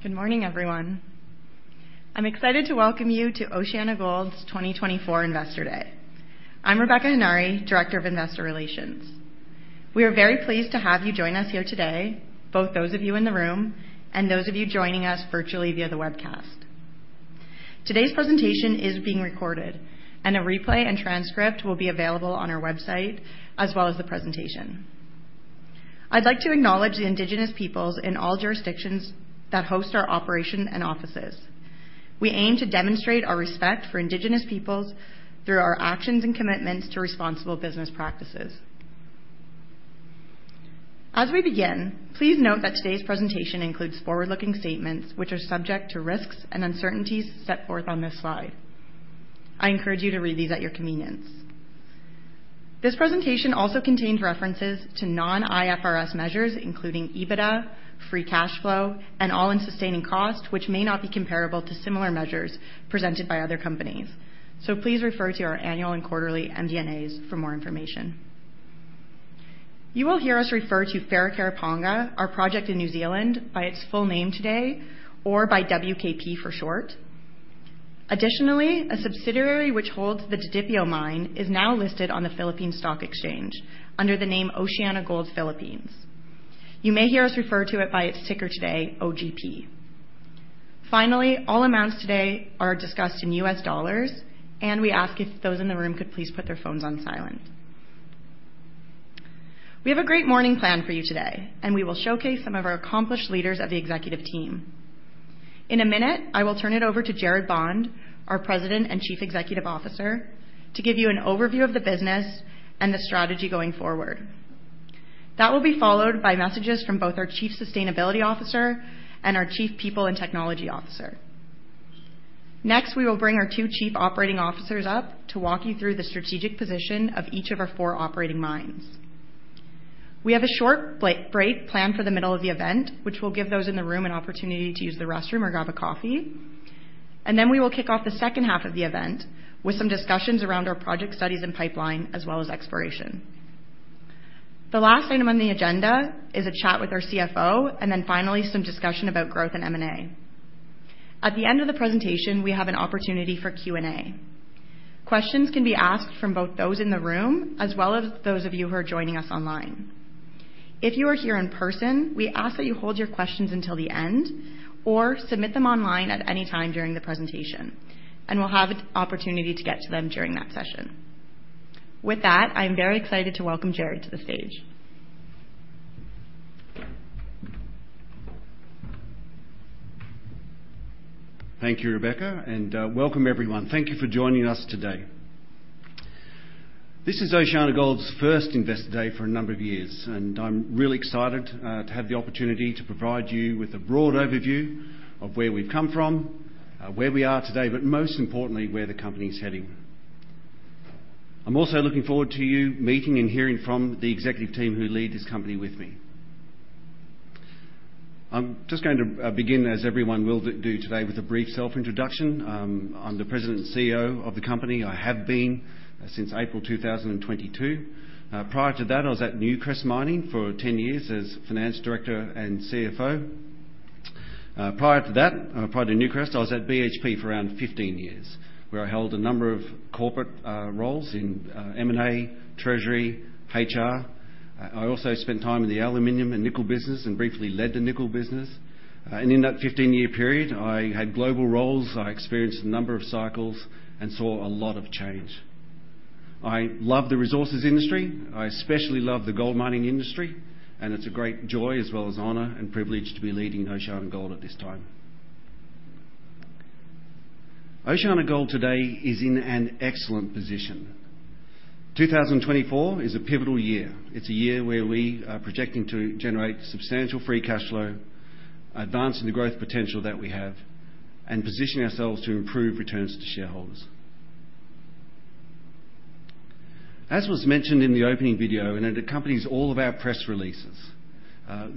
Good morning, everyone. I'm excited to welcome you to OceanaGold's 2024 Investor Day. I'm Rebecca Henare, Director of Investor Relations. We are very pleased to have you join us here today, both those of you in the room and those of you joining us virtually via the webcast. Today's presentation is being recorded, and a replay and transcript will be available on our website, as well as the presentation. I'd like to acknowledge the indigenous peoples in all jurisdictions that host our operations and offices. We aim to demonstrate our respect for indigenous peoples through our actions and commitments to responsible business practices. As we begin, please note that today's presentation includes forward-looking statements, which are subject to risks and uncertainties set forth on this slide. I encourage you to read these at your convenience. This presentation also contains references to non-IFRS measures, including EBITDA, free cash flow, and all-in sustaining cost, which may not be comparable to similar measures presented by other companies. Please refer to our annual and quarterly MD&As for more information. You will hear us refer to Wharekirauponga, our project in New Zealand, by its full name today or by WKP for short. Additionally, a subsidiary which holds the Didipio mine is now listed on the Philippine Stock Exchange under the name OceanaGold Philippines. You may hear us refer to it by its ticker today, OGP. Finally, all amounts today are discussed in US dollars, and we ask if those in the room could please put their phones on silent. We have a great morning planned for you today, and we will showcase some of our accomplished leaders of the executive team. In a minute, I will turn it over to Gerard Bond, our President and Chief Executive Officer, to give you an overview of the business and the strategy going forward. That will be followed by messages from both our Chief Sustainability Officer and our Chief People and Technology Officer. Next, we will bring our two Chief Operating Officers up to walk you through the strategic position of each of our four operating mines. We have a short break planned for the middle of the event, which will give those in the room an opportunity to use the restroom or grab a coffee. Then we will kick off the second half of the event with some discussions around our project studies and pipeline, as well as exploration. The last item on the agenda is a chat with our CFO, and then finally some discussion about growth and M&A. At the end of the presentation, we have an opportunity for Q&A. Questions can be asked from both those in the room as well as those of you who are joining us online. If you are here in person, we ask that you hold your questions until the end or submit them online at any time during the presentation, and we'll have an opportunity to get to them during that session. With that, I'm very excited to welcome Gerard to the stage. Thank you, Rebecca, and welcome everyone. Thank you for joining us today. This is OceanaGold's first Investor Day for a number of years, and I'm really excited to have the opportunity to provide you with a broad overview of where we've come from, where we are today, but most importantly, where the company's heading. I'm also looking forward to you meeting and hearing from the executive team who lead this company with me. I'm just going to begin, as everyone will do today, with a brief self-introduction. I'm the President and CEO of the company. I have been since April 2022. Prior to that, I was at Newcrest Mining for 10 years as Finance Director and CFO. Prior to that, prior to Newcrest, I was at BHP for around 15 years, where I held a number of corporate roles in M&A, treasury, HR. I also spent time in the aluminum and nickel business and briefly led the nickel business. In that 15-year period, I had global roles. I experienced a number of cycles and saw a lot of change. I love the resources industry. I especially love the gold mining industry, and it's a great joy as well as honor and privilege to be leading OceanaGold at this time. OceanaGold today is in an excellent position. 2024 is a pivotal year. It's a year where we are projecting to generate substantial free cash flow, advance the growth potential that we have, and position ourselves to improve returns to shareholders. As was mentioned in the opening video, it accompanies all of our press releases,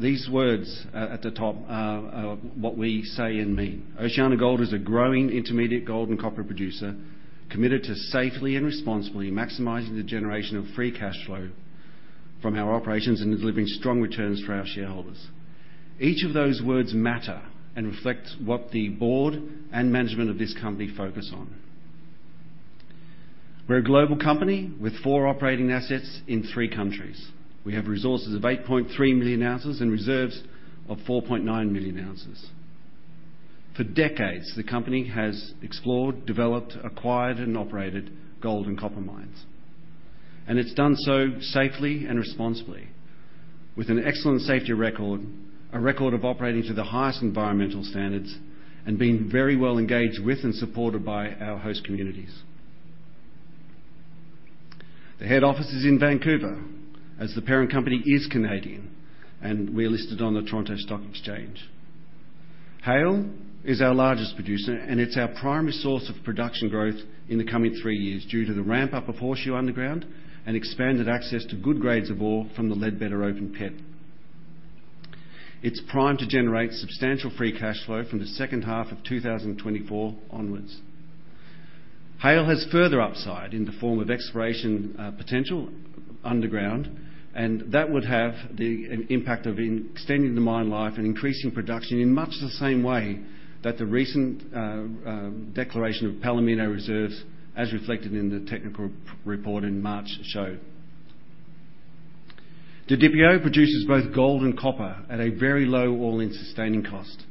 these words at the top are what we say and mean, "OceanaGold is a growing intermediate gold and copper producer committed to safely and responsibly maximizing the generation of free cash flow from our operations and delivering strong returns for our shareholders." Each of those words matter and reflects what the board and management of this company focus on. We're a global company with four operating assets in three countries. We have resources of 8.3 million ounces and reserves of 4.9 million ounces. For decades, the company has explored, developed, acquired, and operated gold and copper mines. It's done so safely and responsibly with an excellent safety record, a record of operating to the highest environmental standards, and being very well engaged with and supported by our host communities. The head office is in Vancouver, as the parent company is Canadian, and we're listed on the Toronto Stock Exchange. Haile is our largest producer, and it's our primary source of production growth in the coming three years due to the ramp up of Horseshoe Underground and expanded access to good grades of ore from the Ledbetter open pit. It's primed to generate substantial free cash flow from the second half of 2024 onwards. Haile has further upside in the form of exploration potential underground, and that would have the impact of extending the mine life and increasing production in much the same way that the recent declaration of Palomino reserves, as reflected in the technical report in March, showed. Didipio produces both gold and copper at a very low all-in sustaining cost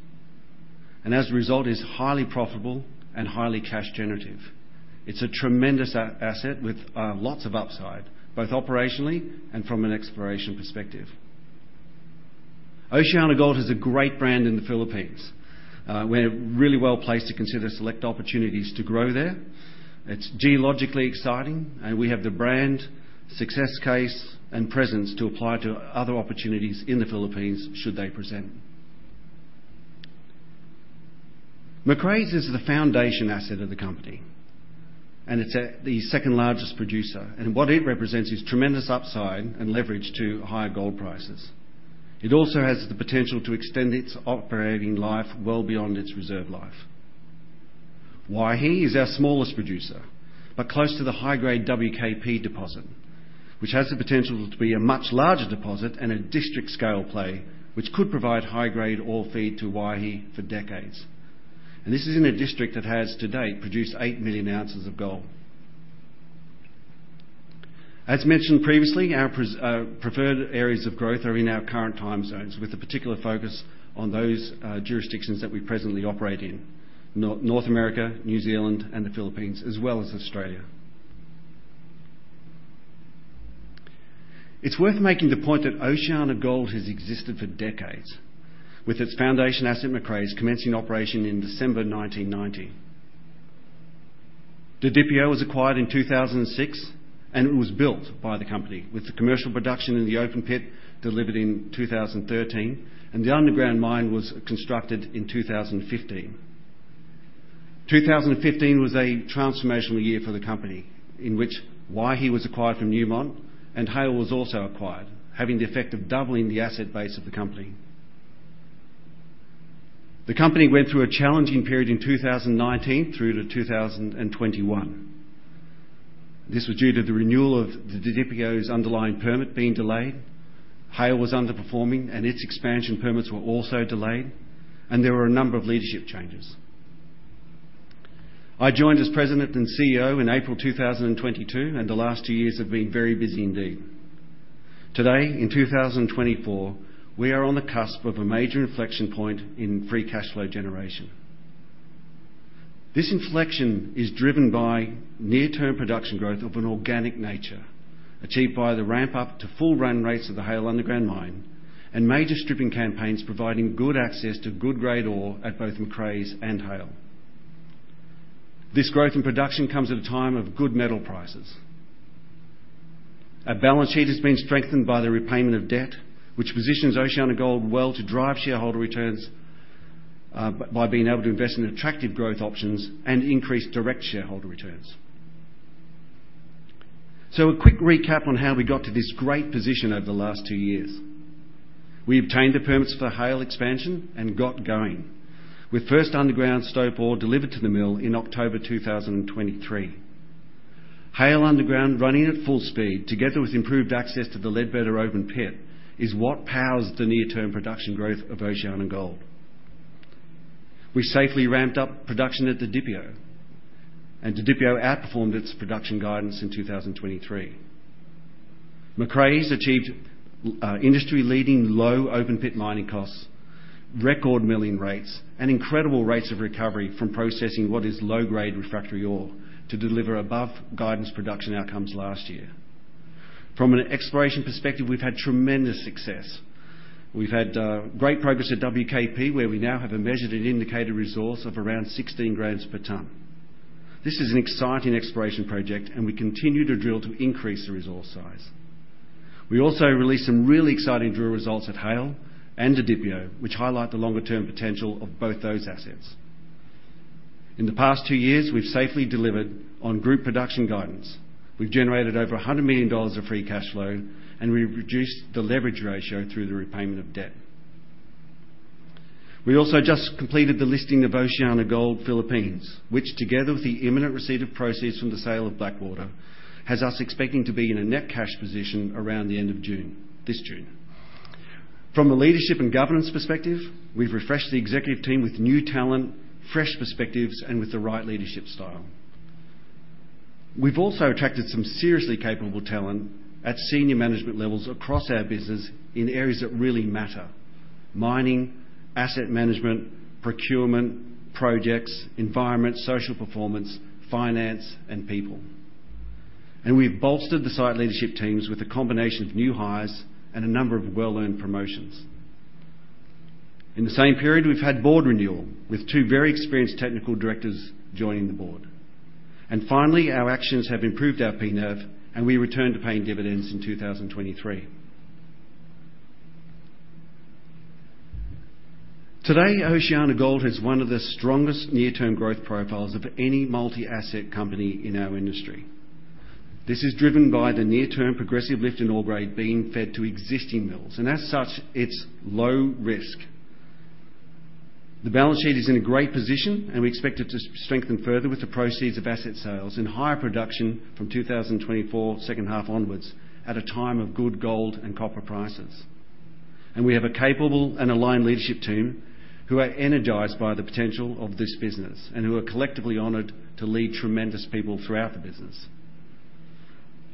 and as a result is highly profitable and highly cash generative. It's a tremendous asset with lots of upside, both operationally and from an exploration perspective. OceanaGold is a great brand in the Philippines. We're really well-placed to consider select opportunities to grow there. It's geologically exciting. We have the brand, success case, and presence to apply to other opportunities in the Philippines should they present. Macraes is the foundation asset of the company. It's our second largest producer. What it represents is tremendous upside and leverage to higher gold prices. It also has the potential to extend its operating life well beyond its reserve life. Waihi is our smallest producer. Close to the high-grade WKP deposit, which has the potential to be a much larger deposit and a district-scale play, which could provide high-grade ore feed to Waihi for decades. This is in a district that has to date produced 8 million ounces of gold. As mentioned previously, our preferred areas of growth are in our current time zones with a particular focus on those jurisdictions that we presently operate in. North America, New Zealand, and the Philippines, as well as Australia. It's worth making the point that OceanaGold has existed for decades, with its foundation asset, Macraes, commencing operation in December 1990. Didipio was acquired in 2006, and it was built by the company, with the commercial production in the open pit delivered in 2013 and the underground mine was constructed in 2015. 2015 was a transformational year for the company, in which Waihi was acquired from Newmont and Haile was also acquired, having the effect of doubling the asset base of the company. The company went through a challenging period in 2019 through to 2021. This was due to the renewal of the Didipio's underlying permit being delayed. Haile was underperforming, and its expansion permits were also delayed, and there were a number of leadership changes. I joined as president and CEO in April 2022, and the last two years have been very busy indeed. Today, in 2024, we are on the cusp of a major inflection point in free cash flow generation. This inflection is driven by near-term production growth of an organic nature, achieved by the ramp up to full run rates of the Haile underground mine and major stripping campaigns providing good access to good grade ore at both Macraes and Haile. This growth in production comes at a time of good metal prices. Our balance sheet has been strengthened by the repayment of debt, which positions OceanaGold well to drive shareholder returns by being able to invest in attractive growth options and increase direct shareholder returns. A quick recap on how we got to this great position over the last two years. We obtained the permits for Haile expansion and got going. With first underground stope ore delivered to the mill in October 2023. Haile underground running at full speed, together with improved access to the Ledbetter open pit, is what powers the near-term production growt`h of OceanaGold. We safely ramped up production at Didipio, and Didipio outperformed its production guidance in 2023. Macraes achieved industry-leading low open pit mining costs, record milling rates, and incredible rates of recovery from processing what is low-grade refractory ore to deliver above-guidance production outcomes last year. From an exploration perspective, we've had tremendous success. We've had great progress at WKP, where we now have a measured and indicated resource of around 16 g/ton. This is an exciting exploration project, and we continue to drill to increase the resource size. We also released some really exciting drill results at Haile and Didipio, which highlight the longer-term potential of both those assets. In the past two years, we've safely delivered on group production guidance. We've generated over $100 million of free cash flow, and we've reduced the leverage ratio through the repayment of debt. We also just completed the listing of OceanaGold Philippines, which together with the imminent receipt of proceeds from the sale of Blackwater, has us expecting to be in a net cash position around the end of June. This June. From a leadership and governance perspective, we've refreshed the executive team with new talent, fresh perspectives, and with the right leadership style. We've also attracted some seriously capable talent at senior management levels across our business in areas that really matter. Mining, asset management, procurement, projects, environment, social performance, finance, and people. We've bolstered the site leadership teams with a combination of new hires and a number of well-earned promotions. In the same period, we've had board renewal, with two very experienced technical directors joining the board. Finally, our actions have improved our P/NAV, and we returned to paying dividends in 2023. Today, OceanaGold has one of the strongest near-term growth profiles of any multi-asset company in our industry. This is driven by the near-term progressive lift in ore grade being fed to existing mills, and as such, it's low risk. The balance sheet is in a great position, and we expect it to strengthen further with the proceeds of asset sales and higher production from 2024, second half onwards, at a time of good gold and copper prices. We have a capable and aligned leadership team who are energized by the potential of this business and who are collectively honored to lead tremendous people throughout the business.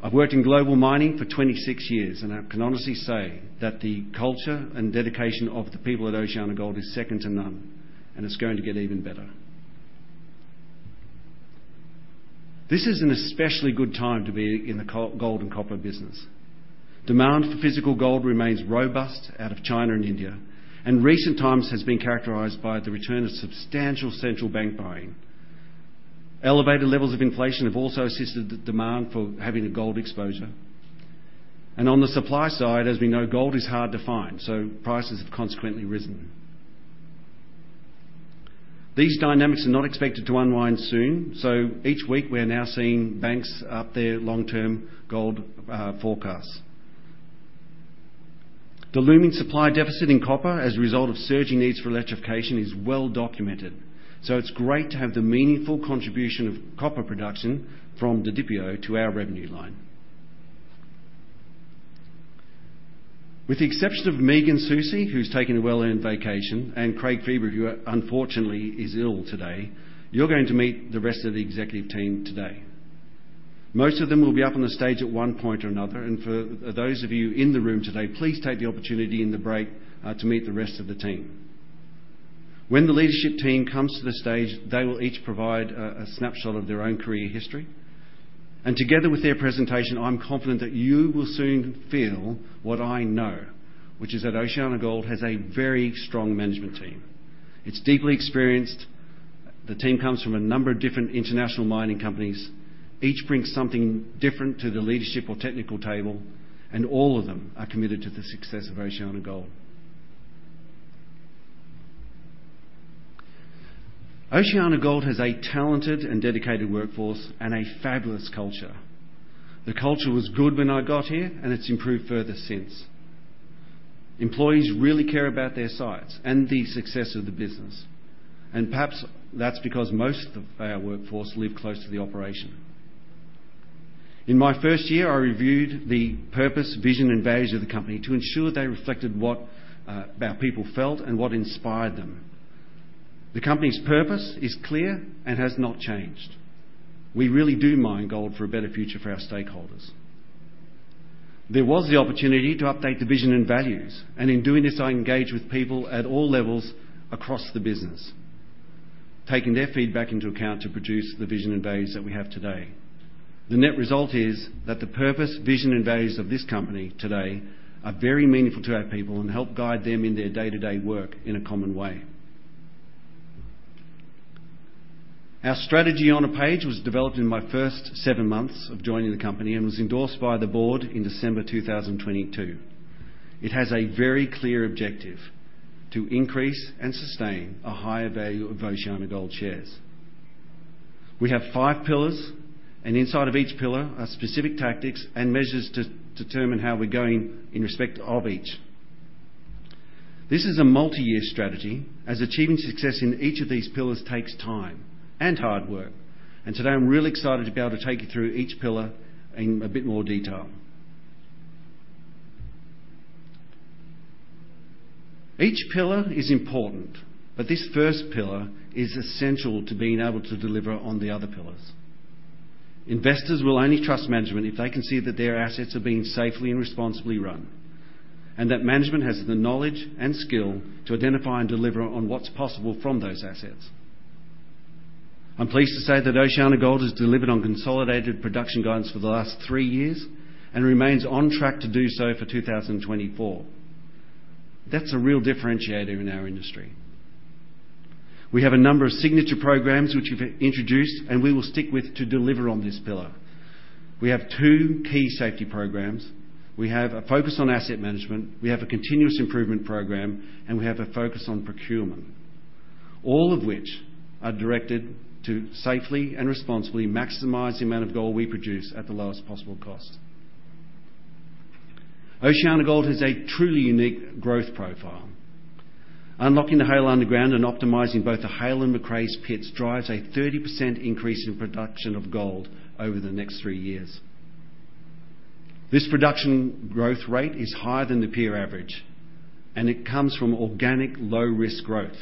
I've worked in global mining for 26 years, and I can honestly say that the culture and dedication of the people at OceanaGold is second to none, and it's going to get even better. This is an especially good time to be in the gold and copper business. Demand for physical gold remains robust out of China and India, and recent times has been characterized by the return of substantial central bank buying. Elevated levels of inflation have also assisted the demand for having a gold exposure. On the supply side, as we know, gold is hard to find, so prices have consequently risen. These dynamics are not expected to unwind soon. Each week, we are now seeing banks up their long-term gold forecasts. The looming supply deficit in copper as a result of surging needs for electrification is well documented. It's great to have the meaningful contribution of copper production from Didipio to our revenue line. With the exception of Megan Saussey, who's taken a well-earned vacation, and Craig Feebrey, who unfortunately is ill today, you're going to meet the rest of the executive team today. Most of them will be up on the stage at one point or another. For those of you in the room today, please take the opportunity in the break to meet the rest of the team. When the leadership team comes to the stage, they will each provide a snapshot of their own career history. Together with their presentation, I'm confident that you will soon feel what I know, which is that OceanaGold has a very strong management team. It's deeply experienced. The team comes from a number of different international mining companies. Each brings something different to the leadership or technical table, and all of them are committed to the success of OceanaGold. OceanaGold has a talented and dedicated workforce and a fabulous culture. The culture was good when I got here, and it's improved further since. Employees really care about their sites and the success of the business. Perhaps that's because most of our workforce live close to the operation. In my first year, I reviewed the purpose, vision, and values of the company to ensure they reflected what our people felt and what inspired them. The company's purpose is clear and has not changed. We really do mine gold for a better future for our stakeholders. In doing this, I engaged with people at all levels across the business, taking their feedback into account to produce the vision and values that we have today. The net result is that the purpose, vision, and values of this company today are very meaningful to our people and help guide them in their day-to-day work in a common way. Our strategy on a page was developed in my first seven months of joining the company and was endorsed by the board in December 2022. It has a very clear objective: to increase and sustain a higher value of OceanaGold shares. We have five pillars. Inside of each pillar are specific tactics and measures to determine how we're going in respect of each. This is a multi-year strategy, as achieving success in each of these pillars takes time and hard work. Today, I'm really excited to be able to take you through each pillar in a bit more detail. Each pillar is important, but this first pillar is essential to being able to deliver on the other pillars. Investors will only trust management if they can see that their assets are being safely and responsibly run, and that management has the knowledge and skill to identify and deliver on what's possible from those assets. I'm pleased to say that OceanaGold has delivered on consolidated production guidance for the last three years and remains on track to do so for 2024. That's a real differentiator in our industry. We have a number of signature programs which we've introduced, and we will stick with to deliver on this pillar. We have two key safety programs. We have a focus on asset management, we have a continuous improvement program, and we have a focus on procurement. All of which are directed to safely and responsibly maximize the amount of gold we produce at the lowest possible cost. OceanaGold has a truly unique growth profile. Unlocking the Haile underground and optimizing both the Haile and Macraes pits drives a 30% increase in production of gold over the next three years. This production growth rate is higher than the peer average, and it comes from organic low-risk growth.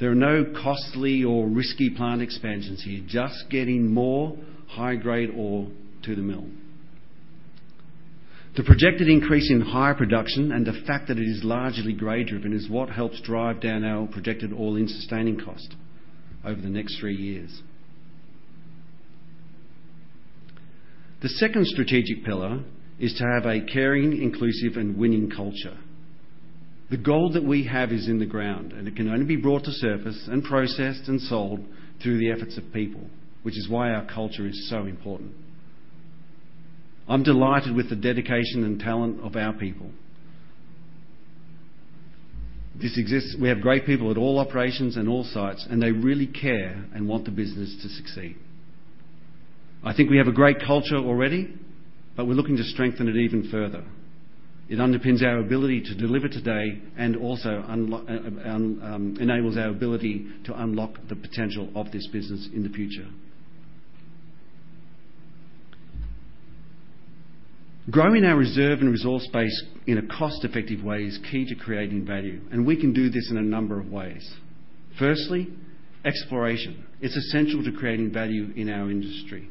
There are no costly or risky plant expansions here, just getting more high-grade ore to the mill. The projected increase in higher production and the fact that it is largely grade-driven is what helps drive down our projected all-in sustaining cost over the next three years. The second strategic pillar is to have a caring, inclusive, and winning culture. The gold that we have is in the ground. It can only be brought to surface and processed and sold through the efforts of people, which is why our culture is so important. I'm delighted with the dedication and talent of our people. We have great people at all operations and all sites. They really care and want the business to succeed. I think we have a great culture already. We're looking to strengthen it even further. It underpins our ability to deliver today and also enables our ability to unlock the potential of this business in the future. Growing our reserve and resource base in a cost-effective way is key to creating value. We can do this in a number of ways. Firstly, exploration. It's essential to creating value in our industry.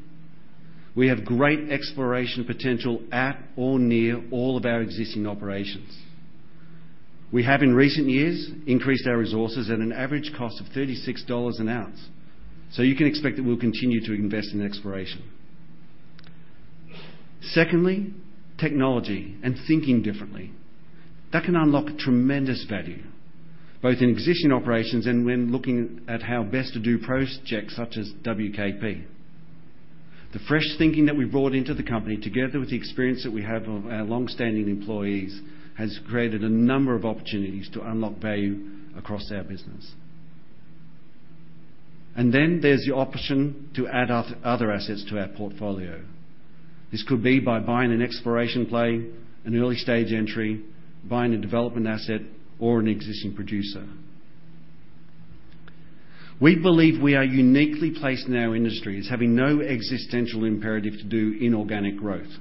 We have great exploration potential at or near all of our existing operations. We have in recent years increased our resources at an average cost of $36 an ounce. Secondly, technology and thinking differently. That can unlock tremendous value both in position operations and when looking at how best to do projects such as WKP. The fresh thinking that we brought into the company, together with the experience that we have of our longstanding employees, has created a number of opportunities to unlock value across our business. There's the option to add other assets to our portfolio. This could be by buying an exploration play, an early-stage entry, buying a development asset, or an existing producer. We believe we are uniquely placed in our industry as having no existential imperative to do inorganic growth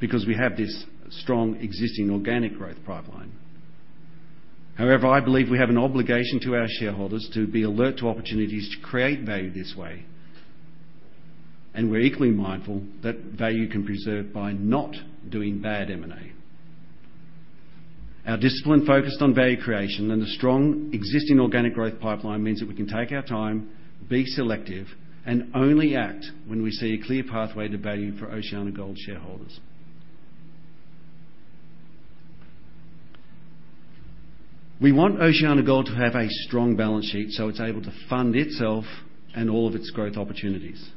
because we have this strong existing organic growth pipeline. I believe we have an obligation to our shareholders to be alert to opportunities to create value this way, and we're equally mindful that value can preserve by not doing bad M&A. Our discipline focused on value creation and the strong existing organic growth pipeline means that we can take our time, be selective, and only act when we see a clear pathway to value for OceanaGold shareholders. We want OceanaGold to have a strong balance sheet so it's able to fund itself and all of its growth opportunities.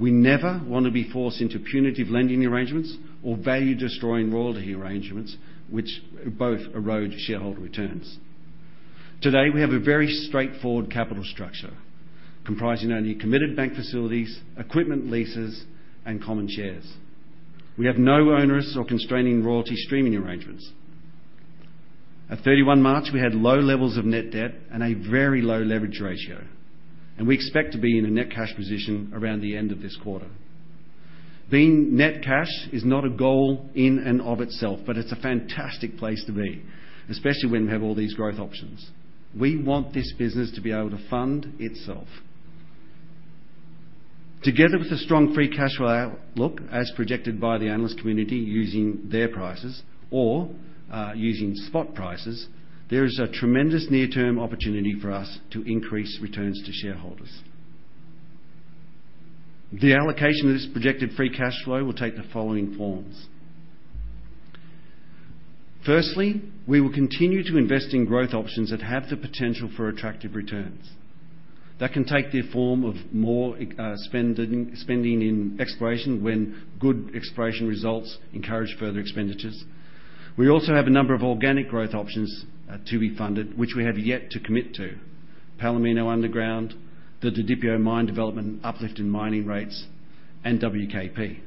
We never want to be forced into punitive lending arrangements or value-destroying royalty arrangements, which both erode shareholder returns. Today, we have a very straightforward capital structure comprising only committed bank facilities, equipment leases, and common shares. We have no onerous or constraining royalty streaming arrangements. At 31 March, we had low levels of net debt and a very low leverage ratio, and we expect to be in a net cash position around the end of this quarter. Being net cash is not a goal in and of itself, but it's a fantastic place to be, especially when we have all these growth options. We want this business to be able to fund itself. Together with a strong free cash flow outlook as projected by the analyst community using their prices or using spot prices, there is a tremendous near-term opportunity for us to increase returns to shareholders. The allocation of this projected free cash flow will take the following forms. Firstly, we will continue to invest in growth options that have the potential for attractive returns. That can take the form of more spending in exploration when good exploration results encourage further expenditures. We also have a number of organic growth options to be funded, which we have yet to commit to. Palomino underground, the Didipio Mine development and uplift in mining rates, and WKP.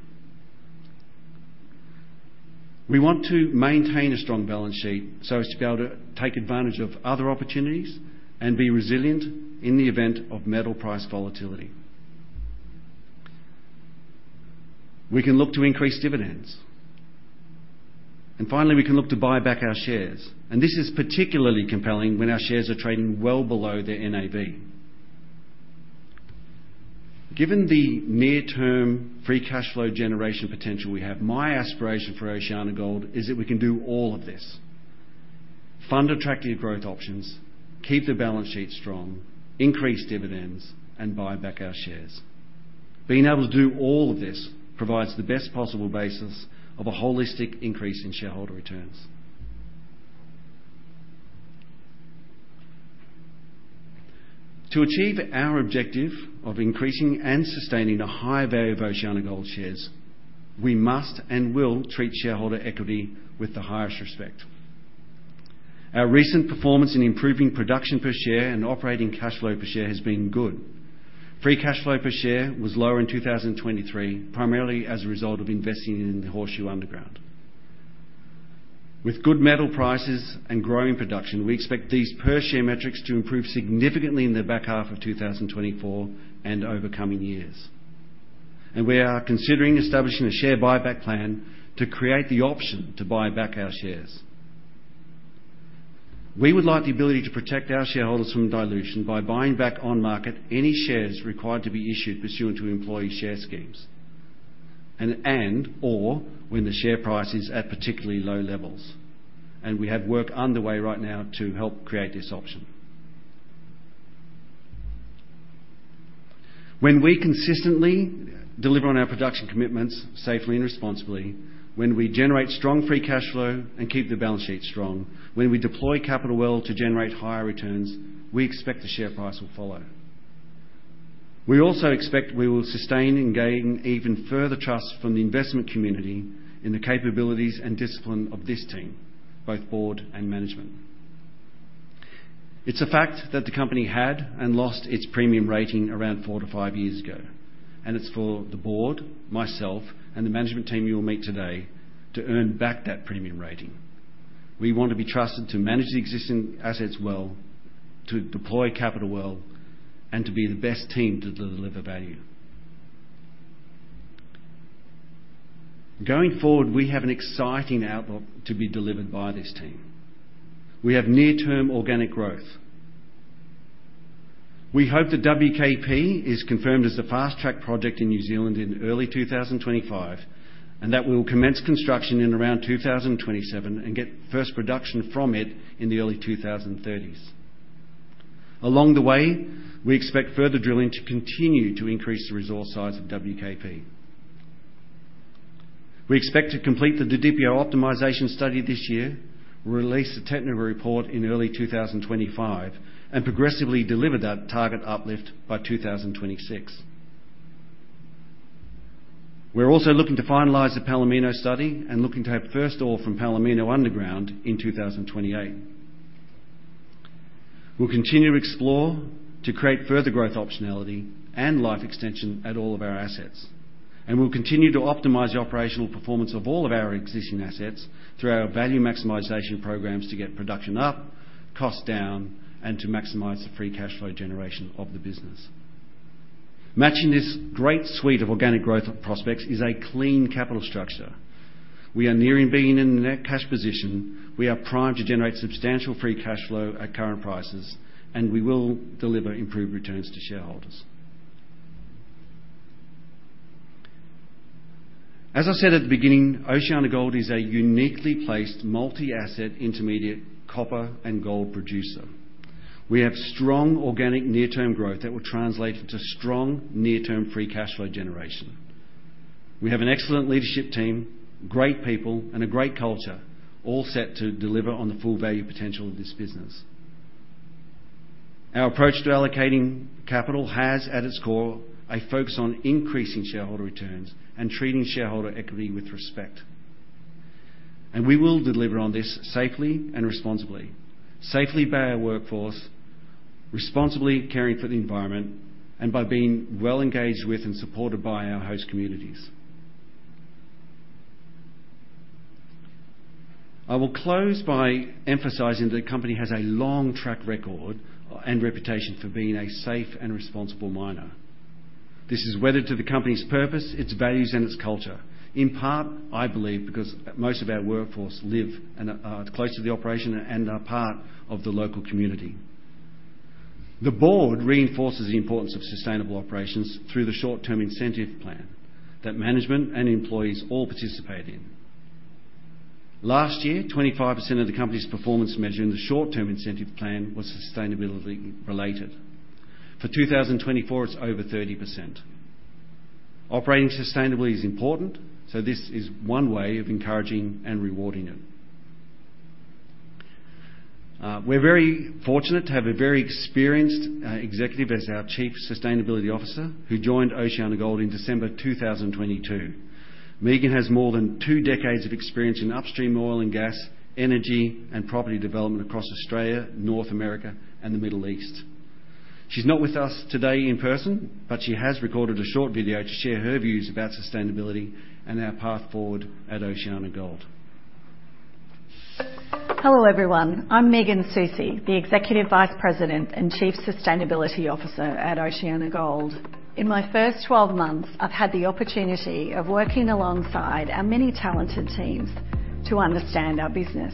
We want to maintain a strong balance sheet so as to be able to take advantage of other opportunities and be resilient in the event of metal price volatility. We can look to increase dividends. Finally, we can look to buy back our shares, and this is particularly compelling when our shares are trading well below their NAV. Given the near-term free cash flow generation potential we have, my aspiration for OceanaGold is that we can do all of this. Fund attractive growth options, keep the balance sheet strong, increase dividends, and buy back our shares. Being able to do all of this provides the best possible basis of a holistic increase in shareholder returns. To achieve our objective of increasing and sustaining a higher value of OceanaGold shares, we must and will treat shareholder equity with the highest respect. Our recent performance in improving production per share and operating cash flow per share has been good. Free cash flow per share was lower in 2023, primarily as a result of investing in Horseshoe underground. With good metal prices and growing production, we expect these per share metrics to improve significantly in the back half of 2024 and over coming years. We are considering establishing a share buyback plan to create the option to buy back our shares. We would like the ability to protect our shareholders from dilution by buying back on market any shares required to be issued pursuant to employee share schemes and/or when the share price is at particularly low levels. We have work underway right now to help create this option. When we consistently deliver on our production commitments safely and responsibly, when we generate strong free cash flow and keep the balance sheet strong, when we deploy capital well to generate higher returns, we expect the share price will follow. We also expect we will sustain and gain even further trust from the investment community in the capabilities and discipline of this team, both board and management. It's a fact that the company had and lost its premium rating around four to five years ago, and it's for the board, myself, and the management team you will meet today to earn back that premium rating. We want to be trusted to manage the existing assets well, to deploy capital well, and to be the best team to deliver value. Going forward, we have an exciting outlook to be delivered by this team. We have near-term organic growth. We hope that WKP is confirmed as a fast-track project in New Zealand in early 2025, and that we will commence construction in around 2027 and get first production from it in the early 2030s. Along the way, we expect further drilling to continue to increase the resource size of WKP. We expect to complete the Didipio optimization study this year. We'll release the technical report in early 2025 and progressively deliver that target uplift by 2026. We're also looking to finalize the Palomino study and looking to have first ore from Palomino underground in 2028. We'll continue to explore to create further growth optionality and life extension at all of our assets, and we'll continue to optimize the operational performance of all of our existing assets through our value maximization programs to get production up, cost down, and to maximize the free cash flow generation of the business. Matching this great suite of organic growth prospects is a clean capital structure. We are nearing being in the net cash position. We are primed to generate substantial free cash flow at current prices, and we will deliver improved returns to shareholders. As I said at the beginning, OceanaGold is a uniquely placed multi-asset intermediate copper and gold producer. We have strong organic near-term growth that will translate into strong near-term free cash flow generation. We have an excellent leadership team, great people, and a great culture, all set to deliver on the full value potential of this business. Our approach to allocating capital has, at its core, a focus on increasing shareholder returns and treating shareholder equity with respect. We will deliver on this safely and responsibly, safely by our workforce, responsibly caring for the environment, and by being well engaged with and supported by our host communities. I will close by emphasizing the company has a long track record and reputation for being a safe and responsible miner. This is wedded to the company's purpose, its values, and its culture. In part, I believe because most of our workforce live close to the operation and are part of the local community. The board reinforces the importance of sustainable operations through the short-term incentive plan that management and employees all participate in. Last year, 25% of the company's performance measure in the short-term incentive plan was sustainability-related. For 2024, it's over 30%. Operating sustainably is important. This is one way of encouraging and rewarding it. We're very fortunate to have a very experienced executive as our Chief Sustainability Officer who joined OceanaGold in December 2022. Megan has more than two decades of experience in upstream oil and gas, energy, and property development across Australia, North America, and the Middle East. She's not with us today in person, but she has recorded a short video to share her views about sustainability and our path forward at OceanaGold. Hello, everyone. I'm Megan Saussey, the Executive Vice President and Chief Sustainability Officer at OceanaGold. In my first 12 months, I've had the opportunity of working alongside our many talented teams to understand our business.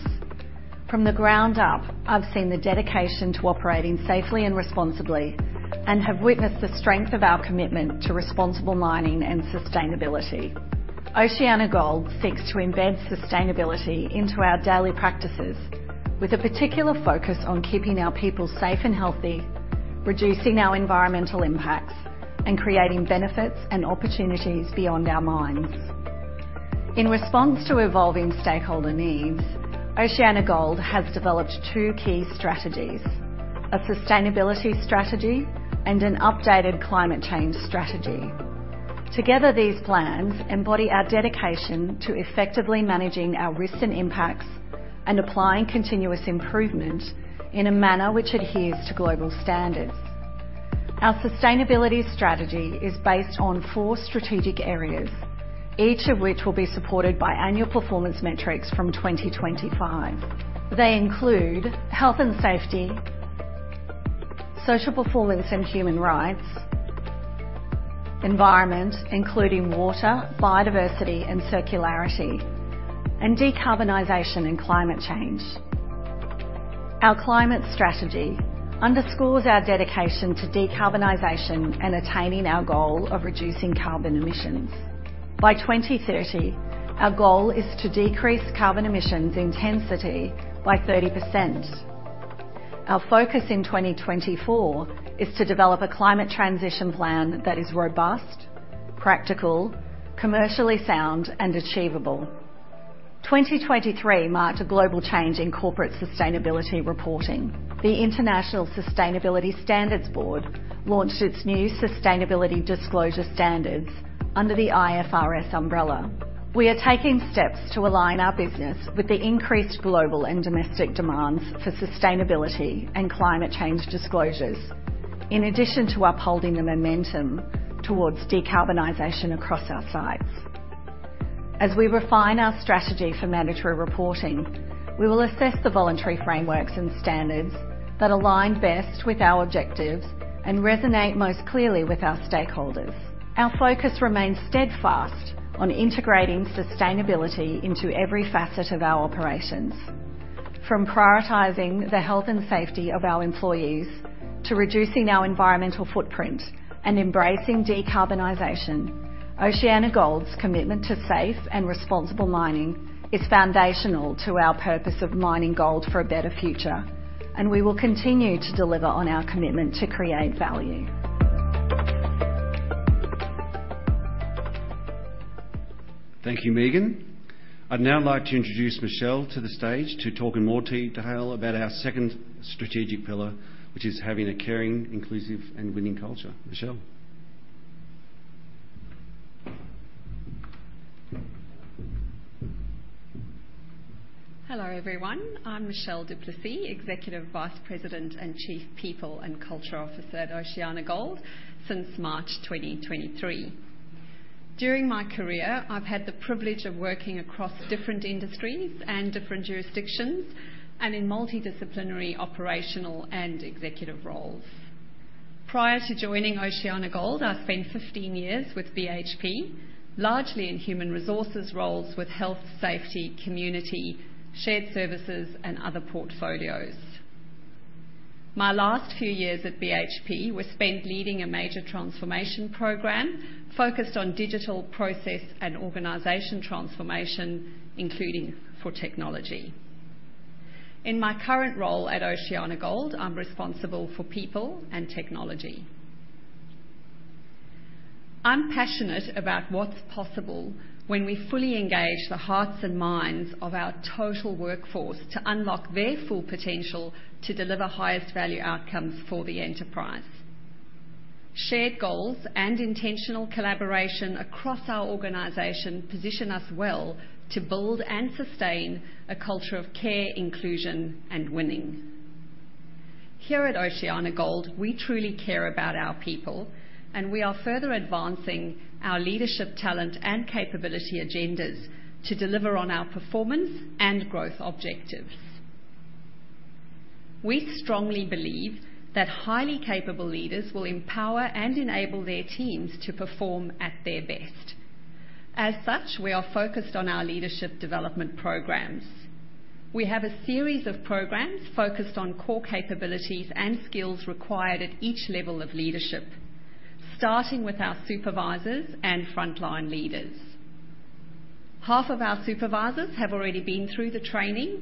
From the ground up, I've seen the dedication to operating safely and responsibly and have witnessed the strength of our commitment to responsible mining and sustainability. OceanaGold seeks to embed sustainability into our daily practices with a particular focus on keeping our people safe and healthy, reducing our environmental impacts, and creating benefits and opportunities beyond our mines. In response to evolving stakeholder needs, OceanaGold has developed two key strategies, a sustainability strategy and an updated climate change strategy. Together, these plans embody our dedication to effectively managing our risks and impacts and applying continuous improvement in a manner which adheres to global standards. Our sustainability strategy is based on four strategic areas, each of which will be supported by annual performance metrics from 2025. They include health and safety, social performance and human rights, environment, including water, biodiversity, and circularity, and decarbonization and climate change. Our climate strategy underscores our dedication to decarbonization and attaining our goal of reducing carbon emissions. By 2030, our goal is to decrease carbon emissions intensity by 30%. Our focus in 2024 is to develop a climate transition plan that is robust, practical, commercially sound, and achievable. 2023 marked a global change in corporate sustainability reporting. The International Sustainability Standards Board launched its new sustainability disclosure standards under the IFRS umbrella. We are taking steps to align our business with the increased global and domestic demands for sustainability and climate change disclosures. In addition to upholding the momentum towards decarbonization across our sites. As we refine our strategy for mandatory reporting, we will assess the voluntary frameworks and standards that align best with our objectives and resonate most clearly with our stakeholders. Our focus remains steadfast on integrating sustainability into every facet of our operations. From prioritizing the health and safety of our employees, to reducing our environmental footprint and embracing decarbonization. OceanaGold's commitment to safe and responsible mining is foundational to our purpose of mining gold for a better future, and we will continue to deliver on our commitment to create value. Thank you, Megan. I'd now like to introduce Michelle to the stage to talk in more detail about our second strategic pillar, which is having a caring, inclusive, and winning culture. Michelle. Hello, everyone. I'm Michelle Du Plessis, Executive Vice President and Chief People and Technology Officer at OceanaGold since March 2023. During my career, I've had the privilege of working across different industries and different jurisdictions, and in multidisciplinary, operational, and executive roles. Prior to joining OceanaGold, I spent 15 years with BHP, largely in human resources roles with health, safety, community, shared services, and other portfolios. My last few years at BHP were spent leading a major transformation program focused on digital process and organization transformation, including for technology. In my current role at OceanaGold, I'm responsible for people and technology. I'm passionate about what's possible when we fully engage the hearts and minds of our total workforce to unlock their full potential to deliver highest value outcomes for the enterprise. Shared goals and intentional collaboration across our organization position us well to build and sustain a culture of care, inclusion, and winning. Here at OceanaGold, we truly care about our people, and we are further advancing our leadership talent and capability agendas to deliver on our performance and growth objectives. We strongly believe that highly capable leaders will empower and enable their teams to perform at their best. As such, we are focused on our leadership development programs. We have a series of programs focused on core capabilities and skills required at each level of leadership, starting with our supervisors and frontline leaders. Half of our supervisors have already been through the training,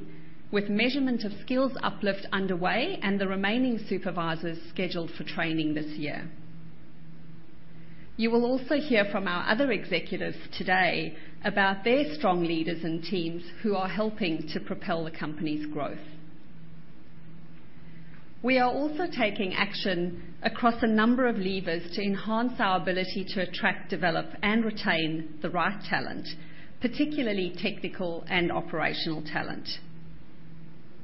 with measurement of skills uplift underway and the remaining supervisors scheduled for training this year. You will also hear from our other executives today about their strong leaders and teams who are helping to propel the company's growth. We are also taking action across a number of levers to enhance our ability to attract, develop, and retain the right talent, particularly technical and operational talent.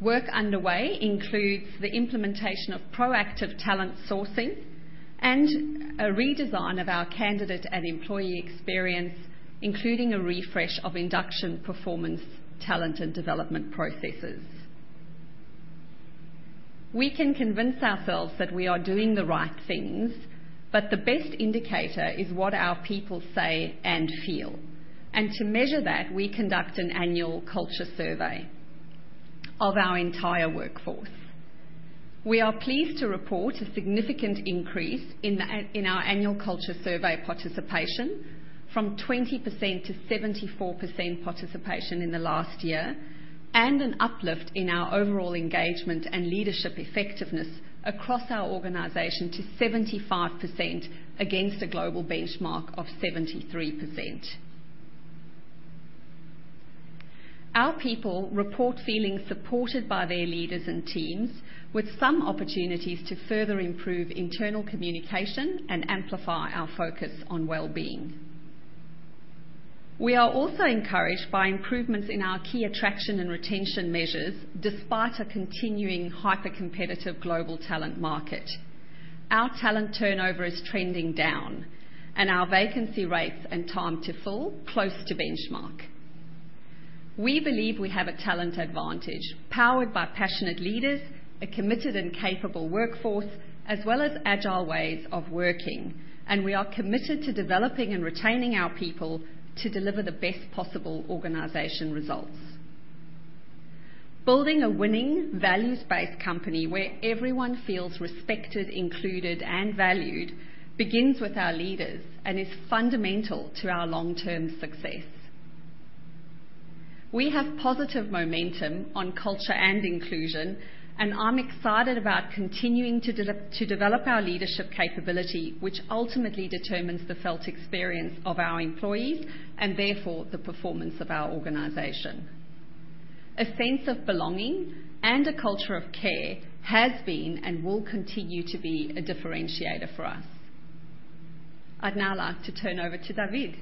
Work underway includes the implementation of proactive talent sourcing and a redesign of our candidate and employee experience, including a refresh of induction performance talent and development processes. We can convince ourselves that we are doing the right things, but the best indicator is what our people say and feel. To measure that, we conduct an annual culture survey of our entire workforce. We are pleased to report a significant increase in our annual culture survey participation from 20% to 74% participation in the last year, and an uplift in our overall engagement and leadership effectiveness across our organization to 75% against a global benchmark of 73%. Our people report feeling supported by their leaders and teams with some opportunities to further improve internal communication and amplify our focus on wellbeing. We are also encouraged by improvements in our key attraction and retention measures despite a continuing hyper-competitive global talent market. Our talent turnover is trending down and our vacancy rates and time to fill close to benchmark. We believe we have a talent advantage powered by passionate leaders, a committed and capable workforce, as well as agile ways of working, and we are committed to developing and retaining our people to deliver the best possible organization results. Building a winning values-based company where everyone feels respected, included, and valued begins with our leaders and is fundamental to our long-term success. We have positive momentum on culture and inclusion, and I'm excited about continuing to develop our leadership capability, which ultimately determines the felt experience of our employees and therefore the performance of our organization. A sense of belonging and a culture of care has been and will continue to be a differentiator for us. I'd now like to turn over to David.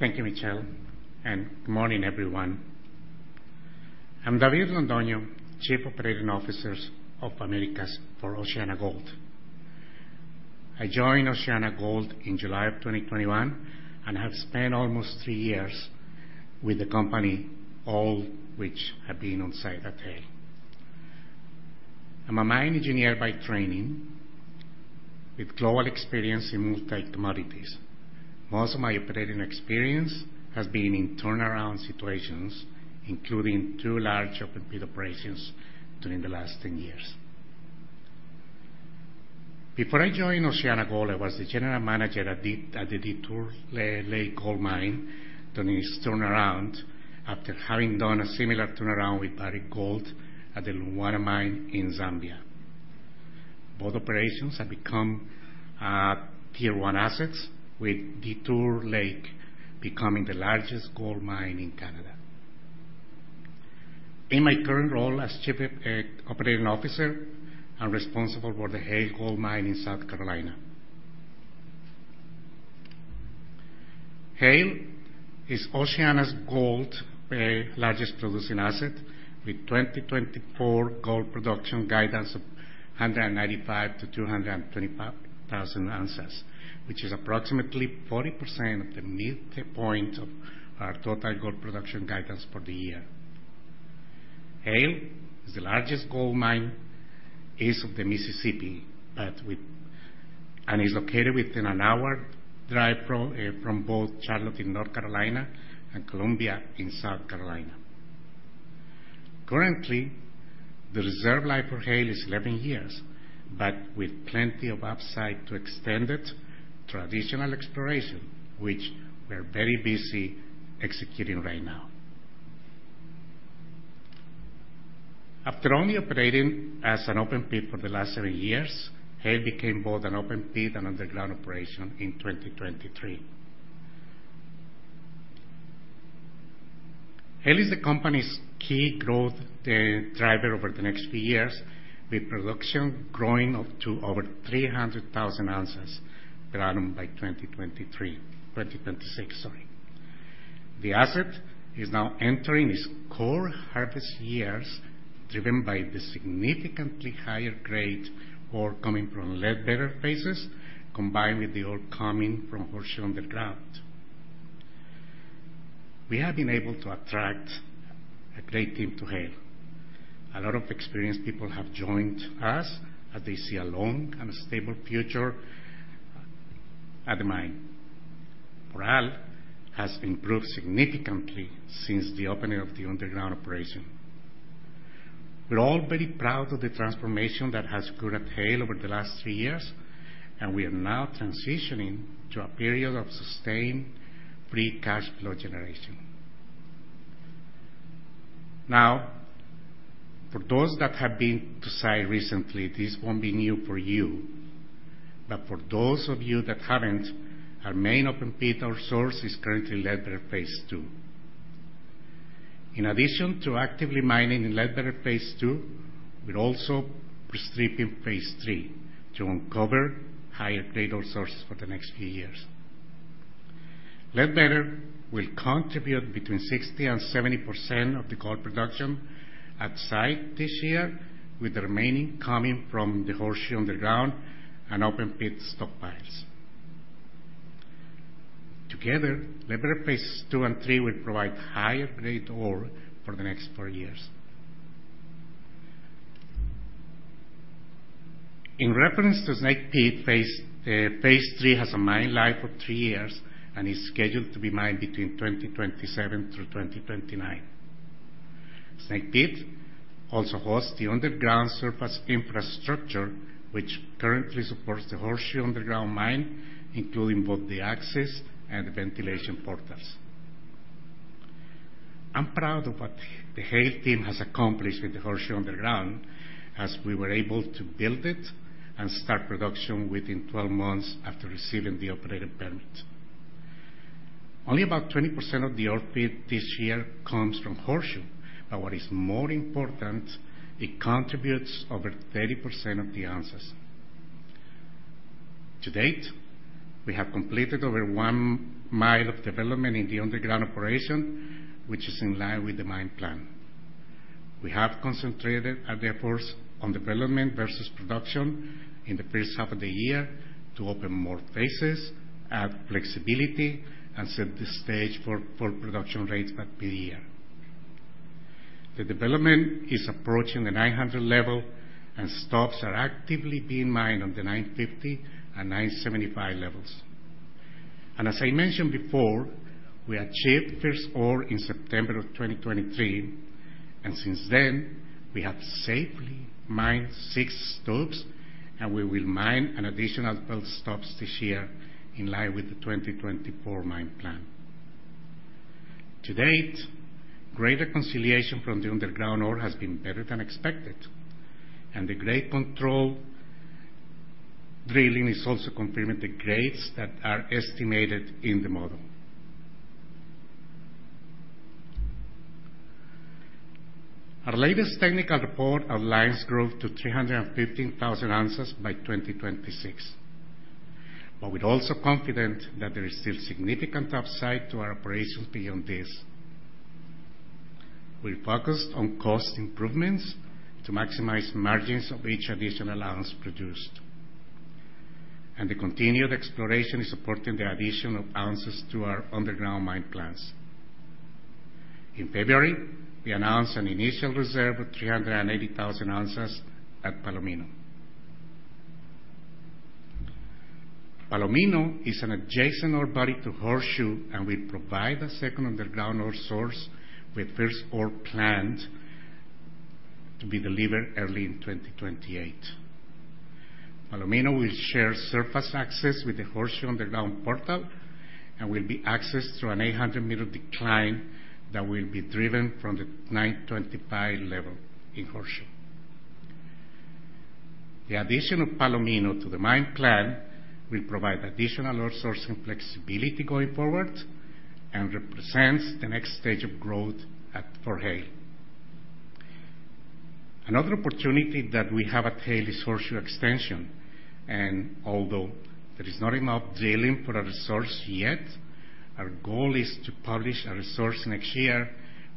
Thank you, Michelle. Good morning, everyone. I'm David Londono, Chief Operating Officer of Americas for OceanaGold. I joined OceanaGold in July of 2021 and have spent almost three years with the company, all which have been on site at Haile. I'm a mine engineer by training with global experience in multi commodities. Most of my operating experience has been in turnaround situations, including two large open pit operations during the last ten years. Before joining OceanaGold, I was the General Manager at the Detour Lake gold mine, doing its turnaround after having done a similar turnaround with Barrick Gold at the Luanshya mine in Zambia. Both operations have become Tier 1 assets, with Detour Lake becoming the largest gold mine in Canada. In my current role as Chief Operating Officer, I'm responsible for the Haile gold mine in South Carolina. Haile is OceanaGold's largest producing asset, with 2024 gold production guidance of 195,000 oz-225,000 oz, which is approximately 40% of the midpoint of our total gold production guidance for the year. Haile is the largest gold mine east of the Mississippi and is located within an hour drive from both Charlotte in North Carolina and Columbia in South Carolina. Currently, the reserve life for Haile is 11 years, with plenty of upside to extended traditional exploration, which we're very busy executing right now. After only operating as an open pit for the last several years, Haile became both an open pit and underground operation in 2023. Haile is the company's key growth driver over the next few years, with production growing up to over 300,000 oz per annum by 2026. The asset is now entering its core harvest years, driven by the significantly higher-grade ore coming from Ledbetter phases, combined with the ore coming from Horseshoe underground. We have been able to attract a great team to Haile. A lot of experienced people have joined us as they see a long and stable future at the mine. Morale has improved significantly since the opening of the underground operation. We're all very proud of the transformation that has occurred at Haile over the last three years, and we are now transitioning to a period of sustained free cash flow generation. For those that have been to site recently, this won't be new for you. For those of you that haven't, our main open pit ore source is currently Ledbetter Phase 2. In addition to active mining in Ledbetter Phase 2, we're also pre-stripping Phase 3 to uncover higher-grade ore sources for the next few years. Ledbetter will contribute between 60%-70% of the gold production at site this year, with the remaining coming from the Horseshoe underground and open pit stockpiles. Together, Ledbetter Phases 2 and 3 will provide higher-grade ore for the next four years. In reference to Snake Pit, Phase 3 has a mine life of three years and is scheduled to be mined between 2027-2029. Snake Pit also hosts the underground surface infrastructure, which currently supports the Horseshoe underground mine, including both the access and ventilation portals. I'm proud of what the Haile team has accomplished with the Horseshoe underground, as we were able to build it and start production within 12 months after receiving the operating permit. Only about 20% of the ore pit this year comes from Horseshoe, but what is more important, it contributes over 30% of the ounces. To date, we have completed over one mile of development in the underground operation, which is in line with the mine plan. We have concentrated our efforts on development versus production in the first half of the year to open more phases, add flexibility, and set the stage for production rates at the year. The development is approaching the 900 level, and stopes are actively being mined on the 950 and 975 levels. As I mentioned before, we achieved first ore in September of 2023, and since then, we have safely mined six stopes, and we will mine an additional 12 stopes this year in line with the 2024 mine plan. To date, grade reconciliation from the underground ore has been better than expected, and the grade control drilling is also confirming the grades that are estimated in the model. Our latest technical report outlines growth to 315,000 oz by 2026. We're also confident that there is still significant upside to our operations beyond this. We're focused on cost improvements to maximize margins of each additional ounce produced. The continued exploration is supporting the addition of ounces to our underground mine plans. In February, we announced an initial reserve of 380,000 oz at Palomino. Palomino is an adjacent ore body to Horseshoe, and will provide a second underground ore source with first ore planned to be delivered early in 2028. Palomino will share surface access with the Horseshoe underground portal and will be accessed through an 800-metre decline that will be driven from the 925 level in Horseshoe. The addition of Palomino to the mine plan will provide additional ore source and flexibility going forward and represents the next stage of growth at Haile. Another opportunity that we have at Haile is Horseshoe Extension, although there is not enough drilling for a resource yet, our goal is to publish a resource next year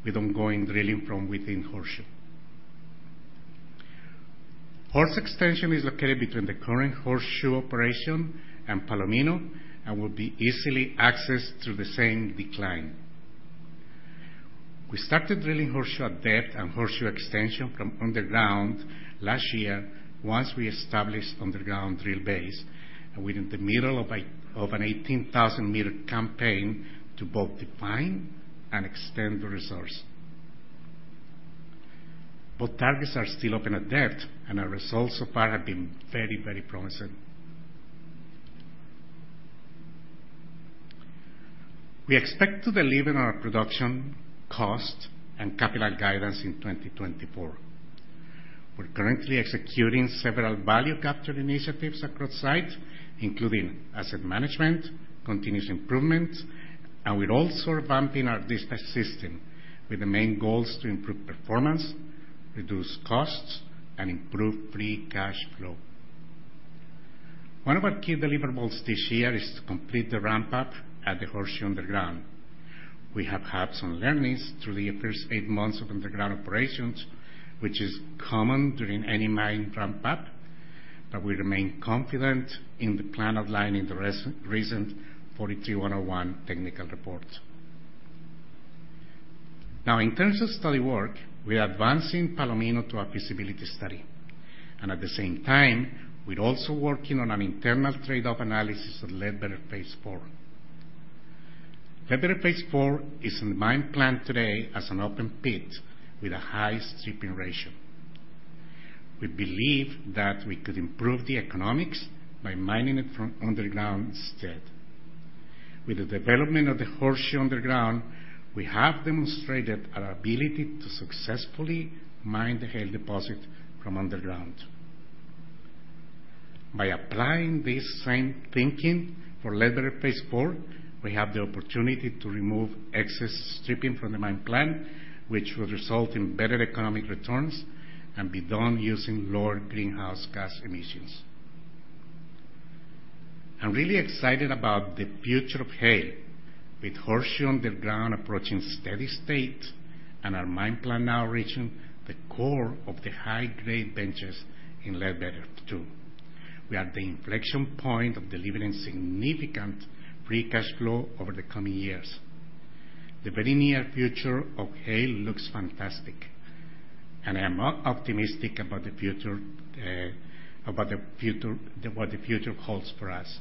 with ongoing drilling from within Horseshoe. Horseshoe Extension is located between the current Horseshoe operation and Palomino and will be easily accessed through the same decline. We started drilling Horseshoe at depth and Horseshoe Extension from underground last year once we established underground drill base and we're in the middle of an 18,000-meter campaign to both define and extend the resource. Both targets are still open at depth, our results so far have been very promising. We expect to deliver on our production, cost, and capital guidance in 2024. We're currently executing several value capture initiatives across site, including asset management, continuous improvement, and we're also revamping our dispatch system with the main goals to improve performance, reduce costs, and improve free cash flow. One of our key deliverables this year is to complete the ramp-up at the Horseshoe underground. We have had some learnings through the first eight months of underground operations, which is common during any mine ramp-up. We remain confident in the plan outlined in the recent 43-101 technical report. Now, in terms of study work, we are advancing Palomino to a feasibility study. At the same time, we're also working on an internal trade-off analysis of Ledbetter Phase 4. Ledbetter Phase 4 is in the mine plan today as an open pit with a high stripping ratio. We believe that we could improve the economics by mining it from underground instead. With the development of the Horseshoe underground, we have demonstrated our ability to successfully mine the Haile deposit from underground. By applying this same thinking for Ledbetter Phase 4, we have the opportunity to remove excess stripping from the mine plan, which will result in better economic returns and be done using lower greenhouse gas emissions. I'm really excited about the future of Haile. With Horseshoe underground approaching steady state and our mine plan now reaching the core of the high-grade benches in Ledbetter 2, we are at the inflection point of delivering significant free cash flow over the coming years. The very near future of Haile looks fantastic. I'm optimistic about what the future holds for us.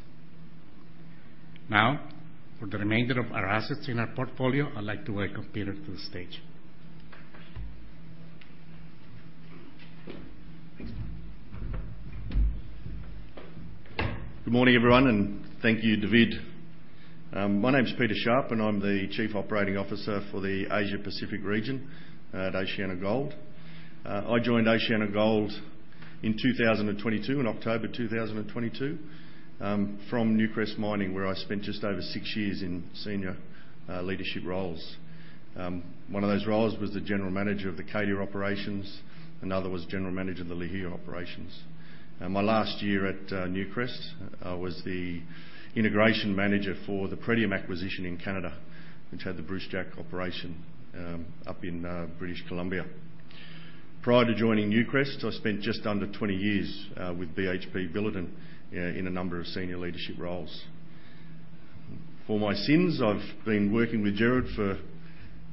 For the remainder of our assets in our portfolio, I'd like to welcome Peter to the stage. Good morning, everyone. Thank you, David. My name is Peter Sharpe, and I'm the Chief Operating Officer for the Asia-Pacific region at OceanaGold. I joined OceanaGold in October 2022 from Newcrest Mining, where I spent just over six years in senior leadership roles. One of those roles was the General Manager of the Cadia Operations. Another was General Manager of the Lihir Operations. In my last year at Newcrest, I was the Integration Manager for the Pretivm acquisition in Canada, which had the Brucejack operation up in British Columbia. Prior to joining Newcrest, I spent just under 20 years with BHP Billiton in a number of senior leadership roles. For my sins, I've been working with Gerard Bond for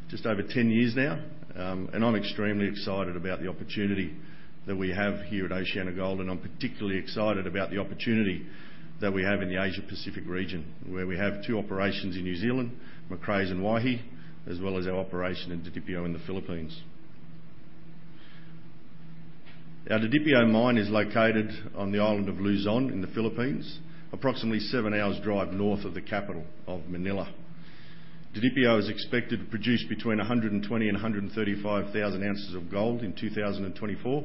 just over 10 years now, and I'm extremely excited about the opportunity that we have here at OceanaGold, and I'm particularly excited about the opportunity that we have in the Asia-Pacific region, where we have two operations in New Zealand, Macraes and Waihi, as well as our operation in Didipio in the Philippines. Our Didipio mine is located on the island of Luzon in the Philippines, approximately seven hours drive north of the capital of Manila. Didipio is expected to produce between 120,000 oz and 135,000 oz of gold in 2024.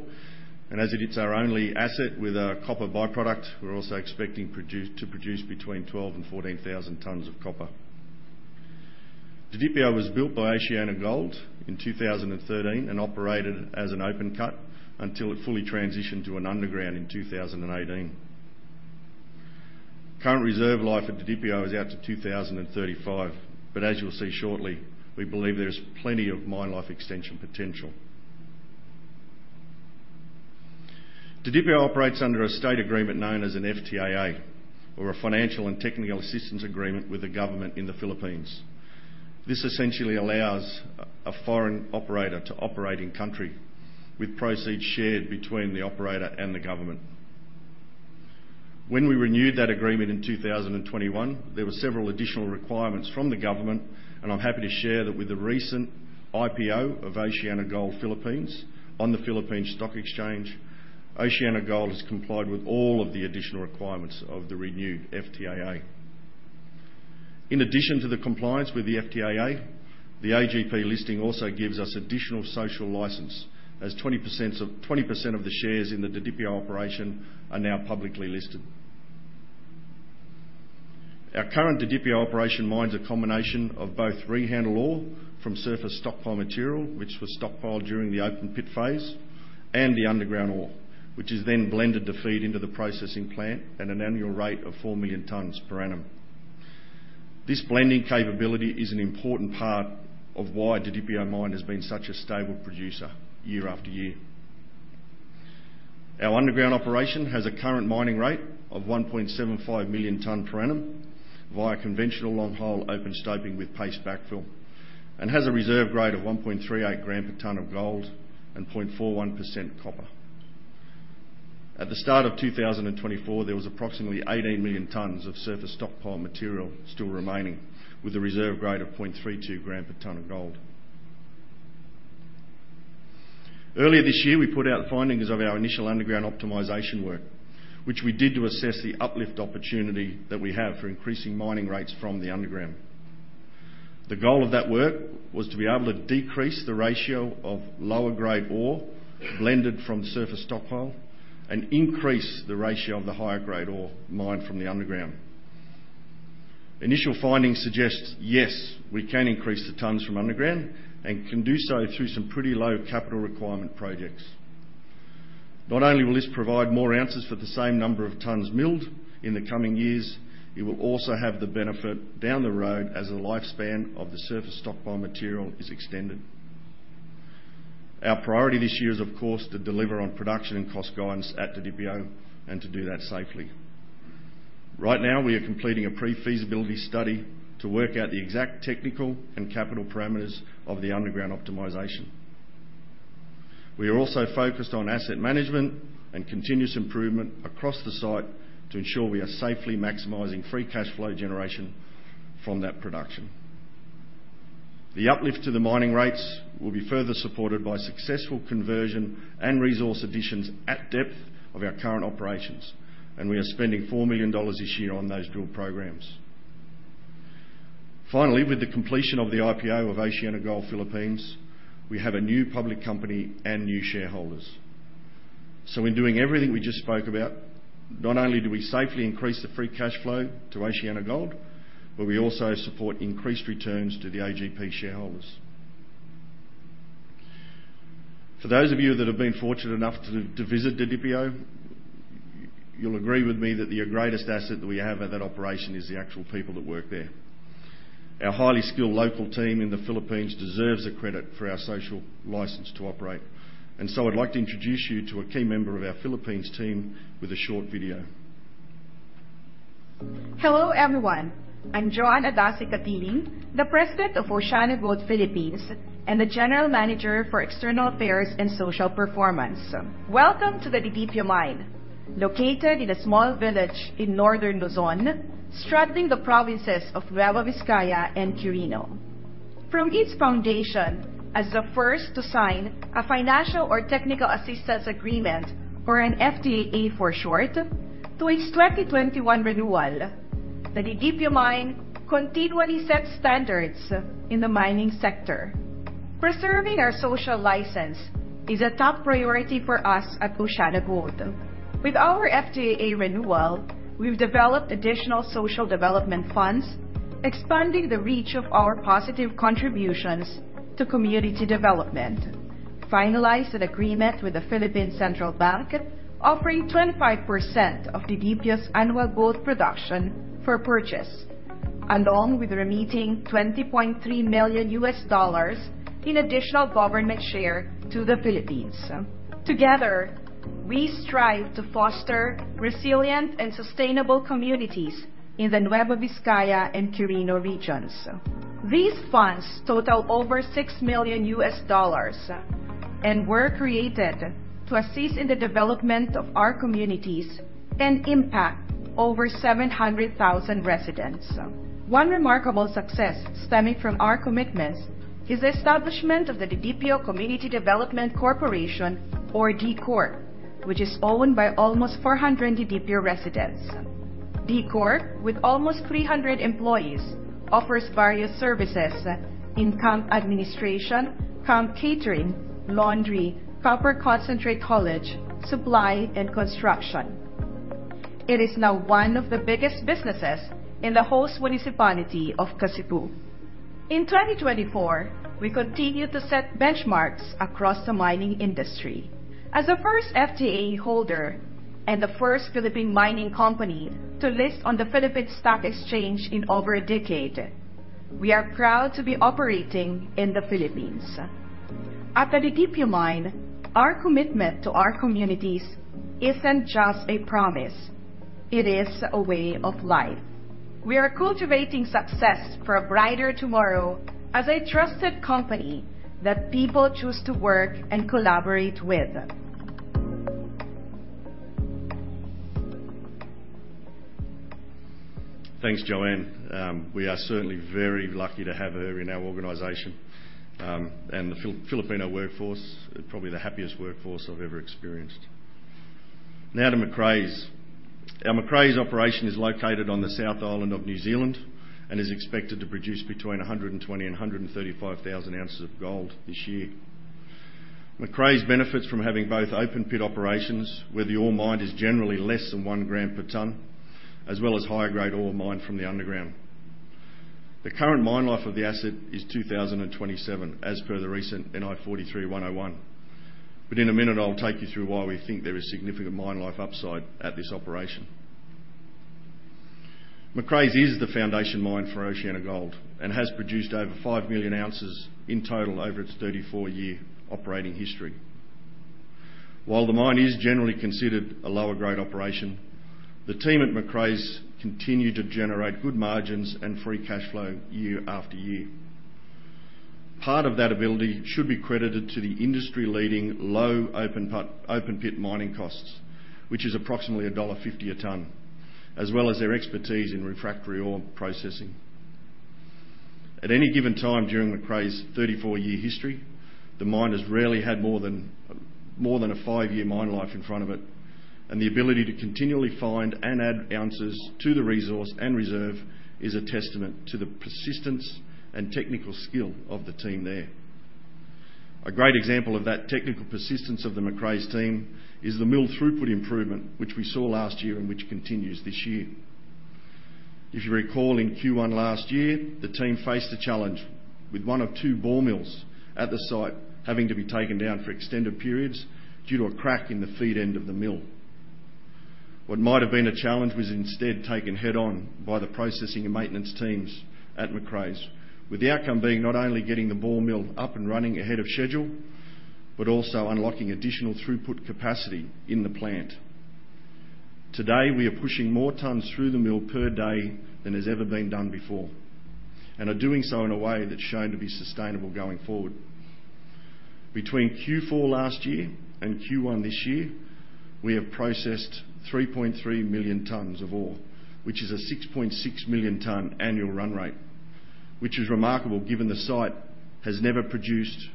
As it is our only asset with a copper by-product, we're also expecting to produce between 12,000 tons and 14,000 tons of copper. Didipio was built by OceanaGold in 2013 and operated as an open pit until it fully transitioned to an underground in 2018. Current reserve life at Didipio is out to 2035. As you'll see shortly, we believe there's plenty of mine life extension potential. Didipio operates under a state agreement known as an FTAA, or a Financial and Technical Assistance Agreement, with the government in the Philippines. This essentially allows a foreign operator to operate in-country, with proceeds shared between the operator and the government. When we renewed that agreement in 2021, there were several additional requirements from the government, and I'm happy to share that with the recent IPO of OceanaGold Philippines on the Philippine Stock Exchange, OceanaGold has complied with all of the additional requirements of the renewed FTAA. In addition to the compliance with the FTAA, the OGP listing also gives us additional social license as 20% of the shares in the Didipio operation are now publicly listed. Our current Didipio operation mines a combination of both rehandle ore from surface stockpile material, which was stockpiled during the open pit phase, and the underground ore, which is then blended to feed into the processing plant at an annual rate of 4 million tons per annum. This blending capability is an important part of why Didipio Mine has been such a stable producer year after year. Our underground operation has a current mining rate of 1.75 million tons per annum via conventional long hole open stoping with paste backfill and has a reserve grade of 1.38 g/ton of gold and 0.41% copper. At the start of 2024, there was approximately 18 million tons of surface stockpile material still remaining with a reserve grade of 0.32 g/ton of gold. Earlier this year, we put out findings of our initial underground optimization work, which we did to assess the uplift opportunity that we have for increasing mining rates from the underground. The goal of that work was to be able to decrease the ratio of lower grade ore blended from surface stockpile and increase the ratio of the higher grade ore mined from the underground. Initial findings suggest, yes, we can increase the tons from underground and can do so through some pretty low capital requirement projects. Not only will this provide more ounces for the same number of tons milled in the coming years, it will also have the benefit down the road as the lifespan of the surface stockpile material is extended. Our priority this year is, of course, to deliver on production and cost guidance at Didipio and to do that safely. Right now, we are completing a pre-feasibility study to work out the exact technical and capital parameters of the underground optimization. We are also focused on asset management and continuous improvement across the site to ensure we are safely maximizing free cash flow generation from that production. The uplift to the mining rates will be further supported by successful conversion and resource additions at depth of our current operations, and we are spending $4 million this year on those drill programs. Finally, with the completion of the IPO of OceanaGold Philippines, we have a new public company and new shareholders. In doing everything we just spoke about, not only do we safely increase the free cash flow to OceanaGold, but we also support increased returns to the OGP shareholders. For those of you that have been fortunate enough to visit Didipio, you'll agree with me that your greatest asset that we have at that operation is the actual people that work there. Our highly skilled local team in the Philippines deserves the credit for our social license to operate. I'd like to introduce you to a key member of our Philippines team with a short video. Hello, everyone. I'm Joan Adaci-Cattiling, the President of OceanaGold Philippines and the General Manager for External Affairs and Social Performance. Welcome to the Didipio Mine, located in a small village in northern Luzon, straddling the provinces of Nueva Vizcaya and Quirino. From its foundation as the first to sign a Financial or Technical Assistance Agreement, or an FTAA for short, to its 2021 renewal, the Didipio Mine continually sets standards in the mining sector. Preserving our social license is a top priority for us at OceanaGold. With our FTAA renewal, we've developed additional social development funds, expanding the reach of our positive contributions to community development. We finalized an agreement with the Philippine Central Bank, offering 25% of Didipio's annual gold production for purchase, along with remitting $20.3 million in additional government share to the Philippines. Together, we strive to foster resilient and sustainable communities in the Nueva Vizcaya and Quirino regions. These funds total over $6 million and were created to assist in the development of our communities and impact over 700,000 residents. One remarkable success stemming from our commitments is the establishment of the Didipio Community Development Corporation, or DiCorp, which is owned by almost 400 Didipio residents. DiCorp, with almost 300 employees, offers various services in camp administration, camp catering, laundry, ccopper concentrate haulage, and construction. It is now one of the biggest businesses in the whole municipality of Kasibu. In 2024, we continue to set benchmarks across the mining industry. As the first FTA holder and the first Philippine mining company to list on the Philippine Stock Exchange in over a decade, we are proud to be operating in the Philippines. At the Didipio mine, our commitment to our communities isn't just a promise, it is a way of life. We are cultivating success for a brighter tomorrow as a trusted company that people choose to work and collaborate with. Thanks, Joan. We are certainly very lucky to have her in our organization. The Filipino workforce are probably the happiest workforce I've ever experienced. Now to Macraes. Our Macraes operation is located on the South Island of New Zealand and is expected to produce between 120,000 oz and 135,000 oz of gold this year. Macraes benefits from having both open pit operations, where the ore mined is generally less than one gram per tonne, as well as high-grade ore mined from the underground. The current mine life of the asset is 2027, as per the recent NI 43-101. In a minute, I'll take you through why we think there is significant mine life upside at this operation. Macraes is the foundation mine for OceanaGold and has produced over 5 million oz in total over its 34-year operating history. While the mine is generally considered a lower-grade operation, the team at Macraes continue to generate good margins and free cash flow year after year. Part of that ability should be credited to the industry-leading low open pit mining costs, which is approximately $1.50 a ton, as well as their expertise in refractory ore processing. At any given time during Macraes' 34-year history, the mine has rarely had more than a five-year mine life in front of it, and the ability to continually find and add ounces to the resource and reserve is a testament to the persistence and technical skill of the team there. A great example of that technical persistence of the Macraes team is the mill throughput improvement, which we saw last year and which continues this year. If you recall, in Q1 last year, the team faced a challenge with one of two ball mills at the site having to be taken down for extended periods due to a crack in the feed end of the mill. What might have been a challenge was instead taken head-on by the processing and maintenance teams at Macraes. With the outcome being not only getting the ball mill up and running ahead of schedule, but also unlocking additional throughput capacity in the plant. Today, we are pushing more tons through the mill per day than has ever been done before, and are doing so in a way that's shown to be sustainable going forward. Between Q4 last year and Q1 this year, we have processed 3.3 million tons of ore, which is a 6.6 million ton annual run rate. Which is remarkable given the site has never produced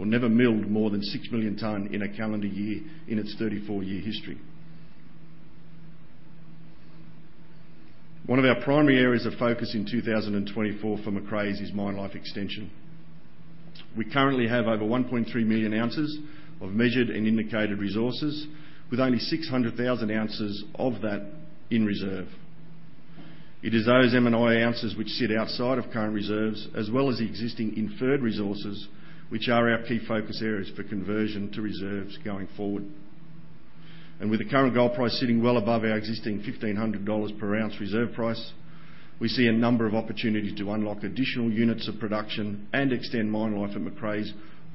or never milled more than 6 million ton in a calendar year in its 34-year history. One of our primary areas of focus in 2024 for Macraes is mine life extension. We currently have over 1.3 million oz of measured and indicated resources, with only 600,000 oz of that in reserve. It is those M&I ounces which sit outside of current reserves, as well as existing inferred resources, which are our key focus areas for conversion to reserves going forward. With the current gold price sitting well above our existing $1,500 per ounce reserve price, we see a number of opportunities to unlock additional units of production and extend mine life at Macraes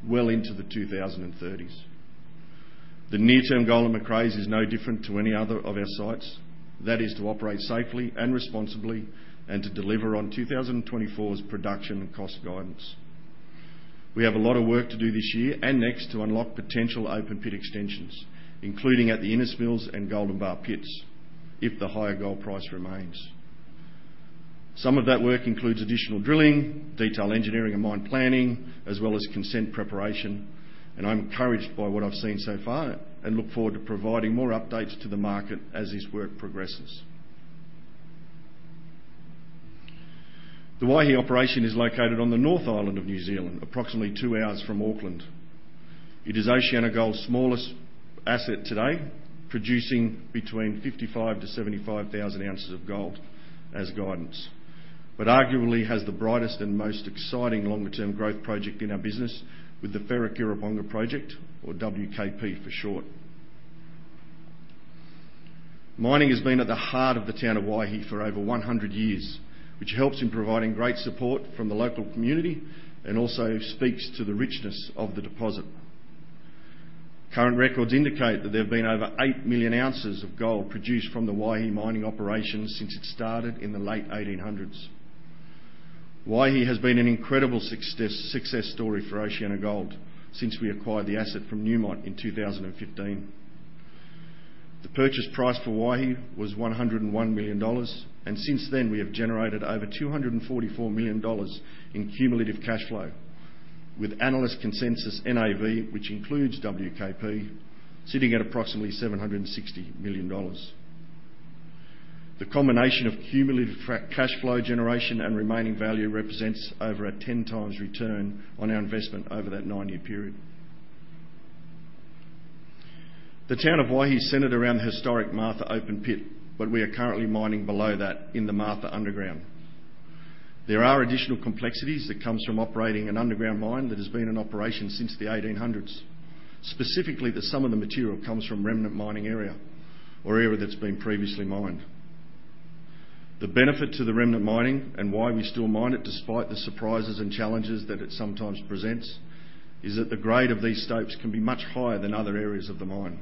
well into the 2030s. The near-term goal at Macraes is no different to any other of our sites. That is to operate safely and responsibly and to deliver on 2024's production and cost guidance. We have a lot of work to do this year and next to unlock potential open pit extensions, including at the Innes Mills and Golden Bar pits, if the higher gold price remains. Some of that work includes additional drilling, detailed engineering and mine planning, as well as consent preparation. I'm encouraged by what I've seen so far and look forward to providing more updates to the market as this work progresses. The Waihi operation is located on the North Island of New Zealand, approximately two hours from Auckland. It is OceanaGold's smallest asset today, producing between 55,000 oz to 75,000 oz of gold as guidance. Arguably has the brightest and most exciting longer-term growth project in our business with the Wharekirauponga Project, or WKP for short. Mining has been at the heart of the town of Waihi for over 100 years, which helps in providing great support from the local community and also speaks to the richness of the deposit. Current records indicate that there have been over 8 million oz of gold produced from the Waihi mining operation since it started in the late 1800s. Waihi has been an incredible success story for OceanaGold since we acquired the asset from Newmont in 2015. The purchase price for Waihi was $101 million, and since then, we have generated over $244 million in cumulative cash flow, with analyst consensus NAV, which includes WKP, sitting at approximately $760 million. The combination of cumulative cash flow generation and remaining value represents over a 10x return on our investment over that nine-year period. The town of Waihi is centered around the historic Martha open pit, but we are currently mining below that in the Martha underground. There are additional complexities that comes from operating an underground mine that has been in operation since the 1800s. Specifically, that some of the material comes from remnant mining area or area that's been previously mined. The benefit to the remnant mining and why we still mine it, despite the surprises and challenges that it sometimes presents, is that the grade of these stopes can be much higher than other areas of the mine.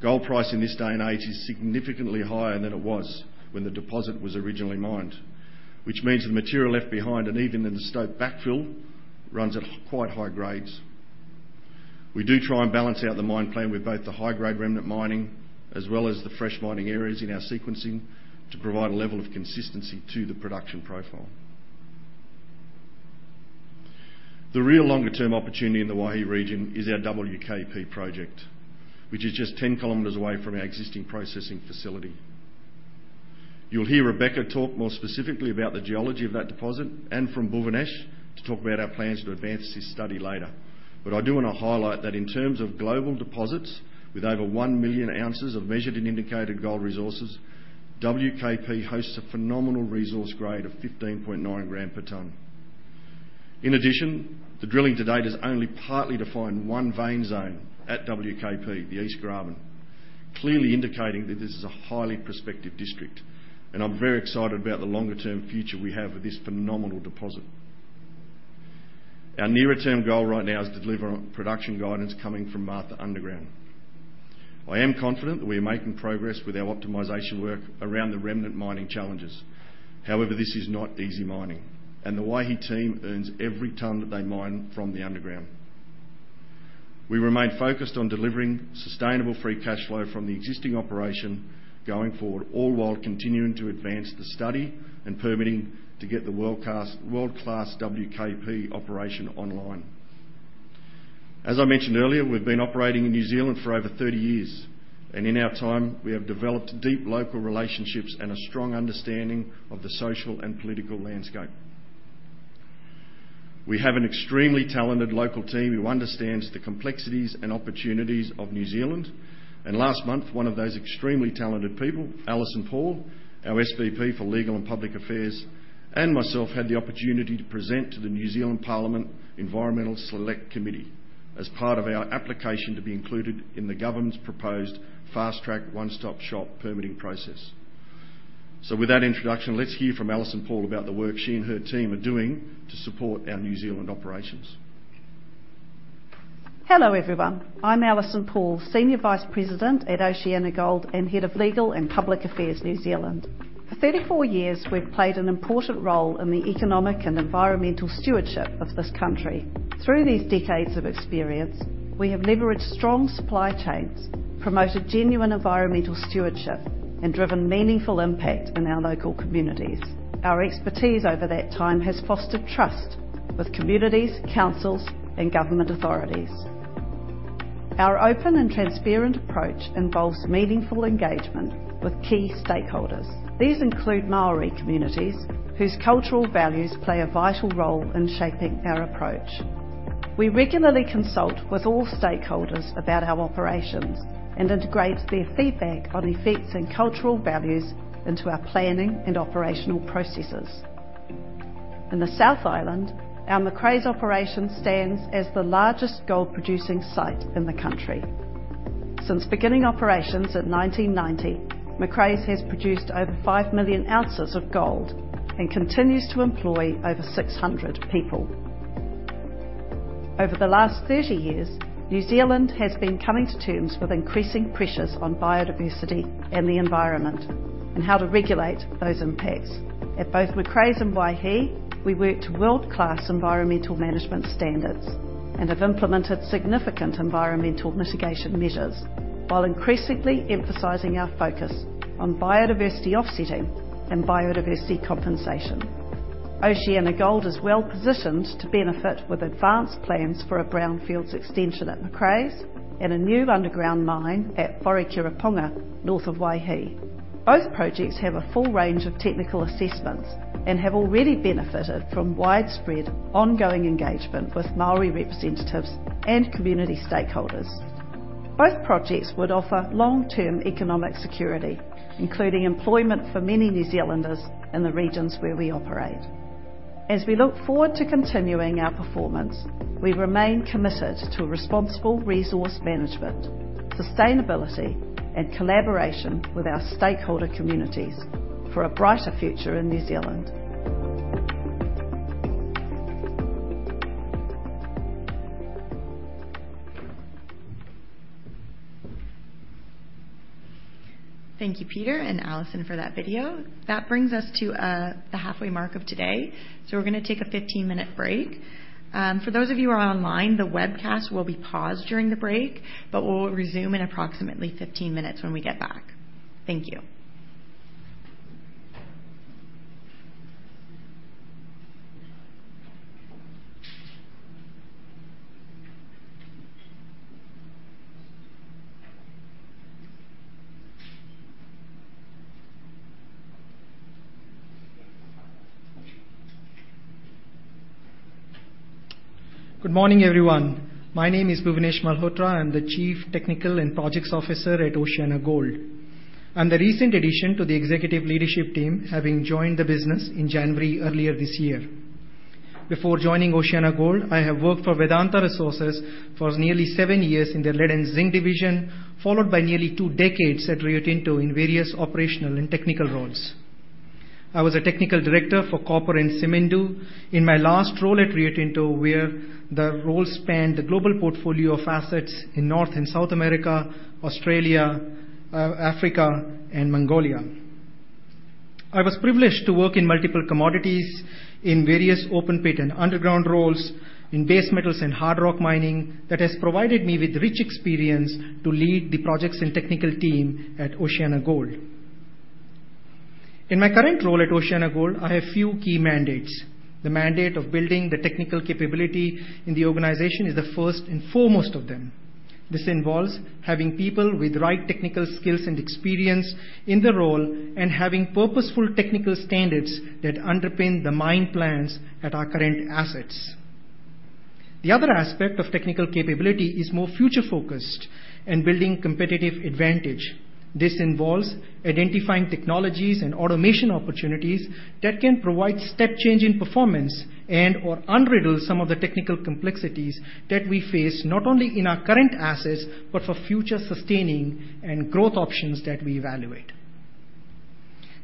Gold price in this day and age is significantly higher than it was when the deposit was originally mined. Which means the material left behind and even in the stope backfill runs at quite high grades. We do try and balance out the mine plan with both the high-grade remnant mining as well as the fresh mining areas in our sequencing to provide a level of consistency to the production profile. The real longer-term opportunity in the Waihi region is our WKP project, which is just 10 km away from our existing processing facility. You'll hear Rebecca talk more specifically about the geology of that deposit and from Bhuvanesh to talk about our plans to advance this study later. I do want to highlight that in terms of global deposits with over 1 million oz of measured and indicated gold resources, WKP hosts a phenomenal resource grade of 15.9 g/ton. The drilling to date has only partly defined one vein zone at WKP, the East Graben, clearly indicating that this is a highly prospective district, and I'm very excited about the longer-term future we have with this phenomenal deposit. Our near-term goal right now is to deliver on production guidance coming from Martha Underground. I am confident that we are making progress with our optimization work around the remnant mining challenges. This is not easy mining, and the Waihi team earns every tonne that they mine from the underground. We remain focused on delivering sustainable free cash flow from the existing operation going forward, all while continuing to advance the study and permitting to get the world-class WKP operation online. As I mentioned earlier, we've been operating in New Zealand for over 30 years. In our time, we have developed deep local relationships and a strong understanding of the social and political landscape. We have an extremely talented local team who understands the complexities and opportunities of New Zealand. Last month, one of those extremely talented people, Alison Paul, our SVP for Legal and Public Affairs, and myself, had the opportunity to present to the New Zealand Parliament Environment Select Committee as part of our application to be included in the government's proposed fast-track one-stop shop permitting process. With that introduction, let's hear from Alison Paul about the work she and her team are doing to support our New Zealand operations. Hello, everyone. I'm Alison Paul, Senior Vice President at OceanaGold and Head of Legal and Public Affairs, New Zealand. For 34 years, we've played an important role in the economic and environmental stewardship of this country. Through these decades of experience, we have leveraged strong supply chains, promoted genuine environmental stewardship, and driven meaningful impact in our local communities. Our expertise over that time has fostered trust with communities, councils, and government authorities. Our open and transparent approach involves meaningful engagement with key stakeholders. These include Māori communities, whose cultural values play a vital role in shaping our approach. We regularly consult with all stakeholders about our operations and integrate their feedback on effects and cultural values into our planning and operational processes. In the South Island, our Macraes operation stands as the largest gold-producing site in the country. Since beginning operations in 1990, Macraes has produced over 5 million oz of gold and continues to employ over 600 people. Over the last 30 years, New Zealand has been coming to terms with increasing pressures on biodiversity and the environment and how to regulate those impacts. At both Macraes and Waihi, we work to world-class environmental management standards and have implemented significant environmental mitigation measures while increasingly emphasizing our focus on biodiversity offsetting and biodiversity compensation. OceanaGold is well-positioned to benefit with advanced plans for a brownfields extension at Macraes and a new underground mine at Wharekirauponga, north of Waihi. Both projects have a full range of technical assessments and have already benefited from widespread ongoing engagement with Māori representatives and community stakeholders. Both projects would offer long-term economic security, including employment for many New Zealanders in the regions where we operate. As we look forward to continuing our performance, we remain committed to responsible resource management, sustainability, and collaboration with our stakeholder communities for a brighter future in New Zealand. Thank you, Peter and Alison, for that video. That brings us to the halfway mark of today. We're going to take a 15-minute break. For those of you who are online, the webcast will be paused during the break, but we'll resume in approximately 15 minutes when we get back. Thank you. Good morning, everyone. My name is Bhuvanesh Malhotra. I'm the Chief Technical and Projects Officer at OceanaGold. I'm the recent addition to the executive leadership team, having joined the business in January earlier this year. Before joining OceanaGold, I have worked for Vedanta Resources for nearly seven years in the lead and zinc division, followed by nearly two decades at Rio Tinto in various operational and technical roles. I was a technical director for copper in Simandou in my last role at Rio Tinto, where the role spanned the global portfolio of assets in North and South America, Australia, Africa, and Mongolia. I was privileged to work in multiple commodities in various open pit and underground roles in base metals and hard rock mining that has provided me with rich experience to lead the projects and technical team at OceanaGold. In my current role at OceanaGold, I have a few key mandates. The mandate of building the technical capability in the organization is the first and foremost of them. This involves having people with the right technical skills and experience in the role and having purposeful technical standards that underpin the mine plans at our current assets. The other aspect of technical capability is more future-focused and building competitive advantage. This involves identifying technologies and automation opportunities that can provide step change in performance and/or unravel some of the technical complexities that we face, not only in our current assets but for future sustaining and growth options that we evaluate.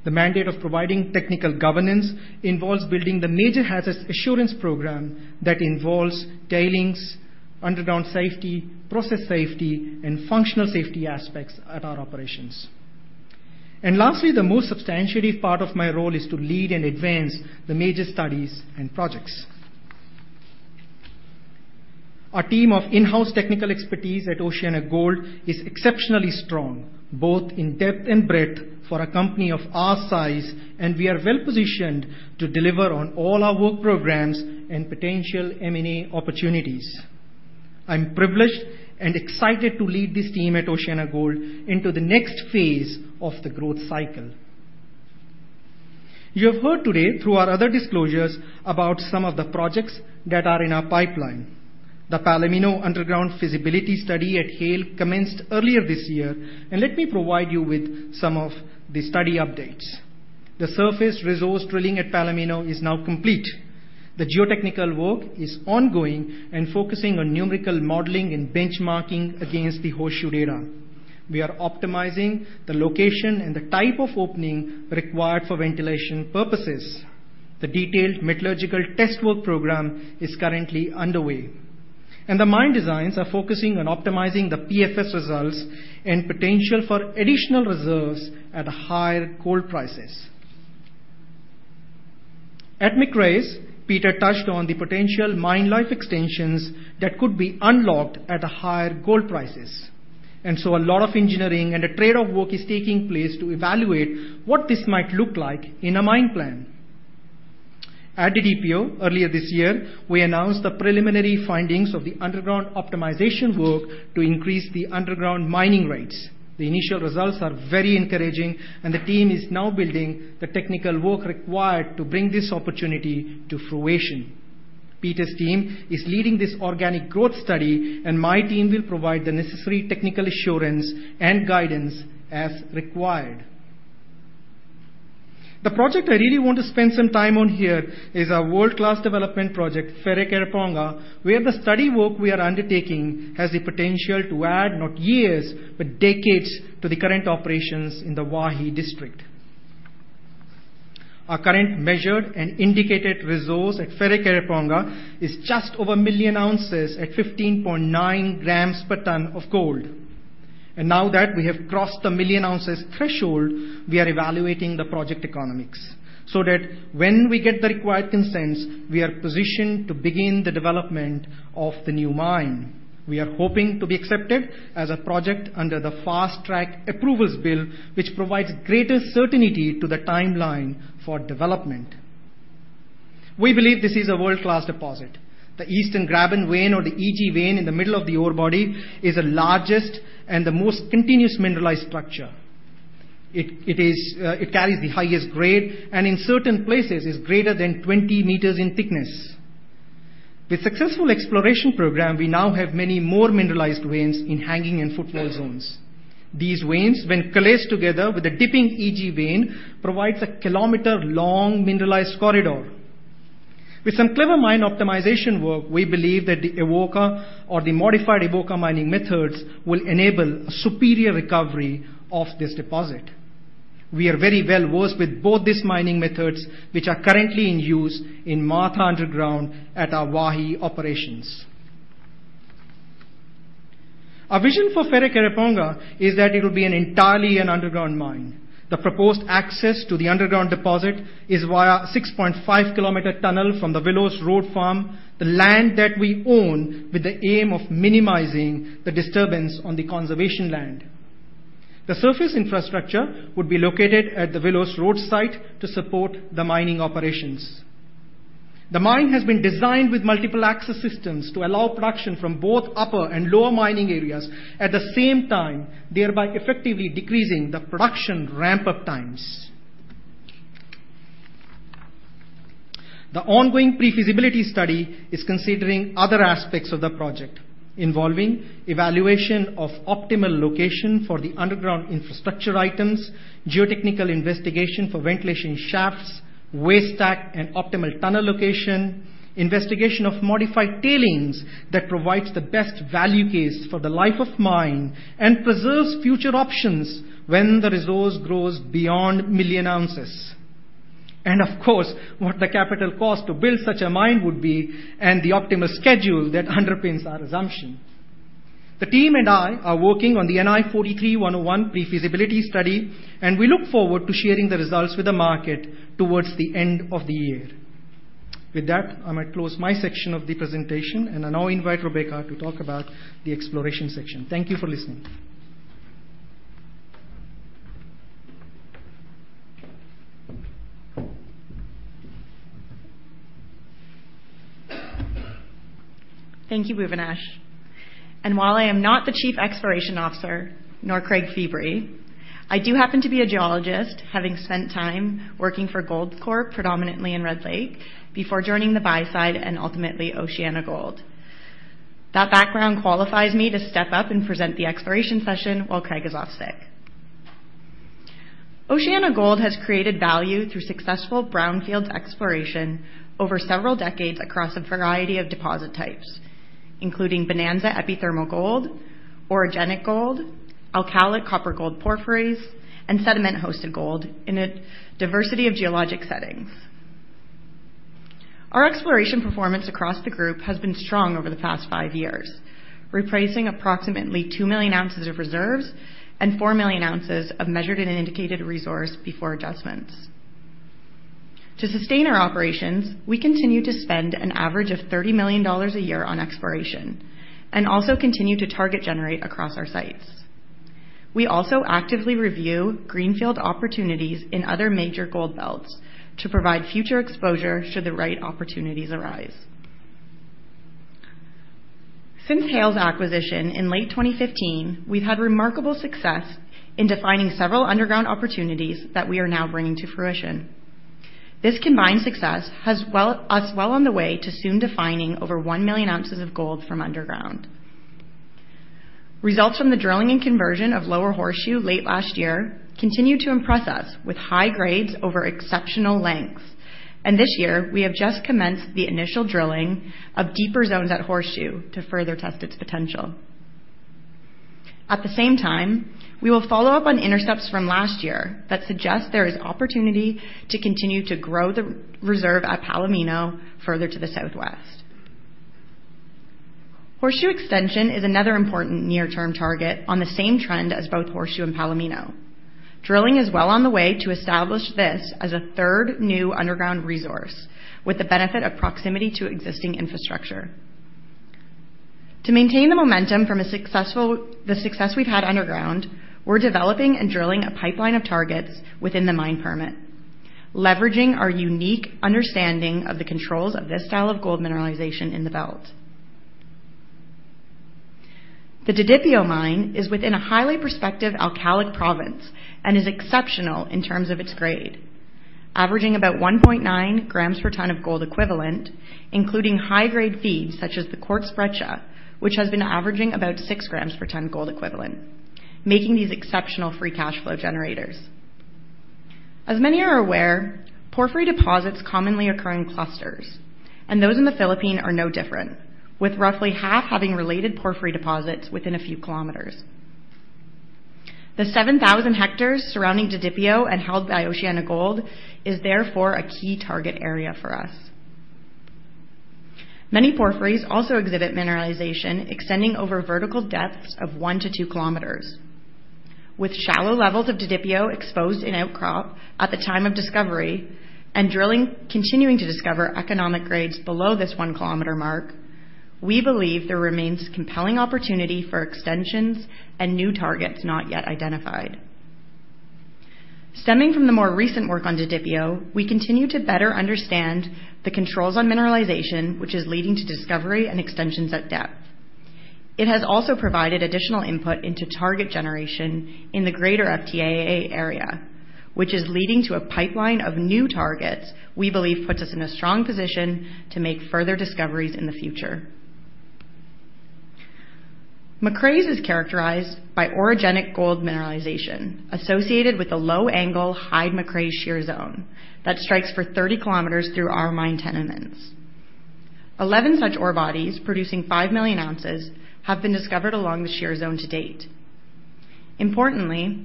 The mandate of providing technical governance involves building the major hazards assurance program that involves tailings, underground safety, process safety, and functional safety aspects at our operations. Lastly, the most substantial part of my role is to lead and advance the major studies and projects. Our team of in-house technical expertise at OceanaGold is exceptionally strong, both in depth and breadth for a company of our size, and we are well-positioned to deliver on all our work programs and potential M&A opportunities. I'm privileged and excited to lead this team at OceanaGold into the next phase of the growth cycle. You have heard today through our other disclosures about some of the projects that are in our pipeline. The Palomino underground feasibility study at Haile commenced earlier this year, and let me provide you with some of the study updates. The surface resource drilling at Palomino is now complete. The geotechnical work is ongoing and focusing on numerical modeling and benchmarking against the Horseshoe data. We are optimizing the location and the type of opening required for ventilation purposes. The detailed metallurgical test work program is currently underway, and the mine designs are focusing on optimizing the PFS results and potential for additional reserves at higher gold prices. At Macraes, Peter touched on the potential mine life extensions that could be unlocked at higher gold prices. A lot of engineering and a trade-off work is taking place to evaluate what this might look like in a mine plan. At Didipio, earlier this year, we announced the preliminary findings of the underground optimization work to increase the underground mining rates. The initial results are very encouraging, and the team is now building the technical work required to bring this opportunity to fruition. Peter's team is leading this organic growth study, and my team will provide the necessary technical assurance and guidance as required. The project I really want to spend some time on here is our world-class development project, Wharekirauponga, where the study work we are undertaking has the potential to add not years but decades to the current operations in the Waihi district. Our current measured and indicated resource at Wharekirauponga is just over million ounces at 15.9 g/ton of gold. Now that we have crossed the million ounces threshold, we are evaluating the project economics so that when we get the required consents, we are positioned to begin the development of the new mine. We are hoping to be accepted as a project under the Fast-track Approvals Bill, which provides greater certainty to the timeline for development. We believe this is a world-class deposit. The Eastern Graben vein or the EG vein in the middle of the ore body is the largest and the most continuous mineralized structure. It carries the highest grade and in certain places is greater than 20 m in thickness. With successful exploration program, we now have many more mineralized veins in hanging and footwall zones. These veins, when coalesced together with the dipping EG vein, provides a kilometer-long mineralized corridor. With some clever mine optimization work, we believe that the Avoca or the modified Avoca mining methods will enable superior recovery of this deposit. We are very well-versed with both these mining methods, which are currently in use in Martha underground at our Waihi operations. Our vision for Wharekirauponga is that it will be entirely an underground mine. The proposed access to the underground deposit is via a 6.5-km tunnel from the Willows Road farm, the land that we own, with the aim of minimizing the disturbance on the conservation land. The surface infrastructure would be located at the Willows Road site to support the mining operations. The mine has been designed with multiple access systems to allow production from both upper and lower mining areas at the same time, thereby effectively decreasing the production ramp-up times. The ongoing pre-feasibility study is considering other aspects of the project involving evaluation of optimal location for the underground infrastructure items, geotechnical investigation for ventilation shafts, waste stack, and optimal tunnel location, investigation of modified tailings that provides the best value case for the life of mine and preserves future options when the resource grows beyond million ounces. Of course, what the capital cost to build such a mine would be and the optimal schedule that underpins our assumption. The team and I are working on the National Instrument 43-101 pre-feasibility study, and we look forward to sharing the results with the market towards the end of the year. With that, I'm going to close my section of the presentation, and I now invite Rebecca to talk about the exploration section. Thank you for listening. Thank you, Bhuvanesh. While I am not the Chief Exploration Officer nor Craig Feebrey, I do happen to be a geologist, having spent time working for Goldcorp, predominantly in Red Lake, before joining the buy side and ultimately OceanaGold. That background qualifies me to step up and present the exploration session while Craig is off sick. OceanaGold has created value through successful brownfields exploration over several decades across a variety of deposit types, including bonanza epithermal gold, orogenic gold, alkalic copper gold porphyries, and sediment-hosted gold in a diversity of geologic settings. Our exploration performance across the group has been strong over the past five years, replacing approximately 2 million oz of reserves and 4 million oz of measured and indicated resource before adjustments. To sustain our operations, we continue to spend an average of $30 million a year on exploration and also continue to target generate across our sites. We also actively review greenfield opportunities in other major gold belts to provide future exposure should the right opportunities arise. Since Haile's acquisition in late 2015, we've had remarkable success in defining several underground opportunities that we are now bringing to fruition. This combined success has us well on the way to soon defining over 1 million oz of gold from underground. Results from the drilling conversion of lower Horseshoe late last year continue to impress us with high grades over exceptional lengths. This year we have just commenced the initial drilling of deeper zones at Horseshoe to further test its potential. At the same time, we will follow up on intercepts from last year that suggest there is opportunity to continue to grow the reserve at Palomino further to the southwest. Horseshoe Extension is another important near-term target on the same trend as both Horseshoe and Palomino. Drilling is well on the way to establish this as a third new underground resource with the benefit of proximity to existing infrastructure. To maintain the momentum from the success we've had underground, we're developing and drilling a pipeline of targets within the mine permit, leveraging our unique understanding of the controls of this style of gold mineralization in the belt. The Didipio mine is within a highly prospective alkalic province and is exceptional in terms of its grade, averaging about 1.9 g/ton of gold equivalent, including high-grade feeds such as the quartz breccia, which has been averaging about 6 g/ton gold equivalent, making these exceptional free cash flow generators. As many are aware, porphyry deposits commonly occur in clusters, and those in the Philippine are no different, with roughly half having related porphyry deposits within a few kilometers. The 7,000 hectares surrounding Didipio and held by OceanaGold is therefore a key target area for us. Many porphyries also exhibit mineralization extending over vertical depths of 1 km-2 km. With shallow levels of Didipio exposed in outcrop at the time of discovery and drilling continuing to discover economic grades below this 1-km mark, we believe there remains compelling opportunity for extensions and new targets not yet identified. Stemming from the more recent work on Didipio, we continue to better understand the controls on mineralization, which is leading to discovery and extensions at depth. It has also provided additional input into target generation in the greater FTAA area, which is leading to a pipeline of new targets we believe puts us in a strong position to make further discoveries in the future. Macraes is characterized by orogenic gold mineralization associated with a low-angle high Macraes Shear Zone that strikes for 30 km through our mine tenements. 11 such ore bodies producing 5 million oz have been discovered along the Shear Zone to date. Importantly,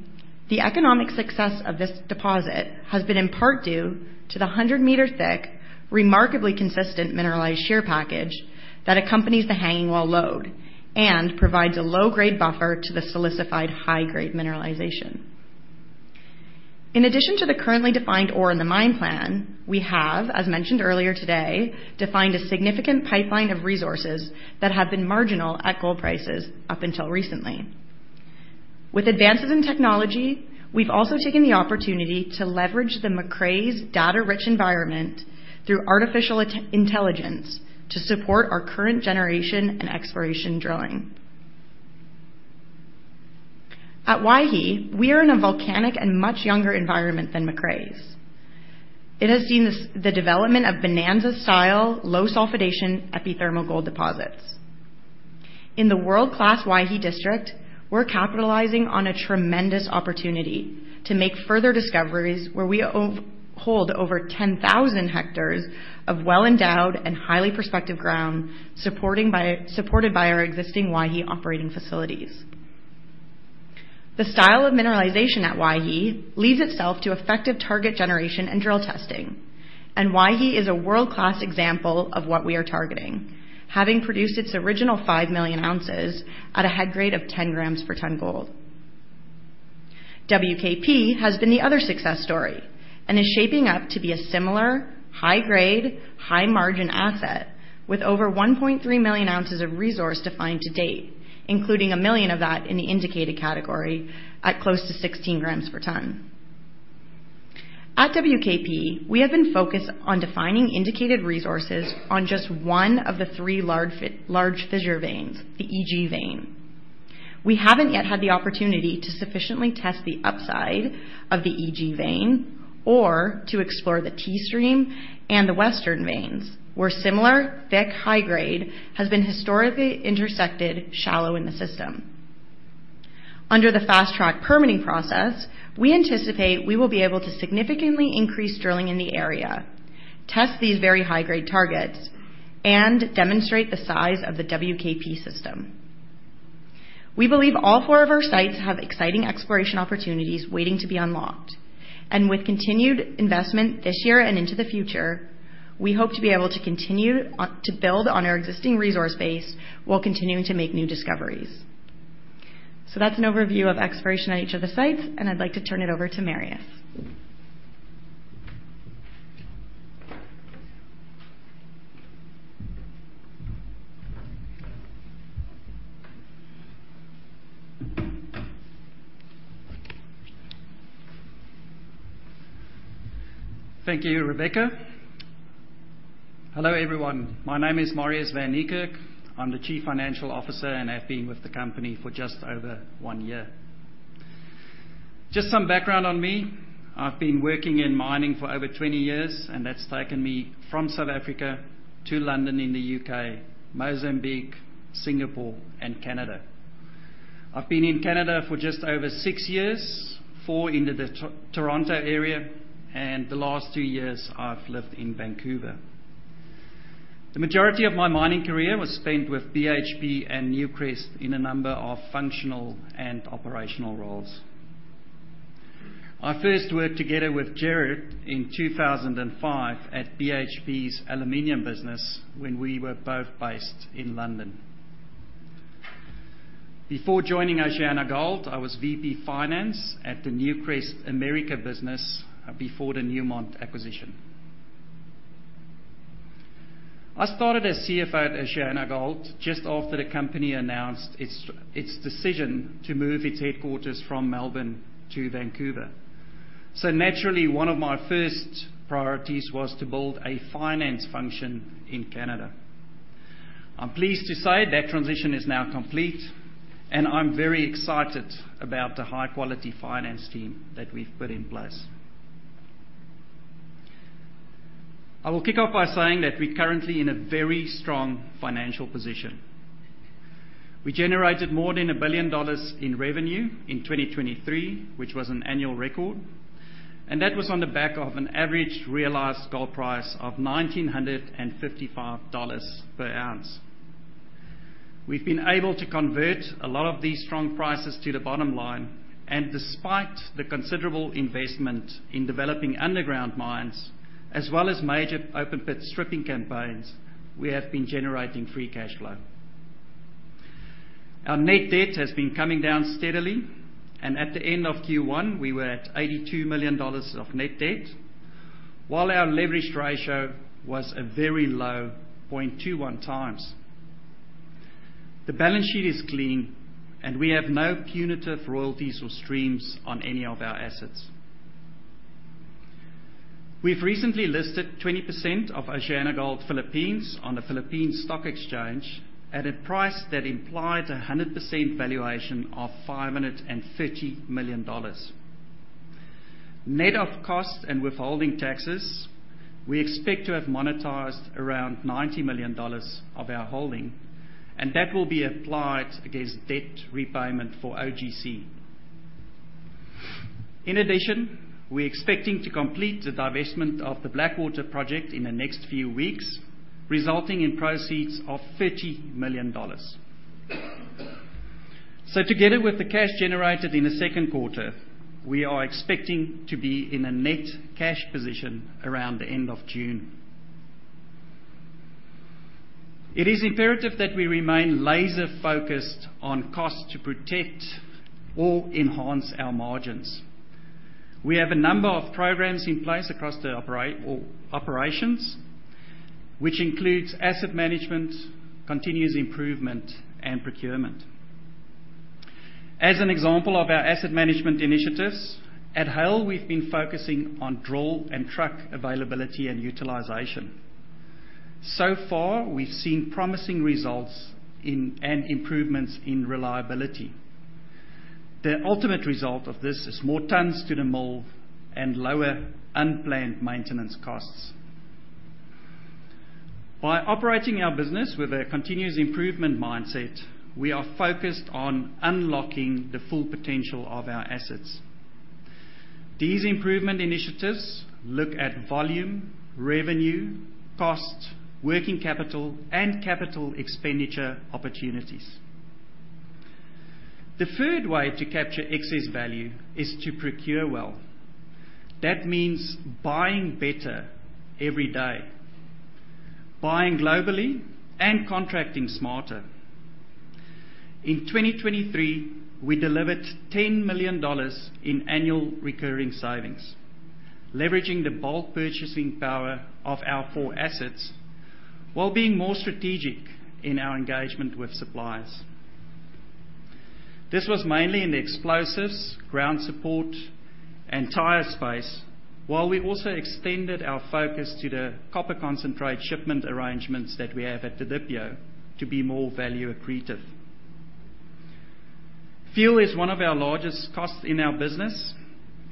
the economic success of this deposit has been in part due to the 100-m thick, remarkably consistent mineralized shear package that accompanies the hanging wall lode and provides a low-grade buffer to the silicified high-grade mineralization. In addition to the currently defined ore in the mine plan, we have, as mentioned earlier today, defined a significant pipeline of resources that have been marginal at gold prices up until recently. With advances in technology, we've also taken the opportunity to leverage the Macraes data-rich environment through artificial intelligence to support our current generation and exploration drilling. At Waihi, we are in a volcanic and much younger environment than Macraes. It has used the development of Bonanza-style low-sulfidation epithermal gold deposits. In the world-class Waihi district, we're capitalizing on a tremendous opportunity to make further discoveries where we hold over 10,000 hectares of well-endowed and highly prospective ground supported by our existing Waihi operating facilities. The style of mineralization at Waihi lends itself to effective target generation and drill testing, and Waihi is a world-class example of what we are targeting, having produced its original 5 million oz at a head grade of 10 g/ton gold. WKP has been the other success story and is shaping up to be a similar high-grade, high-margin asset with over 1.3 million oz of resource defined to date, including a million of that in the indicated category at close to 16 g/ton. At WKP, we have been focused on defining indicated resources on just one of the three large fissure veins, the EG vein. We haven't yet had the opportunity to sufficiently test the upside of the EG vein or to explore the T-Stream and the western veins, where similar thick high grade has been historically intersected shallow in the system. Under the fast-track permitting process, we anticipate we will be able to significantly increase drilling in the area, test these very high-grade targets, and demonstrate the size of the WKP system. We believe all four of our sites have exciting exploration opportunities waiting to be unlocked, and with continued investment this year and into the future, we hope to be able to continue to build on our existing resource base while continuing to make new discoveries. That's an overview of exploration at each of the sites, and I'd like to turn it over to Marius. Thank you, Rebecca. Hello, everyone. My name is Marius van Niekerk. I'm the Chief Financial Officer, and I've been with the company for just over one year. Just some background on me. I've been working in mining for over 20 years, and that's taken me from South Africa to London in the U.K., Mozambique, Singapore, and Canada. I've been in Canada for just over six years, four in the Toronto area, and the last two years I've lived in Vancouver. The majority of my mining career was spent with BHP and Newcrest in a number of functional and operational roles. I first worked together with Gerard in 2005 at BHP's aluminum business when we were both based in London. Before joining OceanaGold, I was VP finance at the Newcrest America business before the Newmont acquisition. I started as CFO at OceanaGold just after the company announced its decision to move its headquarters from Melbourne to Vancouver. Naturally, one of my first priorities was to build a finance function in Canada. I'm pleased to say that transition is now complete, and I'm very excited about the high-quality finance team that we've put in place. I will kick off by saying that we're currently in a very strong financial position. We generated more than $1 billion in revenue in 2023, which was an annual record, and that was on the back of an average realized gold price of $1,955 per ounce. We've been able to convert a lot of these strong prices to the bottom line, and despite the considerable investment in developing underground mines as well as major open pit stripping campaigns, we have been generating free cash flow. Our net debt has been coming down steadily, and at the end of Q1, we were at $82 million of net debt, while our leverage ratio was a very low 0.21x. The balance sheet is clean, and we have no punitive royalties or streams on any of our assets. We've recently listed 20% of OceanaGold Philippines on the Philippine Stock Exchange at a price that implied 100% valuation of $550 million. Net of costs and withholding taxes, we expect to have monetized around $90 million of our holding, and that will be applied against debt repayment for OGC. In addition, we're expecting to complete the divestment of the Blackwater project in the next few weeks, resulting in proceeds of $30 million. Together with the cash generated in the second quarter, we are expecting to be in a net cash position around the end of June. It is imperative that we remain laser-focused on costs to protect or enhance our margins. We have a number of programs in place across the operations, which includes asset management, continuous improvement, and procurement. As an example of our asset management initiatives, at Haile, we've been focusing on drill and truck availability and utilization. Far, we've seen promising results and improvements in reliability. The ultimate result of this is more tons to the mill and lower unplanned maintenance costs. By operating our business with a continuous improvement mindset, we are focused on unlocking the full potential of our assets. These improvement initiatives look at volume, revenue, cost, working capital, and capital expenditure opportunities. The third way to capture excess value is to procure well. That means buying better every day, buying globally, and contracting smarter. In 2023, we delivered $10 million in annual recurring savings, leveraging the bulk purchasing power of our four assets while being more strategic in our engagement with suppliers. This was mainly in the explosives, ground support, and tire space, while we also extended our focus to the copper concentrate shipment arrangements that we have at Didipio to be more value accretive.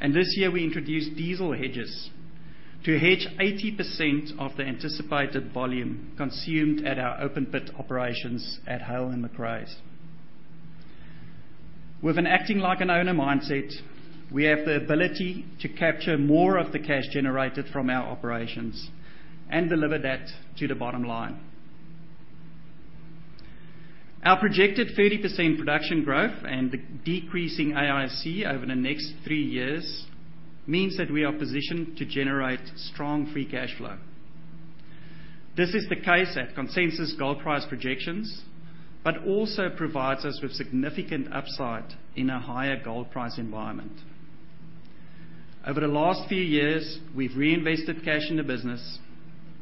This year we introduced diesel hedges to hedge 80% of the anticipated volume consumed at our open pit operations at Haile and Macraes. With an acting like an owner mindset, we have the ability to capture more of the cash generated from our operations and deliver that to the bottom line. Our projected 30% production growth and the decreasing AISC over the next three years means that we are positioned to generate strong free cash flow. This is the case at consensus gold price projections but also provides us with significant upside in a higher gold price environment. Over the last few years, we've reinvested cash in the business,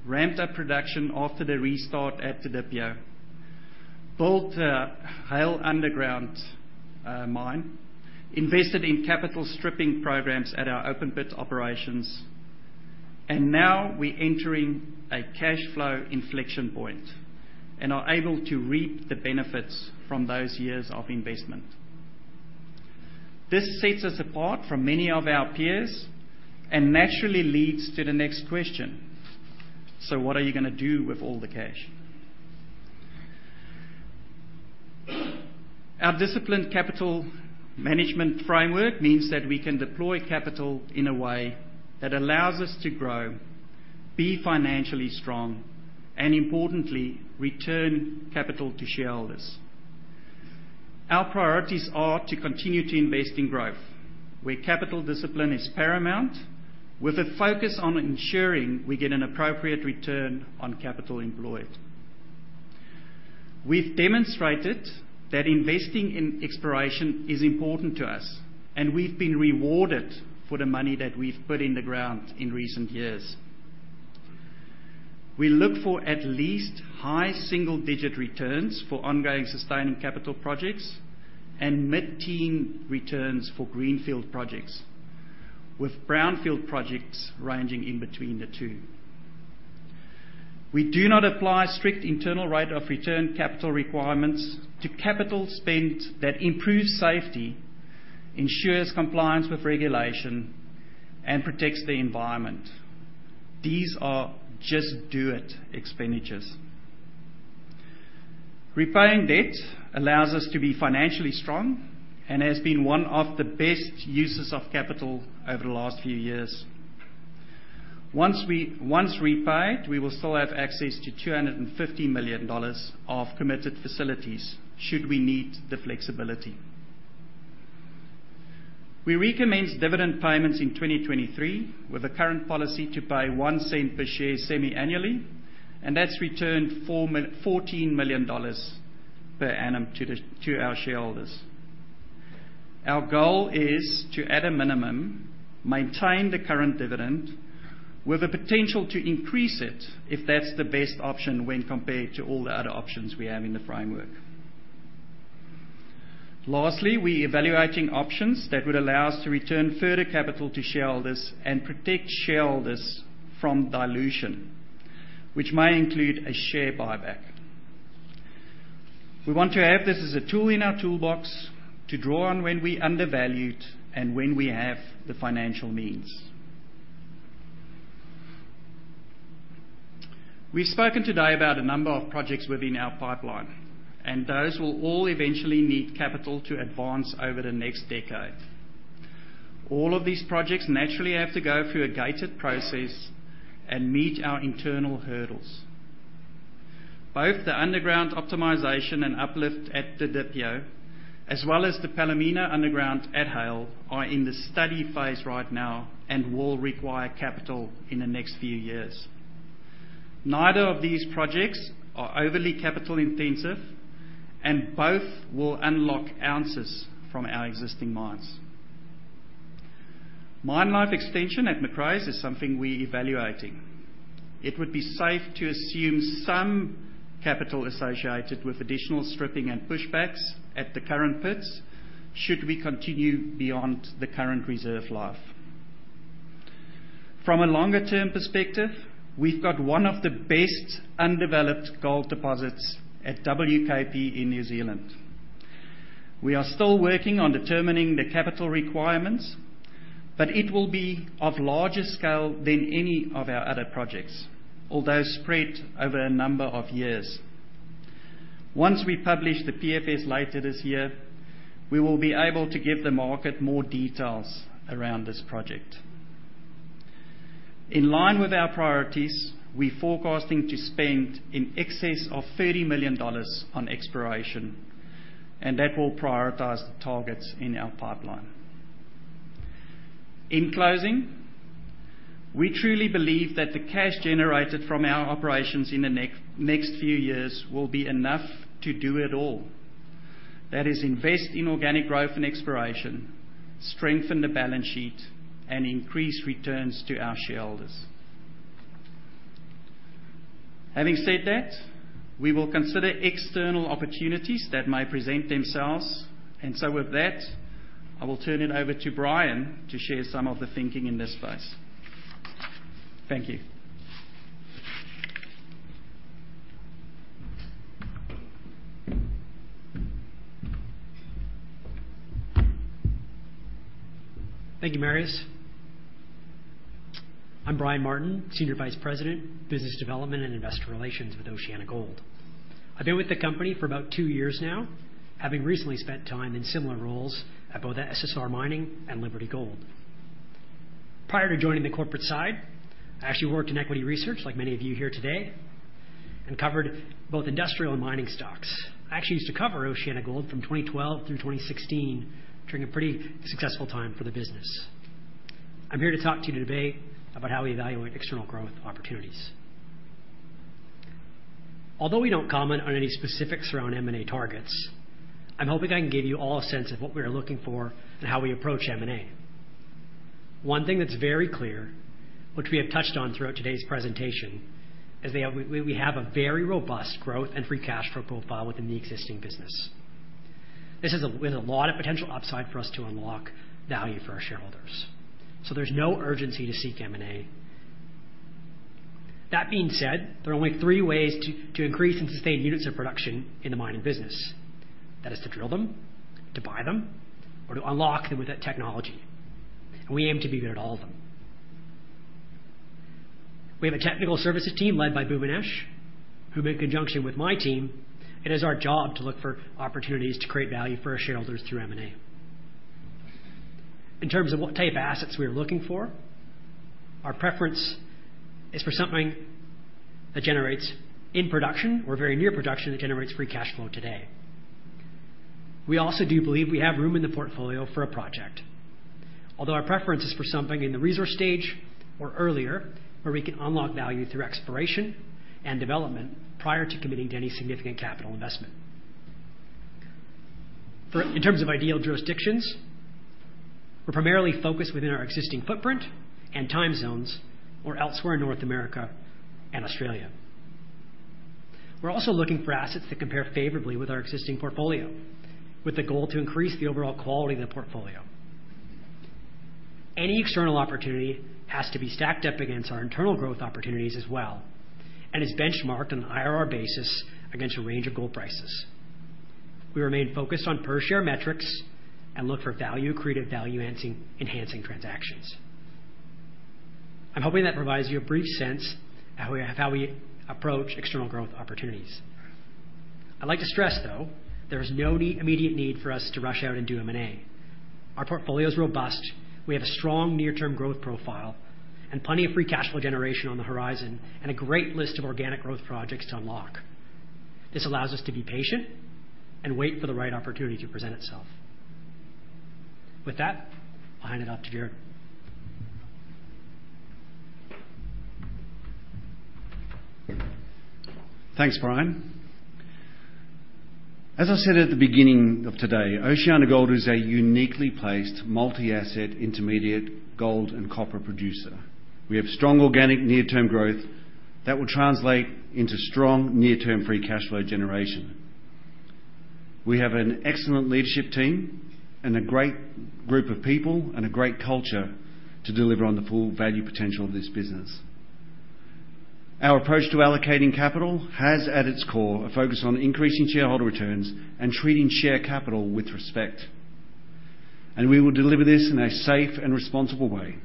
ramped up production after the restart at Didipio, built a Haile underground mine, invested in capital stripping programs at our open pit operations, now we're entering a cash flow inflection point and are able to reap the benefits from those years of investment. This sets us apart from many of our peers and naturally leads to the next question. What are you going to do with all the cash? Our disciplined capital management framework means that we can deploy capital in a way that allows us to grow, be financially strong, and importantly, return capital to shareholders. Our priorities are to continue to invest in growth, where capital discipline is paramount, with a focus on ensuring we get an appropriate return on capital employed. We've demonstrated that investing in exploration is important to us, and we've been rewarded for the money that we've put in the ground in recent years. We look for at least high single-digit returns for ongoing sustained capital projects and mid-teen returns for greenfield projects, with brownfield projects ranging in between the two. We do not apply strict internal rate of return capital requirements to capital spent that improves safety, ensures compliance with regulation, and protects the environment. These are just do it expenditures. Repaying debt allows us to be financially strong and has been one of the best uses of capital over the last few years. Once repaid, we will still have access to $250 million of committed facilities should we need the flexibility. We recommenced dividend payments in 2023 with a current policy to pay $0.01 per share semi-annually, and that's returned $14 million per annum to our shareholders. Our goal is to, at a minimum, maintain the current dividend with the potential to increase it if that's the best option when compared to all the other options we have in the framework. Lastly, we're evaluating options that would allow us to return further capital to shareholders and protect shareholders from dilution, which might include a share buyback. We want to have this as a tool in our toolbox to draw on when we're undervalued and when we have the financial means. We've spoken today about a number of projects within our pipeline, and those will all eventually need capital to advance over the next decade. All of these projects naturally have to go through a gated process and meet our internal hurdles. Both the underground optimization and uplift at Didipio, as well as the Palomino underground at Haile, are in the study phase right now and will require capital in the next few years. Neither of these projects are overly capital intensive, and both will unlock ounces from our existing mines. Mine life extension at Macraes is something we're evaluating. It would be safe to assume some capital associated with additional stripping and pushbacks at the current pits should we continue beyond the current reserve life. From a longer-term perspective, we've got one of the best undeveloped gold deposits at WKP in New Zealand. We are still working on determining the capital requirements, but it will be of larger scale than any of our other projects, although spread over a number of years. Once we publish the PFS later this year, we will be able to give the market more details around this project. In line with our priorities, we're forecasting to spend in excess of $30 million on exploration, and that will prioritize the targets in our pipeline. In closing, we truly believe that the cash generated from our operations in the next few years will be enough to do it all. That is invest in organic growth and exploration, strengthen the balance sheet, and increase returns to our shareholders. Having said that, we will consider external opportunities that might present themselves. With that, I will turn it over to Brian to share some of the thinking in this space. Thank you. Thank you, Marius. I'm Brian Martin, Senior Vice President, Business Development and Investor Relations with OceanaGold. I've been with the company for about two years now, having recently spent time in similar roles at both SSR Mining and Liberty Gold. Prior to joining the corporate side, I actually worked in equity research like many of you here today, and covered both industrial and mining stocks. I actually used to cover OceanaGold from 2012 through 2016, during a pretty successful time for the business. I'm here to talk to you today about how we evaluate external growth opportunities. Although we don't comment on any specifics around M&A targets, I'm hoping I can give you all a sense of what we are looking for and how we approach M&A. One thing that's very clear, which we have touched on throughout today's presentation, is that we have a very robust growth and free cash flow profile within the existing business. This is with a lot of potential upside for us to unlock value for our shareholders. There's no urgency to seek M&A. That being said, there are only three ways to increase and sustain units of production in the mining business. That is to drill them, to buy them, or to unlock them with that technology. We aim to be good at all of them. We have a technical services team led by Bhuvanesh, who in conjunction with my team, it is our job to look for opportunities to create value for our shareholders through M&A. In terms of what type of assets we are looking for, our preference is for something that generates in production or very near production that generates free cash flow today. We also do believe we have room in the portfolio for a project. Although our preference is for something in the resource stage or earlier, where we can unlock value through exploration and development prior to committing to any significant capital investment. In terms of ideal jurisdictions, we are primarily focused within our existing footprint and time zones or elsewhere in North America and Australia. We are also looking for assets that compare favorably with our existing portfolio, with the goal to increase the overall quality of the portfolio. Any external opportunity has to be stacked up against our internal growth opportunities as well, and is benchmarked on an IRR basis against a range of gold prices. We remain focused on per-share metrics and look for value-creative, value-enhancing transactions. I am hoping that provides you a brief sense of how we approach external growth opportunities. I would like to stress, though, there is no immediate need for us to rush out and do M&A. Our portfolio is robust. We have a strong near-term growth profile and plenty of free cash flow generation on the horizon and a great list of organic growth projects to unlock. This allows us to be patient and wait for the right opportunity to present itself. With that, I will hand it off to Gerard. Thanks, Brian. As I said at the beginning of today, OceanaGold is a uniquely placed multi-asset intermediate gold and copper producer. We have strong organic near-term growth that will translate into strong near-term free cash flow generation. We have an excellent leadership team and a great group of people and a great culture to deliver on the full value potential of this business. Our approach to allocating capital has, at its core, a focus on increasing shareholder returns and treating share capital with respect. We will deliver this in a safe and responsible way,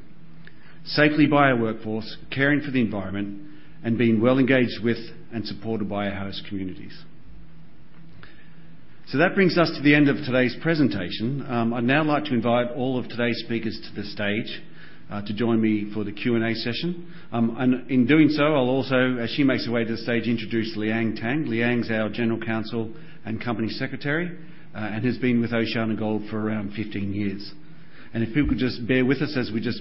safely by our workforce, caring for the environment, and being well engaged with and supported by our host communities. That brings us to the end of today's presentation. I'd now like to invite all of today's speakers to the stage to join me for the Q&A session. In doing so, I'll also, as she makes her way to the stage, introduce Liang Tang. Liang is our General Counsel and Company Secretary, and has been with OceanaGold for around 15 years. If people could just bear with us as we just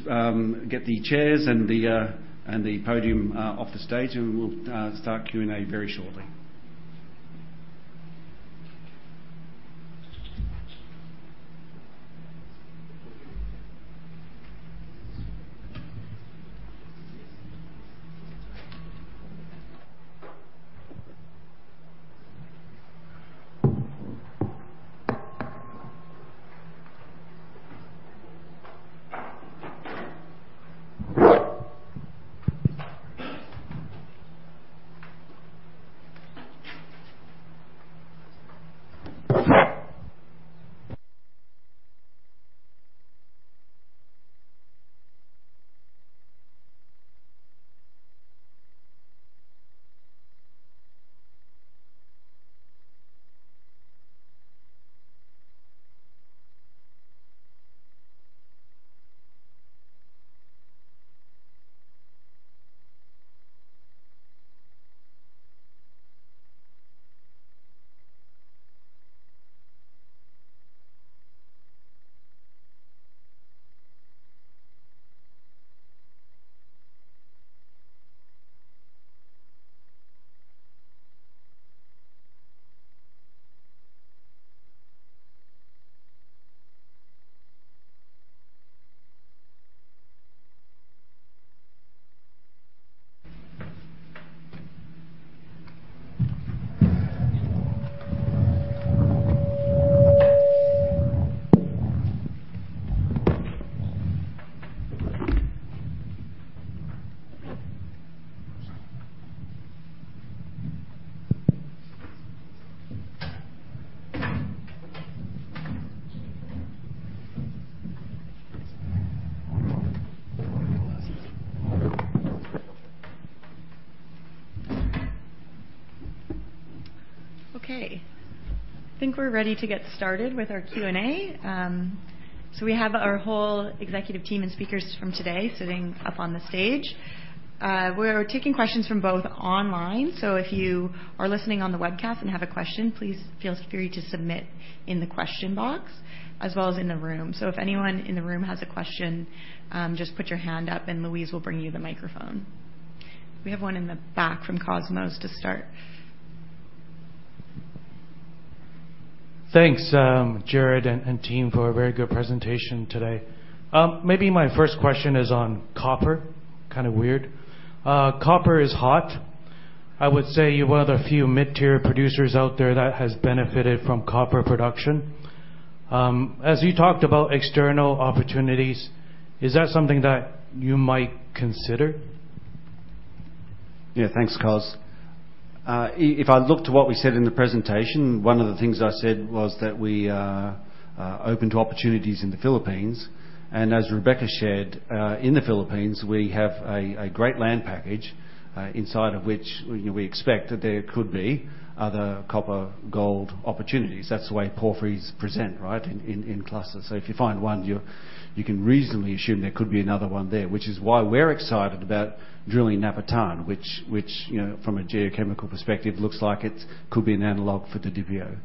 get the chairs and the podium off the stage, and we'll start Q&A very shortly. Okay. I think we are ready to get started with our Q&A. We have our whole executive team and speakers from today sitting up on the stage. We are taking questions from both online, if you are listening on the webcast and have a question, please feel free to submit in the question box as well as in the room. If anyone in the room has a question, just put your hand up and Louise will bring you the microphone. We have one in the back from Cosmos to start. Thanks, Gerard and team, for a very good presentation today. My first question is on copper. Kind of weird. Copper is hot. I would say you have a few mid-tier producers out there that has benefited from copper production. As you talked about external opportunities, is that something that you might consider? Yeah. Thanks, Cos. If I look to what we said in the presentation, one of the things I said was that we are open to opportunities in the Philippines. As Rebecca shared, in the Philippines, we have a great land package inside of which we expect that there could be other copper-gold opportunities. That's the way porphyries present, in clusters. If you find one, you can reasonably assume there could be another one there, which is why we're excited about drilling at Napitang, which from a geochemical perspective looks like it could be an analog for the Didipio.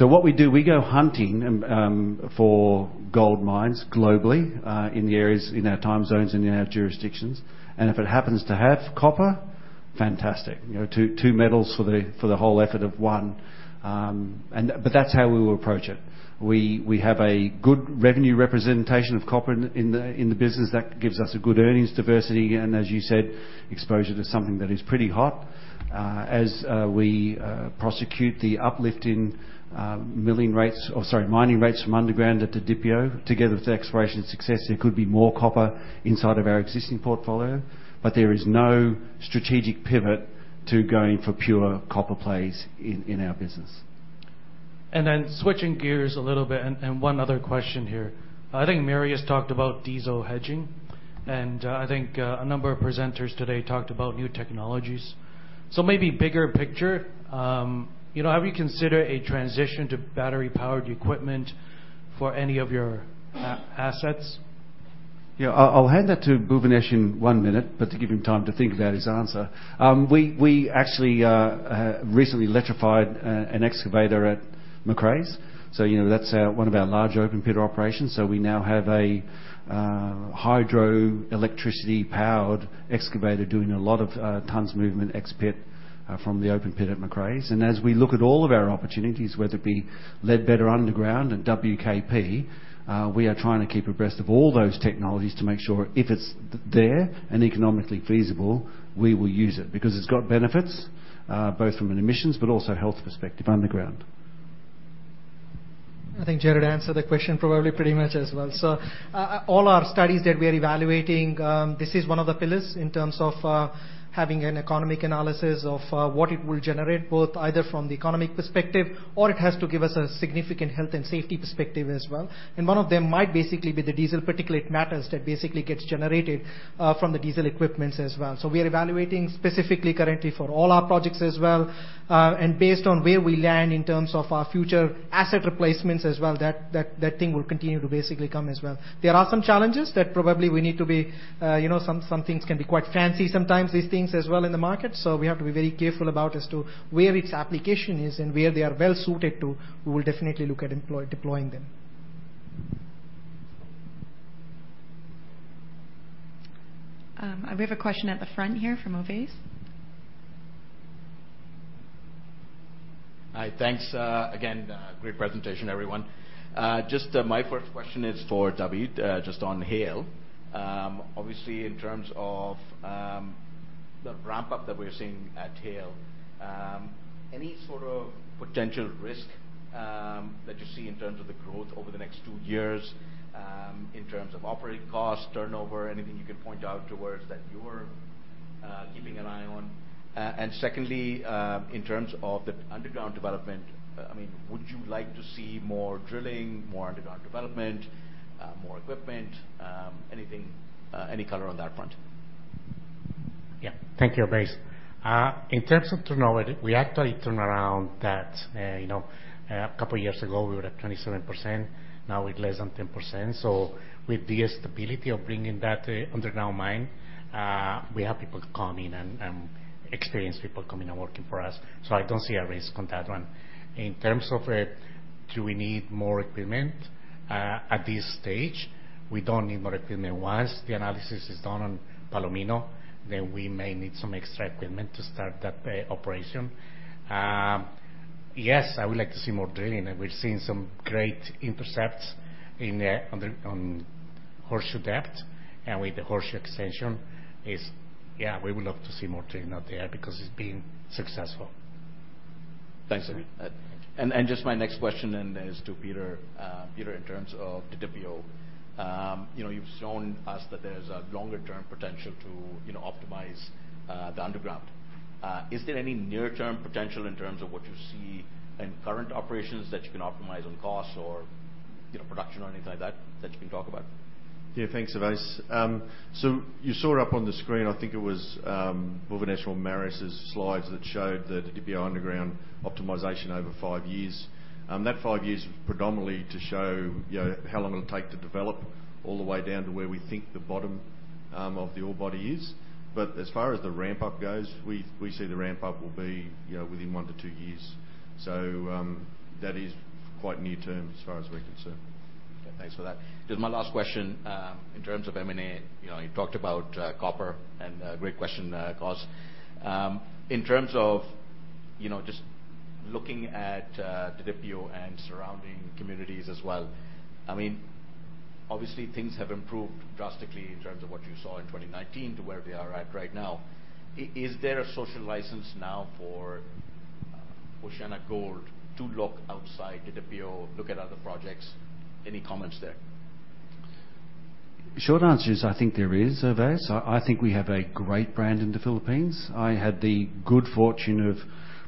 What we do, we go hunting for gold mines globally, in the areas, in our time zones, and in our jurisdictions. If it happens to have copper, fantastic. Two metals for the whole effort of one. That's how we will approach it. We have a good revenue representation of copper in the business that gives us a good earnings diversity and, as you said, exposure to something that is pretty hot. As we prosecute the uplift in mining rates from underground at the Didipio together with exploration success, there could be more copper inside of our existing portfolio. There is no strategic pivot to going for pure copper plays in our business. Switching gears a little bit and one other question here. I think Marius talked about diesel hedging, and I think a number of presenters today talked about new technologies. Maybe bigger picture, have you considered a transition to battery-powered equipment for any of your assets? Yeah. I'll hand that to Bhuvanesh in one minute, but to give him time to think about his answer. We actually recently electrified an excavator at Macraes. That's one of our large open pit operations. We now have a hydroelectricity-powered excavator doing a lot of tons movement ex-pit from the open pit at Macraes. As we look at all of our opportunities, whether it be Ledbetter underground and WKP, we are trying to keep abreast of all those technologies to make sure if it's there and economically feasible, we will use it because it's got benefits, both from an emissions but also health perspective underground. I think Gerard answered the question probably pretty much as well. All our studies that we are evaluating, this is one of the pillars in terms of having an economic analysis of what it will generate, both either from the economic perspective or it has to give us a significant health and safety perspective as well. One of them might basically be the diesel particulate matters that basically gets generated from the diesel equipment as well. We are evaluating specifically currently for all our projects as well, and based on where we land in terms of our future asset replacements as well, that thing will continue to basically come as well. There are some challenges that probably some things can be quite fancy sometimes, these things as well in the market. We have to be very careful about as to where its application is and where they are well suited to, we will definitely look at deploying them. We have a question at the front here from Ovais. Thanks. Again, great presentation, everyone. My first question is for David, just on Haile. Obviously, the ramp up that we're seeing at Haile, any sort of potential risk that you see in terms of the growth over the next two years, in terms of operating costs, turnover, anything you can point out to us that you are keeping an eye on? Secondly, in terms of the underground development, would you like to see more drilling, more underground development, more equipment? Any color on that front? Yeah. Thank you, Ovais. In terms of turnover, we actually turned around that. A couple of years ago, we were at 27%, now we're less than 10%. With the stability of bringing that underground mine, we have people come in and experienced people coming and working for us. I don't see a risk on that one. In terms of do we need more equipment, at this stage, we don't need more equipment. Once the analysis is done on Palomino, then we may need some extra equipment to start that operation. Yes, I would like to see more drilling, and we've seen some great intercepts on Horseshoe Depth and with the Horseshoe Extension. Yeah, we would love to see more drilling out there because it's been successful. Thanks. Just my next question then is to Peter. Peter, in terms of Didipio, you've shown us that there's a longer-term potential to optimize the underground. Is there any near-term potential in terms of what you see in current operations that you can optimize on costs or production or anything like that you can talk about? Yeah, thanks, Ovais. You saw it up on the screen, I think it was either National or Marius's slides that showed the Didipio underground optimization over five years. That five years was predominantly to show how long it will take to develop all the way down to where we think the bottom of the ore body is. As far as the ramp up goes, we see the ramp up will be within one to two years. That is quite near-term as far as we're concerned. Okay, thanks for that. Just my last question, in terms of M&A, you talked about copper. Great question cos, in terms of just looking at Didipio and surrounding communities as well, obviously things have improved drastically in terms of what you saw in 2019 to where we are at right now. Is there a social license now for OceanaGold to look outside Didipio, look at other projects? Any comments there? Short answer is I think there is, Ovais. I think we have a great brand in the Philippines. I had the good fortune of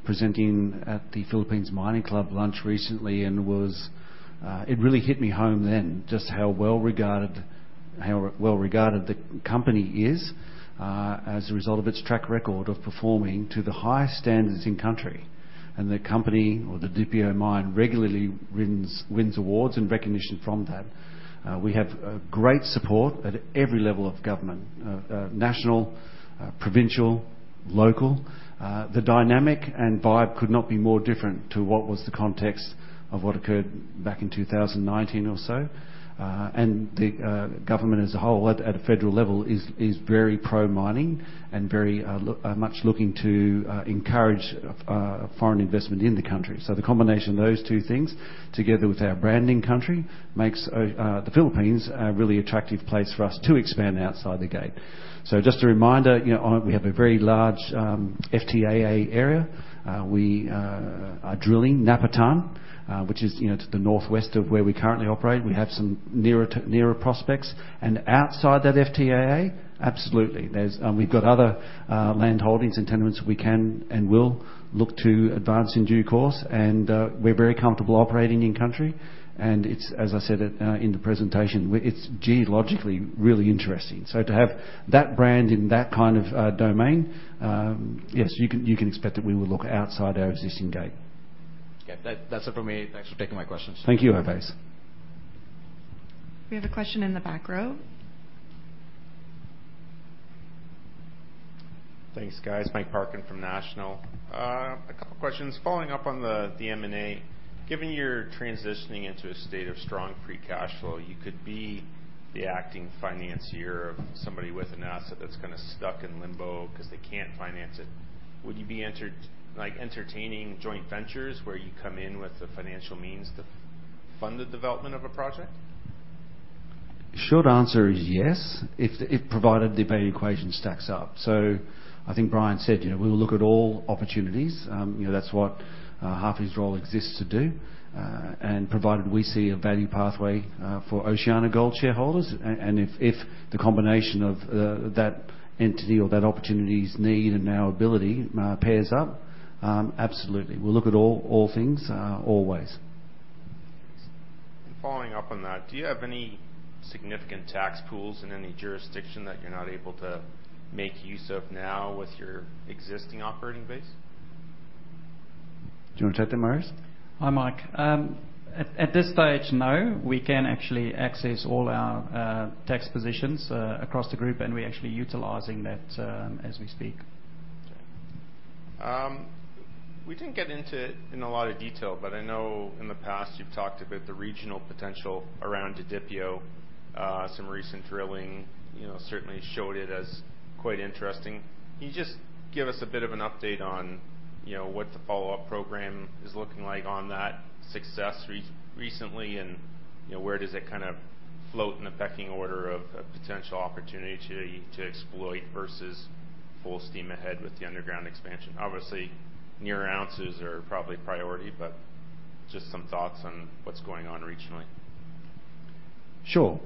presenting at the Philippine Mining Club lunch recently, it really hit me home then just how well-regarded the company is, as a result of its track record of performing to the highest standards in country. The company or the Didipio mine regularly wins awards and recognition from that. We have great support at every level of government, national, provincial, local. The dynamic and vibe could not be more different to what was the context of what occurred back in 2019 or so. The government as a whole at a federal level is very pro-mining and very much looking to encourage foreign investment in the country. The combination of those two things, together with our brand in country, makes the Philippines a really attractive place for us to expand outside the gate. Just a reminder, we have a very large FTAA area. We are drilling Napitang, which is to the northwest of where we currently operate. We have some nearer prospects. Outside that FTAA, absolutely. We've got other land holdings and tenements we can and will look to advance in due course, and we're very comfortable operating in country. It's, as I said in the presentation, it's geologically really interesting. To have that brand in that kind of domain, yes, you can expect that we will look outside our existing gate. Yeah. That's it for me. Thanks for taking my questions. Thank you, Ovais. We have a question in the back row. Thanks, guys. Mike Parkin from National. A couple questions. Following up on the M&A, given you're transitioning into a state of strong free cash flow, you could be the acting financier of somebody with an asset that's kind of stuck in limbo because they can't finance it. Would you be entertaining joint ventures where you come in with the financial means to fund the development of a project? Short answer is yes, if provided the value equation stacks up. I think Brian said, we'll look at all opportunities. That's what Harvey's role exists to do. Provided we see a value pathway for OceanaGold shareholders, and if the combination of that entity or that opportunity's need and our ability pairs up, absolutely. We'll look at all things, always. Following up on that, do you have any significant tax pools in any jurisdiction that you're not able to make use of now with your existing operating base? Do you want to take that, Marius? Hi, Mike. At this stage, no. We can actually access all our tax positions across the group, and we're actually utilizing that as we speak. We didn't get into it in a lot of detail, but I know in the past you've talked about the regional potential around Didipio. Some recent drilling certainly showed it as quite interesting. Give us a bit of an update on what the follow-up program is looking like on that success recently, and where does it float in the pecking order of a potential opportunity to exploit versus full steam ahead with the underground expansion? Obviously, near ounces are probably priority, but just some thoughts on what's going on regionally. Sure.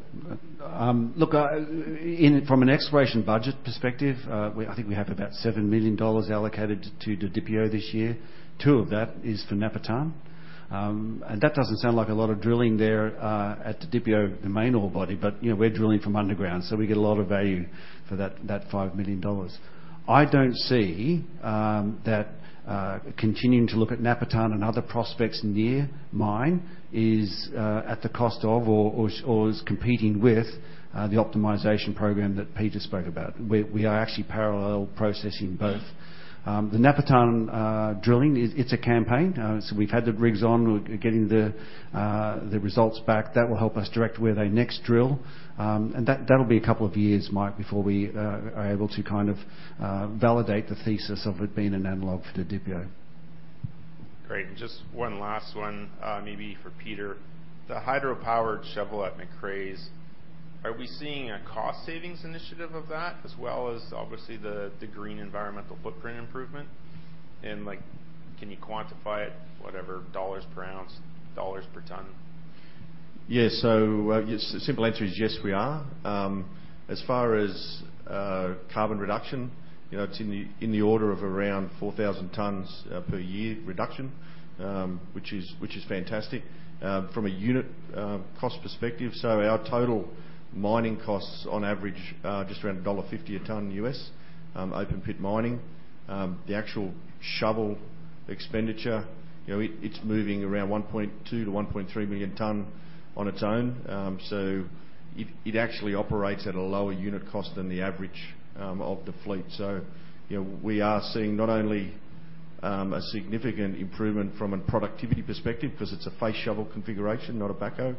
Look, from an exploration budget perspective, I think we have about $7 million allocated to Didipio this year. $2 million of that is for Napitang. That doesn't sound like a lot of drilling there at Didipio, the main ore body, but we're drilling from underground, so we get a lot of value for that $5 million. I don't see that continuing to look at Napitang and other prospects near mine is at the cost of or is competing with the optimization program that Peter spoke about. We are actually parallel processing both. The Napitang drilling, it's a campaign. We've had the rigs on. We're getting the results back. That will help us direct where they next drill. That'll be a couple of years, Mike, before we are able to validate the thesis of it being an analog for Didipio. Great. Just one last one, maybe for Peter. The hydro-powered shovel at Macraes, are we seeing a cost savings initiative of that as well as obviously the green environmental footprint improvement? Can you quantify it, whatever, US dollars per ounce, US dollars per ton? Yeah. The simple answer is, yes, we are. As far as carbon reduction, it's in the order of around 4,000 tons per year reduction, which is fantastic. From a unit cost perspective, our total mining costs on average are just around $1.50 a ton, open pit mining. The actual shovel expenditure, it's moving around 1.2 million tons-1.3 million tons on its own. It actually operates at a lower unit cost than the average of the fleet. We are seeing not only a significant improvement from a productivity perspective because it's a face shovel configuration, not a backhoe.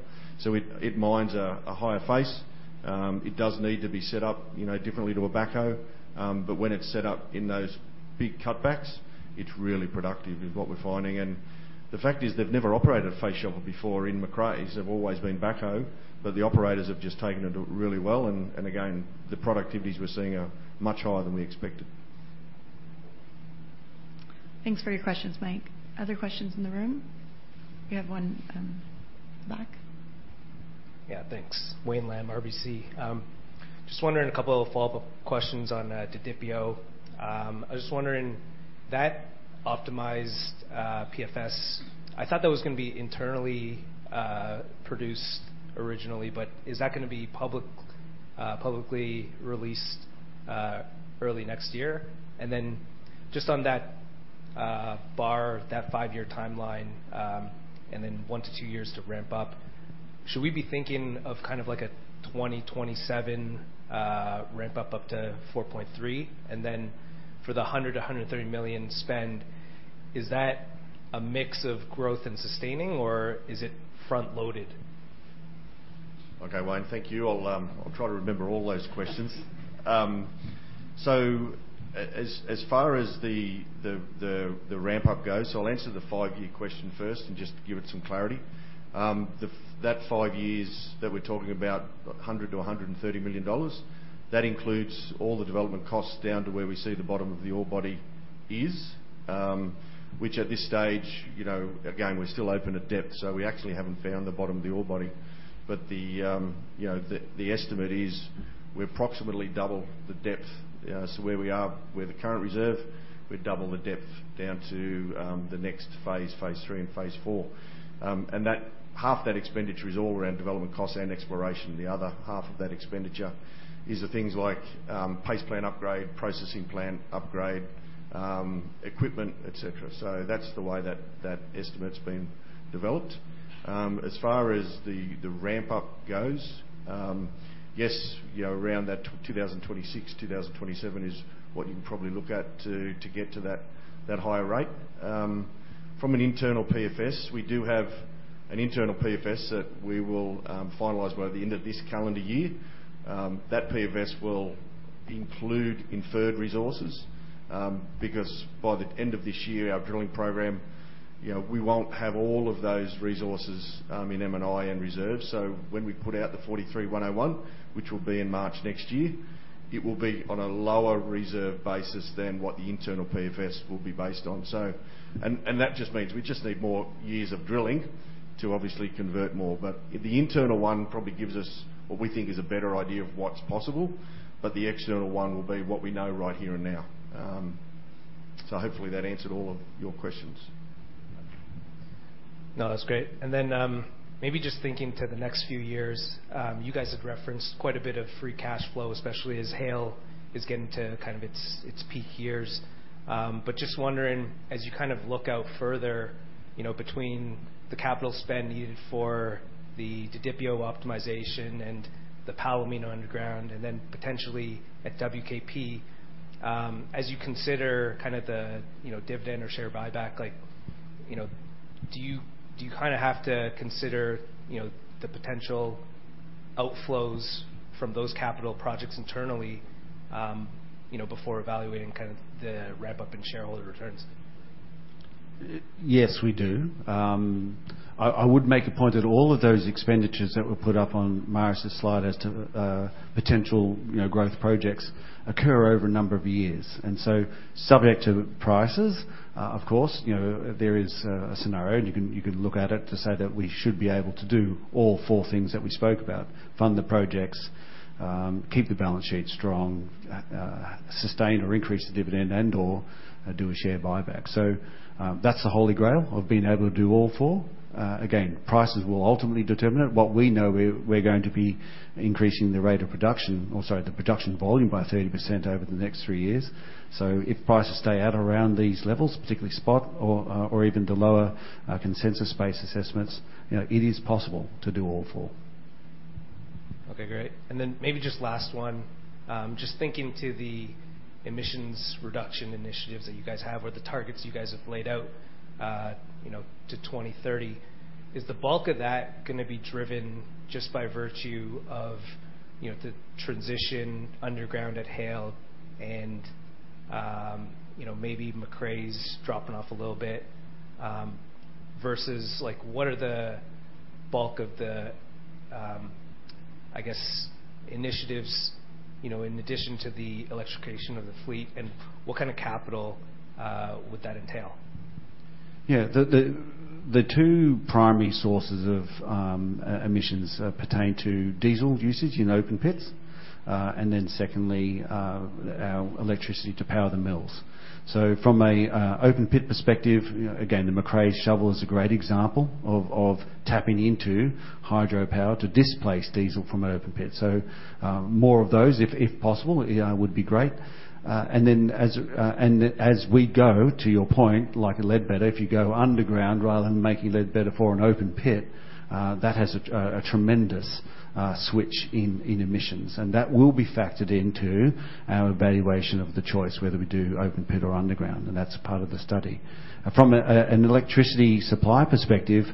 It mines a higher face. It does need to be set up differently to a backhoe. When it's set up in those big cutbacks, it's really productive is what we're finding. The fact is they've never operated a face shovel before in Macraes. They've always been backhoe. The operators have just taken to it really well. Again, the productivities we're seeing are much higher than we expected. Thanks for your questions, Mike. Other questions in the room? We have one at the back. Yeah, thanks. Wayne Lam, RBC. Just wondering a couple of follow-up questions on Didipio. I was just wondering, that optimized PFS, I thought that was going to be internally produced originally, but is that going to be publicly released early next year? Just on that bar, that five-year timeline, and then one to two years to ramp up. Should we be thinking of a 2027 ramp-up to [4.3 oz]? For the $100 million-$130 million spend, is that a mix of growth and sustaining, or is it front-loaded? Okay, Wayne, thank you. I'll try to remember all those questions. As far as the ramp-up goes, I'll answer the five-year question first and just to give it some clarity. That five years that we're talking about, $100 million-$130 million, that includes all the development costs down to where we see the bottom of the ore body is, which at this stage, again, we're still open at depth, so we actually haven't found the bottom of the ore body. The estimate is we approximately double the depth. Where we are with the current reserve, we double the depth down to the next phase 3 and phase 4. Half that expenditure is all around development costs and exploration. The other half of that expenditure is the things like paste plant upgrade, processing plant upgrade, equipment, et cetera. That's the way that that estimate's been developed. As far as the ramp-up goes, yes, around that 2026, 2027 is what you can probably look at to get to that higher rate. From an internal PFS, we do have an internal PFS that we will finalize by the end of this calendar year. That PFS will include inferred resources, because by the end of this year, our drilling program, we won't have all of those resources in M&I and reserves. When we put out the 43-101, which will be in March next year, it will be on a lower reserve basis than what the internal PFS will be based on. That just means we just need more years of drilling to obviously convert more. The internal one probably gives us what we think is a better idea of what's possible, but the external one will be what we know right here and now. Hopefully that answered all of your questions. That's great. Maybe just thinking to the next few years, you guys have referenced quite a bit of free cash flow, especially as Haile is getting to its peak years. Just wondering, as you look out further, between the capital spend needed for the Didipio optimization and the Palomino underground, and then potentially at WKP, as you consider the dividend or share buyback, do you have to consider the potential outflows from those capital projects internally before evaluating the wrap up and shareholder returns? Yes, we do. I would make a point that all of those expenditures that were put up on Marius's slide as to potential growth projects occur over a number of years. Subject to prices, of course, there is a scenario and you can look at it to say that we should be able to do all four things that we spoke about, fund the projects, keep the balance sheet strong, sustain or increase the dividend and/or do a share buyback. That's the holy grail of being able to do all four. Again, prices will ultimately determine it, but we know we're going to be increasing the rate of production, or sorry, the production volume by 30% over the next three years. If prices stay at around these levels, particularly spot or even the lower consensus-based assessments, it is possible to do all four. Okay, great. Maybe just last one. Just thinking to the emissions reduction initiatives that you guys have or the targets you guys have laid out to 2030, is the bulk of that going to be driven just by virtue of the transition underground at Haile and maybe Macraes dropping off a little bit, versus what are the bulk of the initiatives in addition to the electrification of the fleet, and what kind of capital would that entail? Yeah. The two primary sources of emissions pertain to diesel usage in open pits, and then secondly, our electricity to power the mills. From an open pit perspective, again, the Macraes Shovel is a great example of tapping into hydropower to displace diesel from an open pit. As we go, to your point, like Ledbetter, if you go underground rather than making Ledbetter 4 an open pit, that has a tremendous switch in emissions, and that will be factored into our evaluation of the choice whether we do open pit or underground, and that's a part of the study. From an electricity supply perspective,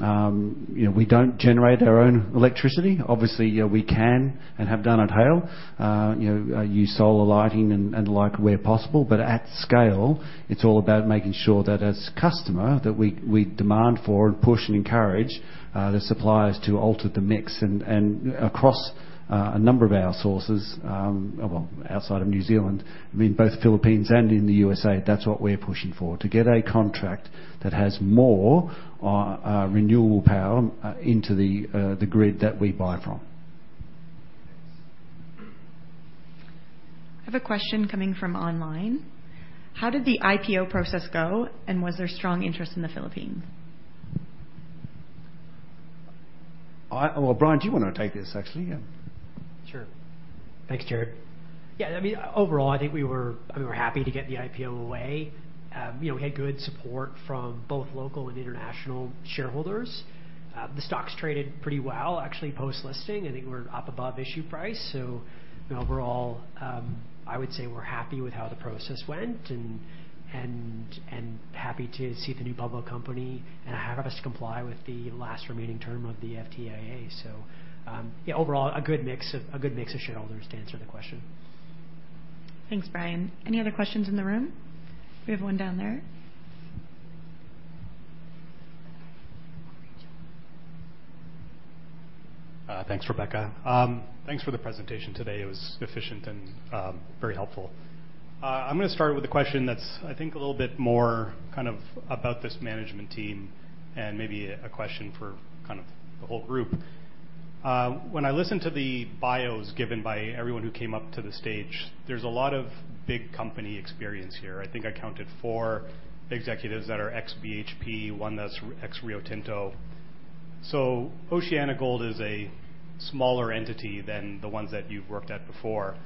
we don't generate our own electricity. Obviously, we can and have done at Haile, use solar lighting and the like where possible. At scale, it's all about making sure that as a customer, that we demand for and push and encourage the suppliers to alter the mix and across a number of our sources, well, outside of New Zealand, in both Philippines and in the USA, that's what we're pushing for, to get a contract that has more renewable power into the grid that we buy from. I have a question coming from online. How did the IPO process go, and was there strong interest in the Philippines? Well, Brian, do you want to take this actually? Sure. Thanks, Gerard. Yeah, I mean, overall, I think we were happy to get the IPO away. We had good support from both local and international shareholders. The stock's traded pretty well, actually, post-listing. I think we're up above issue price. Overall, I would say we're happy with how the process went and happy to see the new public company and how it helps comply with the last remaining term of the FTAA. Overall, a good mix of shareholders to answer the question. Thanks, Brian. Any other questions in the room? We have one down there. Thanks, Rebecca. Thanks for the presentation today. It was efficient and very helpful. I'm going to start with a question that's I think a little bit more about this management team and maybe a question for the whole group. When I listened to the bios given by everyone who came up to the stage, there's a lot of big company experience here. I think I counted four executives that are ex-BHP, one that's ex-Rio Tinto. OceanaGold is a smaller entity than the ones that you've worked at before.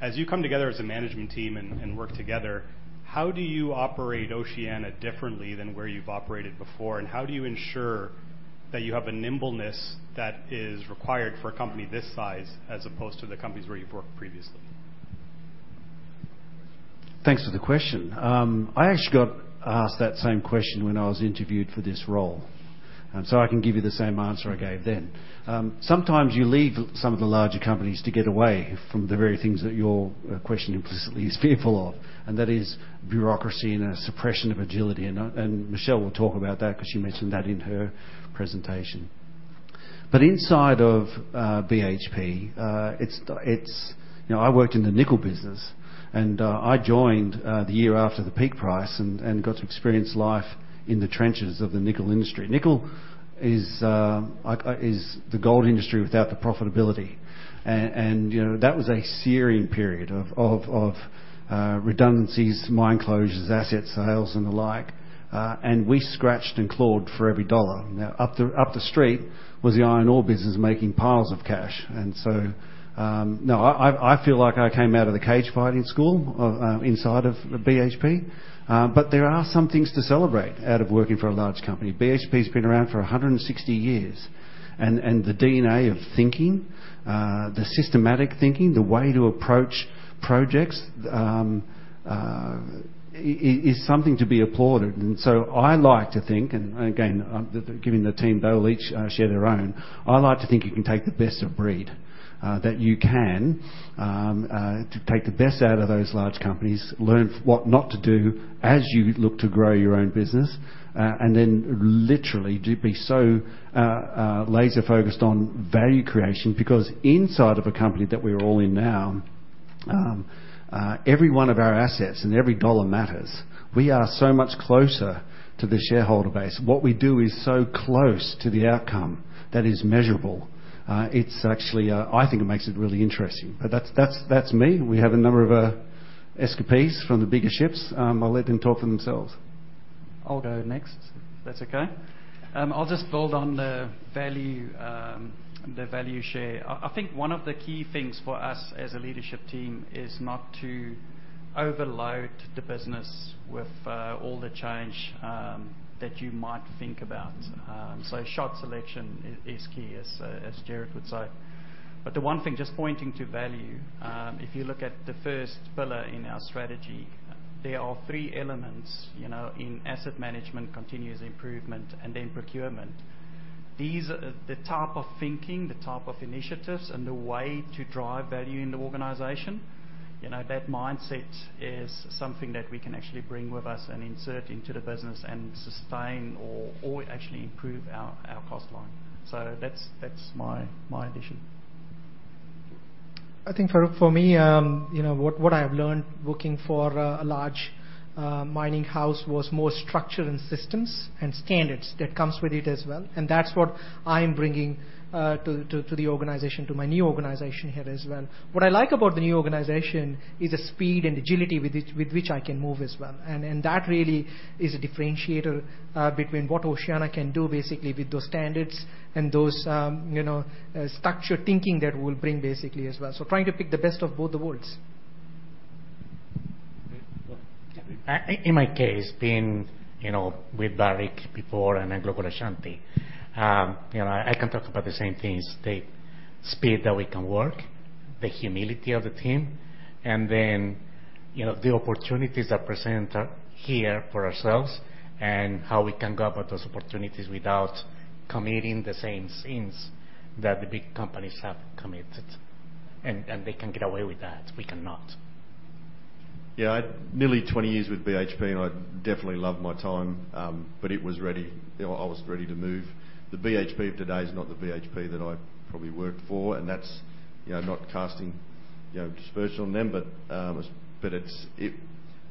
As you come together as a management team and work together, how do you operate Oceana differently than where you've operated before, and how do you ensure that you have a nimbleness that is required for a company this size as opposed to the companies where you've worked previously? Thanks for the question. I actually got asked that same question when I was interviewed for this role, and so I can give you the same answer I gave then. Sometimes you leave some of the larger companies to get away from the very things that your question implicitly is fearful of, and that is bureaucracy and a suppression of agility. Michelle will talk about that because she mentioned that in her presentation. Inside of BHP, I worked in the nickel business, and I joined the year after the peak price and got to experience life in the trenches of the nickel industry. Nickel is the gold industry without the profitability. That was a searing period of redundancies, mine closures, asset sales, and the like, and we scratched and clawed for every dollar. Up the street was the iron ore business making piles of cash. I feel like I came out of the cage fighting school inside of BHP. There are some things to celebrate out of working for a large company. BHP has been around for 160 years. The systematic thinking, the way to approach projects, is something to be applauded. I like to think, and again, giving the team, they all each share their own. I like to think you can take the best of breed, that you can take the best out of those large companies, learn what not to do as you look to grow your own business, and then literally be so laser-focused on value creation. Inside of a company that we're all in now, every one of our assets and every dollar matters. We are so much closer to the shareholder base. What we do is so close to the outcome that is measurable. I think it makes it really interesting. That's me. We have a number of escapees from the bigger ships. I'll let them talk for themselves. I'll go next, if that's okay. I'll just build on the value share. I think one of the key things for us as a leadership team is not to overload the business with all the change that you might think about. Shot selection is key, as Gerard Bond would say. The one thing, just pointing to value, if you look at the first pillar in our strategy, there are three elements in asset management, continuous improvement, and then procurement. These are the type of thinking, the type of initiatives, and the way to drive value in the organization. That mindset is something that we can actually bring with us and insert into the business and sustain or actually improve our cost line. That's my addition. I think for me, what I've learned working for a large mining house was more structure and systems and standards that comes with it as well, and that's what I'm bringing to my new organization here as well. What I like about the new organization is the speed and agility with which I can move as well. That really is a differentiator between what Oceana can do basically with those standards and those structured thinking that we'll bring basically as well. Trying to pick the best of both worlds. In my case, being with Barrick before and then go to Ashanti. I can talk about the same things, the speed that we can work, the humility of the team, and then the opportunities that present here for ourselves and how we can go about those opportunities without committing the same sins that the big companies have committed, and they can get away with that. We cannot. Nearly 20 years with BHP, and I definitely loved my time, but I was ready to move. The BHP of today is not the BHP that I probably worked for, and that's not casting aspersions on them.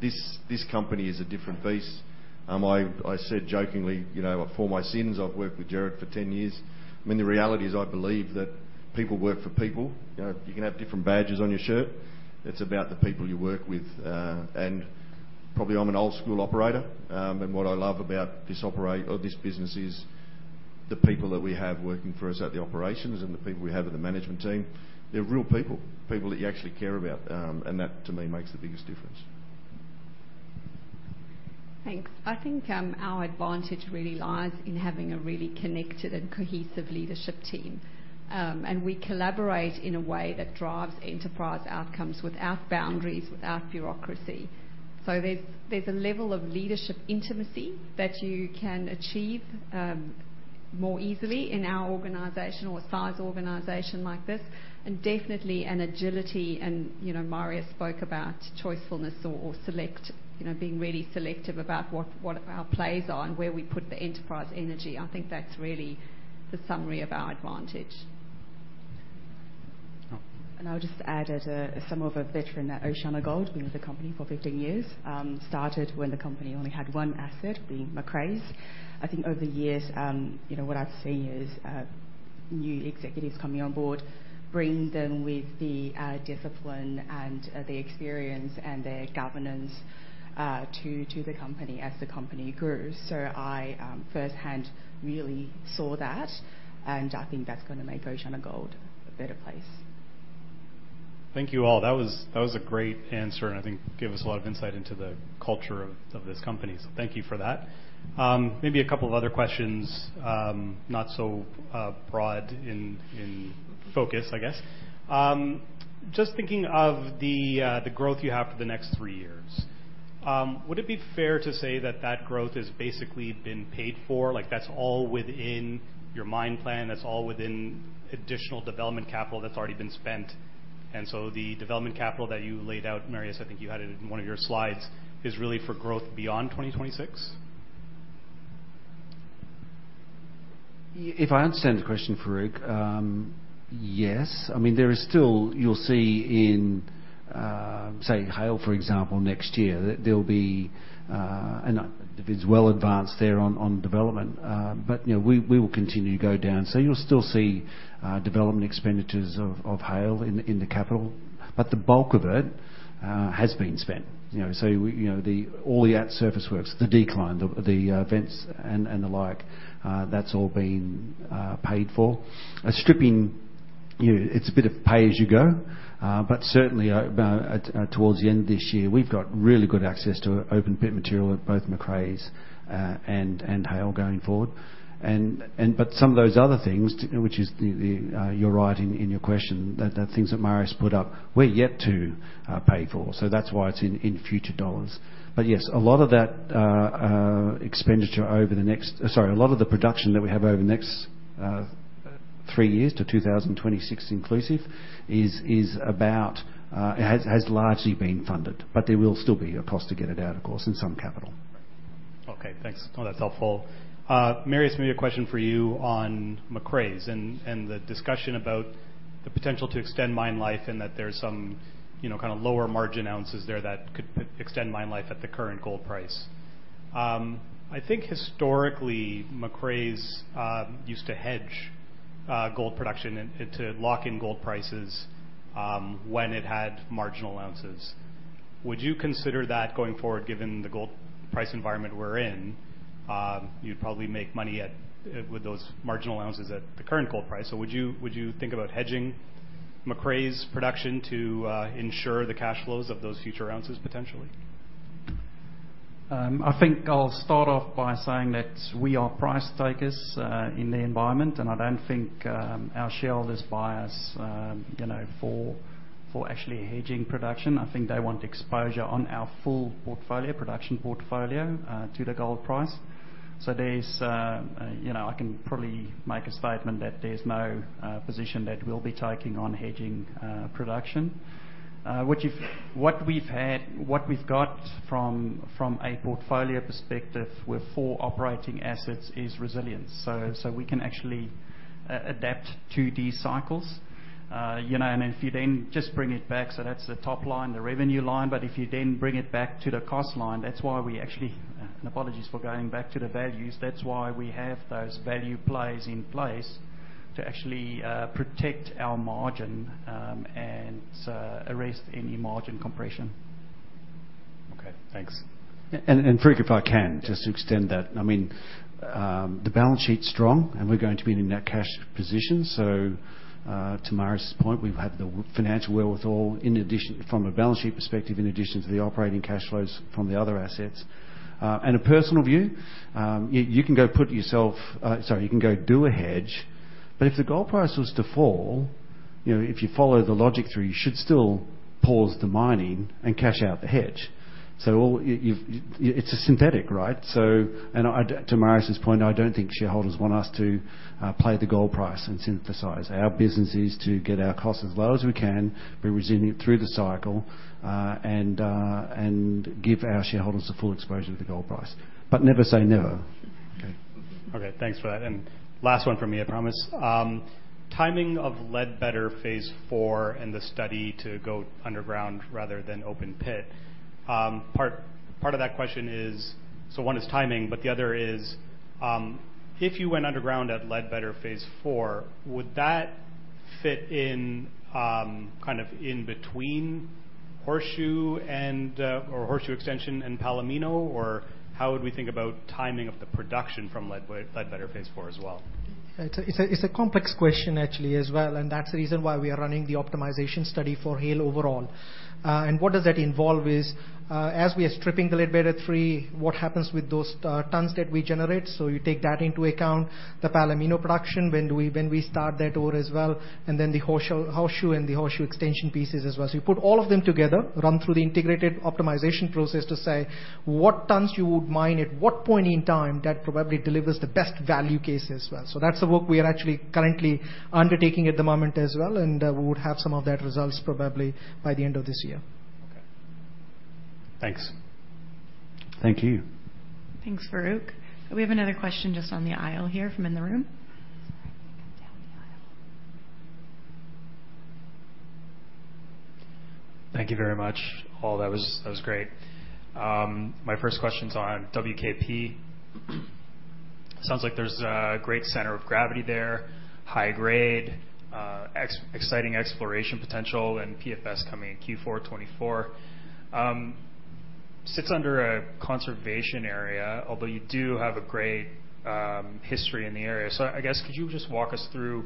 This company is a different beast. I said jokingly, for my sins, I've worked with Gerard for 10 years. The reality is, I believe that people work for people. You can have different badges on your shirt. It's about the people you work with. Probably I'm an old school operator, and what I love about this business is the people that we have working for us at the operations and the people we have in the management team. They're real people that you actually care about, and that to me, makes the biggest difference. Thanks. I think our advantage really lies in having a really connected and cohesive leadership team. We collaborate in a way that drives enterprise outcomes without boundaries, without bureaucracy. There's a level of leadership intimacy that you can achieve more easily in our organization or a size organization like this, and definitely an agility and Marius spoke about choicefulness or being really selective about what our plays are and where we put the enterprise energy. I think that's really the summary of our advantage. I'll just add as somewhat of a veteran at OceanaGold, been with the company for 15 years. Started when the company only had one asset, the Macraes. I think over the years, what I've seen is new executives coming on board, bringing with them the discipline and the experience and the governance to the company as the company grew. I firsthand really saw that, and I think that's going to make OceanaGold a better place. Thank you all. That was a great answer, and I think gave us a lot of insight into the culture of this company. Thank you for that. Maybe a couple other questions, not so broad in focus, I guess. Just thinking of the growth you have for the next three years. Would it be fair to say that that growth has basically been paid for? Like that's all within your mine plan, that's all within additional development capital that's already been spent. The development capital that you laid out, Marius, I think you had it in one of your slides, is really for growth beyond 2026? If I understand the question, Farooq. Yes. There is still, you'll see in, say, Haile, for example, next year, that there's well advanced there on development. We will continue to go down. You'll still see development expenditures of Haile in the capital, but the bulk of it has been spent. All the at-surface works, the decline, the vents, and the like, that's all been paid for. Stripping, it's a bit of pay as you go. Certainly towards the end of this year, we've got really good access to open pit material at both Macraes and Haile going forward. Some of those other things, which is you're right in your question, the things that Marius put up, we're yet to pay for. That's why it's in future dollars. Yes, a lot of the production that we have over the next three years to 2026 inclusive, has largely been funded. There will still be a cost to get it out, of course, in some capital. Okay, thanks. That's helpful. Marius, maybe a question for you on Macraes and the discussion about the potential to extend mine life and that there's some kind of lower margin ounces there that could extend mine life at the current gold price. I think historically, Macraes used to hedge gold production and to lock in gold prices when it had marginal ounces. Would you consider that going forward, given the gold price environment we're in? You'd probably make money with those marginal ounces at the current gold price. Would you think about hedging Macraes production to ensure the cash flows of those future ounces, potentially? I think I'll start off by saying that we are price takers in the environment, and I don't think our shareholders buy us for actually hedging production. I think they want exposure on our full production portfolio to the gold price. I can probably make a statement that there is no position that we will be taking on hedging production. What we have got from a portfolio perspective with four operating assets is resilience. We can actually adapt to these cycles. If you then just bring it back, so that is the top line, the revenue line, but if you then bring it back to the cost line, that is why we actually, apologies for going back to the values, that is why we have those value plays in place to actually protect our margin and arrest any margin compression. Okay, thanks. Farooq, if I can, just to extend that. The balance sheet's strong, and we're going to be in a net cash position. To Marius's point, we've had the financial wherewithal from a balance sheet perspective, in addition to the operating cash flows from the other assets. A personal view, you can go do a hedge, but if the gold price was to fall, if you follow the logic through, you should still pause the mining and cash out the hedge. It's a synthetic. To Marius's point, I don't think shareholders want us to play the gold price and synthesize. Our business is to get our costs as low as we can, be resilient through the cycle, and give our shareholders the full exposure to the gold price. Never say never. Okay, thanks for that. Last one from me, I promise. Timing of Ledbetter phase 4 and the study to go underground rather than open pit. Part of that question is, so one is timing, but the other is, if you went underground at Ledbetter phase 4, would that fit in between Horseshoe Extension and Palomino, or how would we think about timing of the production from Ledbetter phase four as well? It's a complex question actually as well. That's the reason why we are running the optimization study for Haile overall. What does that involve is, as we are stripping Ledbetter 3, what happens with those tons that we generate? You take that into account, the Palomino production, when we start that ore as well, then the Horseshoe and the Horseshoe Extension pieces as well. You put all of them together, run through the integrated optimization process to say what tons you would mine at what point in time that probably delivers the best value case as well. That's the work we are actually currently undertaking at the moment as well. We would have some of that results probably by the end of this year. Okay, thanks. Thank you. Thanks, Farooq. We have another question just on the aisle here from in the room. Thank you very much. Paul, that was great. My first question's on WKP. Sounds like there's a great center of gravity there, high grade, exciting exploration potential, and PFS coming in Q4 2024. Sits under a conservation area, although you do have a great history in the area. I guess, could you just walk us through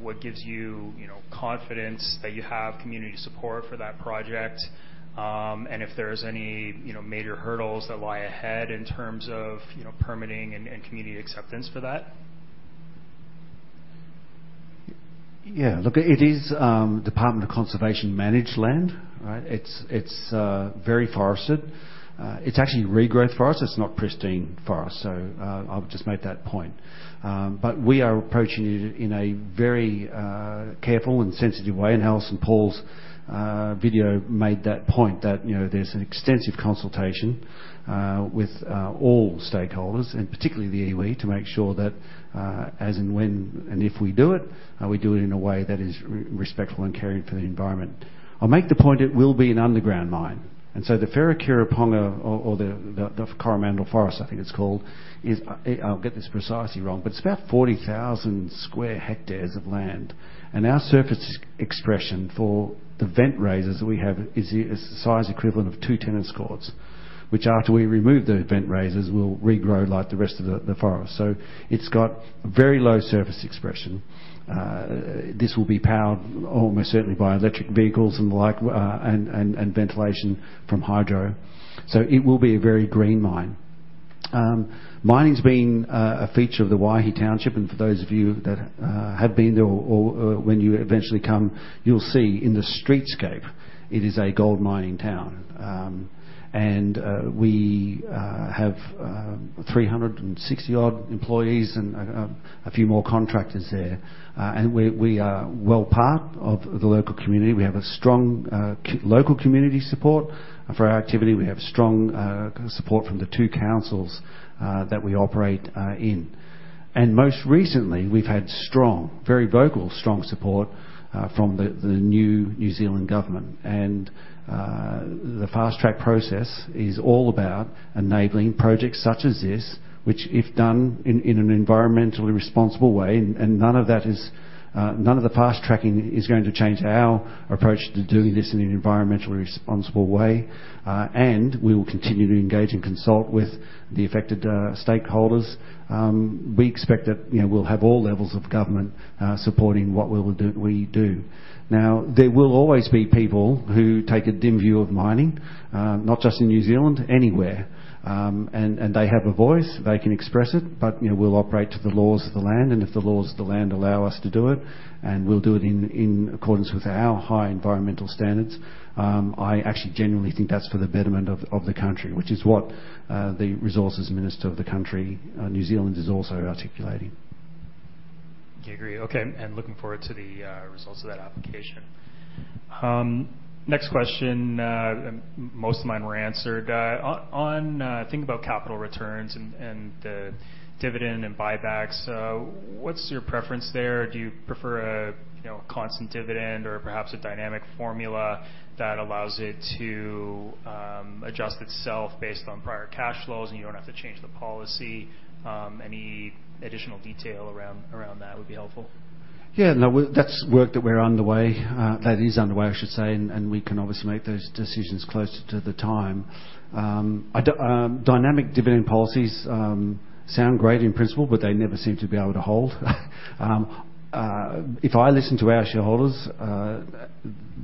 what gives you confidence that you have community support for that project? If there's any major hurdles that lie ahead in terms of permitting and community acceptance for that? Yeah, look, it is Department of Conservation managed land. It's very forested. It's actually regrowth forest. It's not pristine forest. I'll just make that point. We are approaching it in a very careful and sensitive way. Alison Paul's video made that point that there's an extensive consultation with all stakeholders, and particularly the iwi, to make sure that as and when, and if we do it, we do it in a way that is respectful and caring for the environment. I'll make the point it will be an underground mine. The Wharekiraponga or the Coromandel Forest, I think it's called, I'll get this precisely wrong, but it's about 40,000 sq hectares of land. Our surface expression for the vent raises that we have is the size equivalent of two tennis courts. Which after we remove those vent raises, will regrow like the rest of the forest. It's got very low surface expression. This will be powered almost certainly by electric vehicles and the like, and ventilation from hydro. It will be a very green mine. Mining has been a feature of the Waihi township, and for those of you that have been there or when you eventually come, you'll see in the streetscape, it is a gold mining town. We have 360 odd employees and a few more contractors there. We are well part of the local community. We have strong local community support for our activity. We have strong support from the two councils that we operate in. Most recently, we've had very vocal, strong support from the new New Zealand government. The Fast-track process is all about enabling projects such as this, which, if done in an environmentally responsible way, and none of the fast tracking is going to change our approach to doing this in an environmentally responsible way. We will continue to engage and consult with the affected stakeholders. We expect that we'll have all levels of government supporting what we do. Now, there will always be people who take a dim view of mining, not just in New Zealand, anywhere. They have a voice, they can express it, but we'll operate to the laws of the land, and if the laws of the land allow us to do it, and we'll do it in accordance with our high environmental standards. I actually genuinely think that's for the betterment of the country, which is what the resources minister of the country, New Zealand, is also articulating. Do you agree? Okay. Looking forward to the results of that application. Next question. Most of mine were answered. On thinking about capital returns and the dividend and buybacks, what's your preference there? Do you prefer a constant dividend or perhaps a dynamic formula that allows it to adjust itself based on prior cash flows, and you don't have to change the policy? Any additional detail around that would be helpful. Yeah, no, that's work that we're underway. That is underway, I should say, and we can obviously make those decisions closer to the time. Dynamic dividend policies sound great in principle, they never seem to be able to hold. If I listen to our shareholders,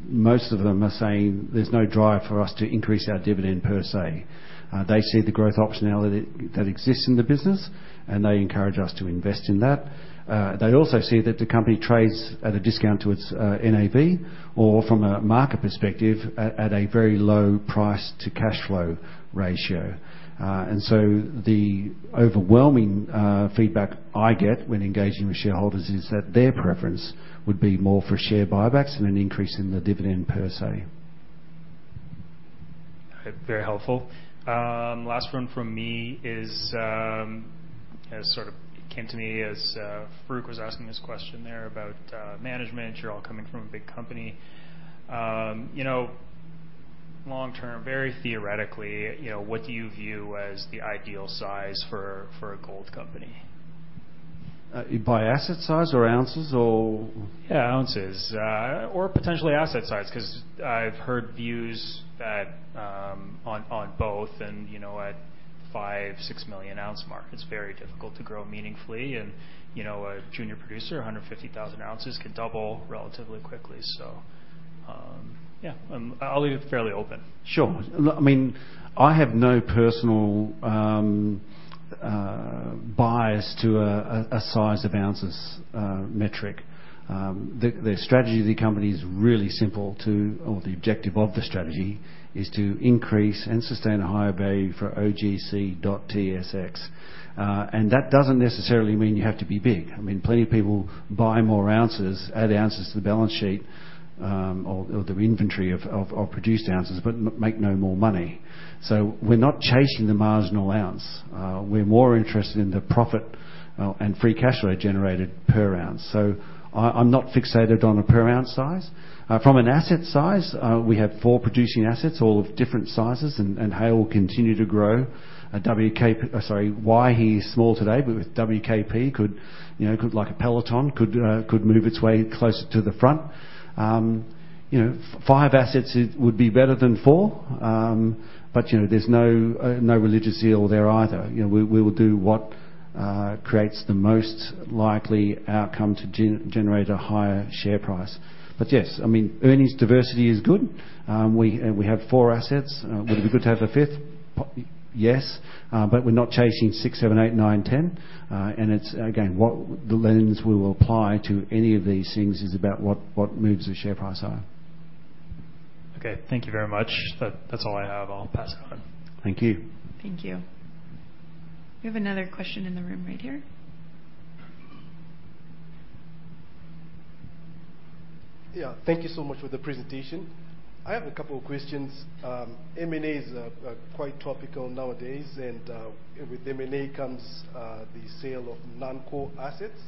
most of them are saying there's no drive for us to increase our dividend per se. They see the growth optionality that exists in the business, and they encourage us to invest in that. They also see that the company trades at a discount to its NAV or from a market perspective, at a very low price to cash flow ratio. The overwhelming feedback I get when engaging with shareholders is that their preference would be more for share buybacks than an increase in the dividend per se. Very helpful. Last one from me sort of came to me as Farooq was asking this question there about management. You are all coming from a big company. Long term, very theoretically, what do you view as the ideal size for a gold company? By asset size or ounces or? Yeah, ounces. Potentially asset size, because I've heard views on both and at 5-million ounce, 6-million-ounce mark, it's very difficult to grow meaningfully and a junior producer, 150,000 oz can double relatively quickly. Yeah, I'll leave it fairly open. Sure. I have no personal bias to a size of ounces metric. The strategy of the company is really simple, or the objective of the strategy is to increase and sustain higher value for OGC.TSX. That doesn't necessarily mean you have to be big. Plenty of people buy more ounces, add ounces to the balance sheet, or the inventory of produced ounces, but make no more money. We're not chasing the marginal ounce. We're more interested in the profit and free cash flow generated per ounce. I'm not fixated on a per ounce size. From an asset size, we have four producing assets, all of different sizes, and they all continue to grow. Waihi is small today, but with WKP could, like Peloton, could move its way closer to the front. Five assets would be better than four, but there's no religious zeal there either. We will do what creates the most likely outcome to generate a higher share price. Yes, earnings diversity is good. We have four assets. Would it be good to have a fifth? Yes. We're not chasing six assets, seven assets, eight assets, nine assets, 10 assets. Again, the lens we'll apply to any of these things is about what moves the share price higher. Okay. Thank you very much. That's all I have. I'll pass it on. Thank you. Thank you. We have another question in the room right here. Yeah. Thank you so much for the presentation. I have a couple of questions. M&A is quite topical nowadays, and with M&A comes the sale of non-core assets.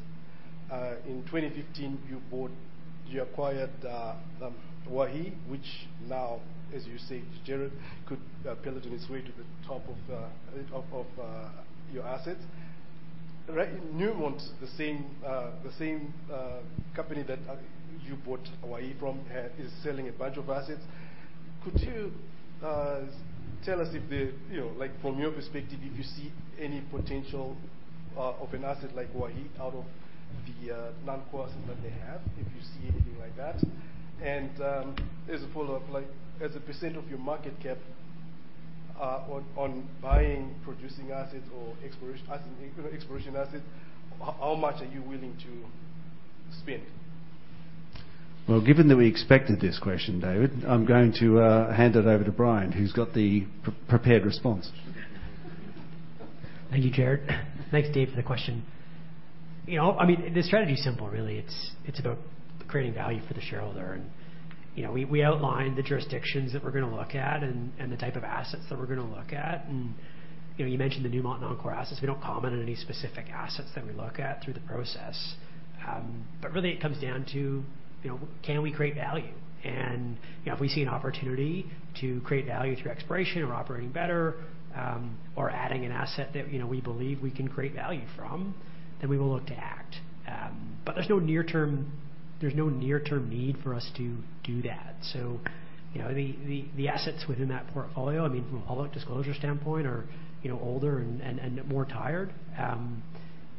In 2015, you acquired Waihi, which now, as you say, Gerard, could peddle its way to the top of your assets. Right? Newmont, the same company that you bought Waihi from, is selling a bunch of assets. Could you tell us if, from your perspective, if you see any potential of an asset like Waihi out of the non-core assets that they have, if you see anything like that. As a follow-up, as a percent of your market cap on buying producing assets or exploration assets, how much are you willing to spend? Given that we expected this question, David, I'm going to hand it over to Brian, who's got the prepared response. Thank you, Gerard. Thanks, Dave, for the question. The strategy is simple, really. It's about creating value for the shareholder. We outlined the jurisdictions that we're going to look at and the type of assets that we're going to look at. You mentioned the Newmont non-core assets. We don't comment on any specific assets that we look at through the process. Really, it comes down to can we create value? If we see an opportunity to create value through exploration or operating better or adding an asset that we believe we can create value from, we will look to act. There's no near-term need for us to do that. The assets within that portfolio, from a public disclosure standpoint, are older and more tired.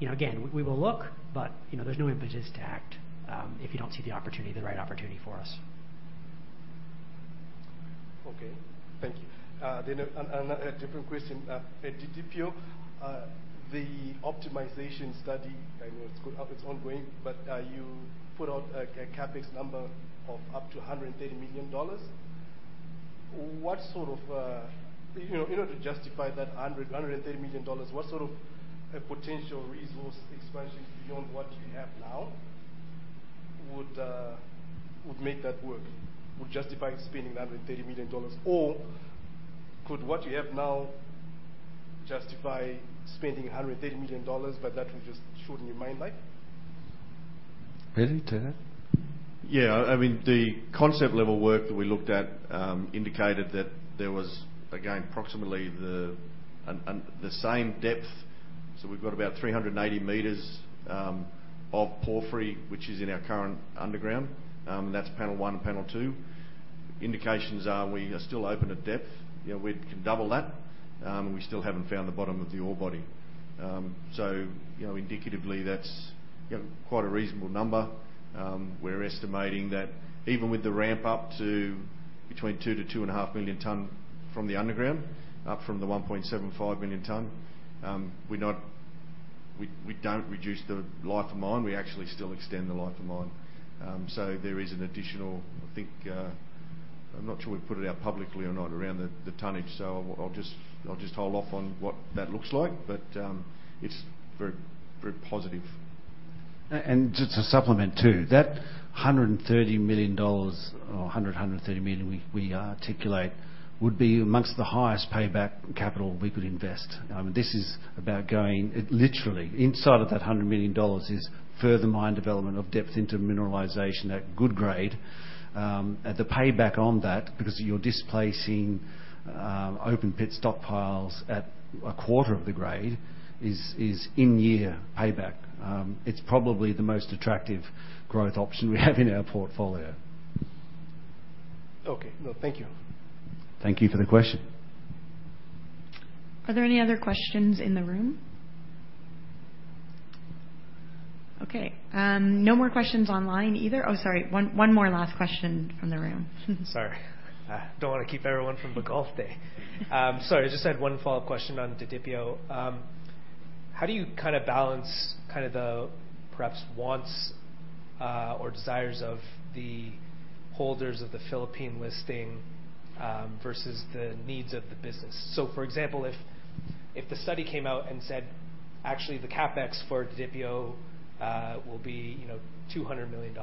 Again, we will look, but there's no impetus to act if you don't see the opportunity, the right opportunity for us. Okay. Thank you. A different question. Didipio, the optimization study, I know it's got up its own brain, but you put out a CapEx number of up to $130 million. In order to justify that $130 million, what sort of potential resource expansions beyond what you have now would make that work? Would justify spending $130 million? Or could what you have now justify spending $130 million, but that will just shorten your mine life? Ready, [Peter]? The concept level work that we looked at indicated that there was, again, approximately the same depth. We've got about 380 m of porphyry, which is in our current underground, and that's panel 1 and panel 2. Indications are we are still open at depth. We can double that, and we still haven't found the bottom of the ore body. Indicatively, that's quite a reasonable number. We're estimating that even with the ramp up to between 2 million tons-2.5 million tons from the underground, up from the 1.75 million tons, we don't reduce the life of mine. We actually still extend the life of mine. There is an additional, I think, I'm not sure we put it out publicly or not around the tonnage, I'll just hold off on what that looks like. It's very positive. Just to supplement, too, that $130 million or $100 million, $130 million we articulate would be amongst the highest payback capital we could invest. This is about, literally inside of that $100 million is further mine development of depth into mineralization at good grade. The payback on that, because you're displacing open pit stockpiles at a quarter of the grade, is in-year payback. It's probably the most attractive growth option we have in our portfolio. Okay. Well, thank you. Thank you for the question. Are there any other questions in the room? Okay, no more questions online either. Oh, sorry, one more last question from the room. Sorry. Don't want to keep everyone from the golf day. Sorry, I just had one follow-up question on Didipio. How do you kind of balance the perhaps wants or desires of the holders of the Philippine listing versus the needs of the business? For example, if the study came out and said, "Actually, the CapEx for Didipio will be $200 million."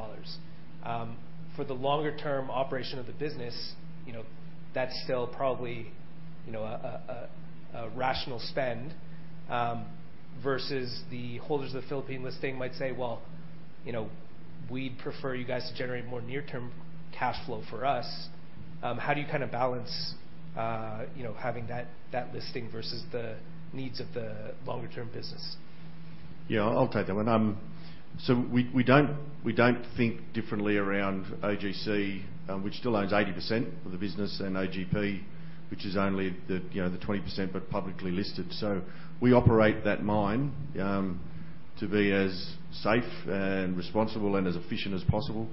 For the longer-term operation of the business, that's still probably a rational spend versus the holders of Philippine listing might say, "Well, we'd prefer you guys to generate more near-term cash flow for us." How do you balance having that listing versus the needs of the longer-term business? Yeah, I'll take that one. We don't think differently around OGC, which still owns 80% of the business and OGP, which is only the 20% but publicly listed. We operate that mine to be as safe and responsible and as efficient as possible.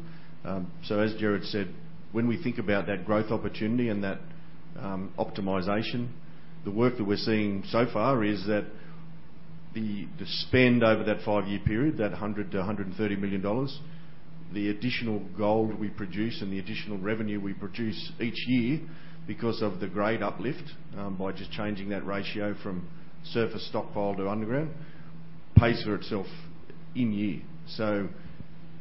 As Gerard said, when we think about that growth opportunity and that optimization, the work that we're seeing so far is that the spend over that five-year period, that $100 million-$130 million, the additional gold we produce and the additional revenue we produce each year because of the grade uplift by just changing that ratio from surface stockpile to underground, pays for itself in year.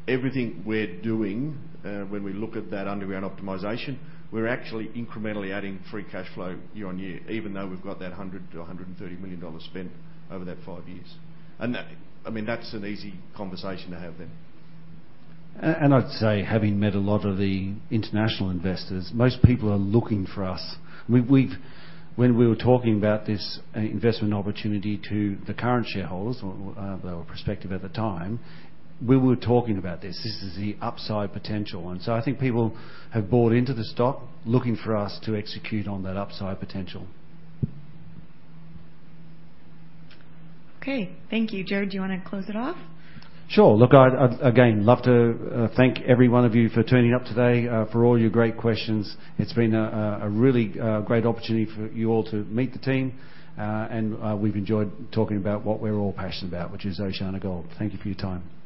Everything we're doing when we look at that underground optimization, we're actually incrementally adding free cash flow year on year, even though we've got that $100 million-$130 million spent over that five years. That's an easy conversation to have then. I'd say, having met a lot of the international investors, most people are looking for us. When we were talking about this investment opportunity to the current shareholders or prospective at the time, we were talking about this. This is the upside potential. I think people have bought into the stock looking for us to execute on that upside potential. Okay. Thank you. Gerard, do you want to close it off? Sure. Look, again, love to thank every one of you for turning up today, for all your great questions. It's been a really great opportunity for you all to meet the team. We've enjoyed talking about what we're all passionate about, which is OceanaGold. Thank you for your time.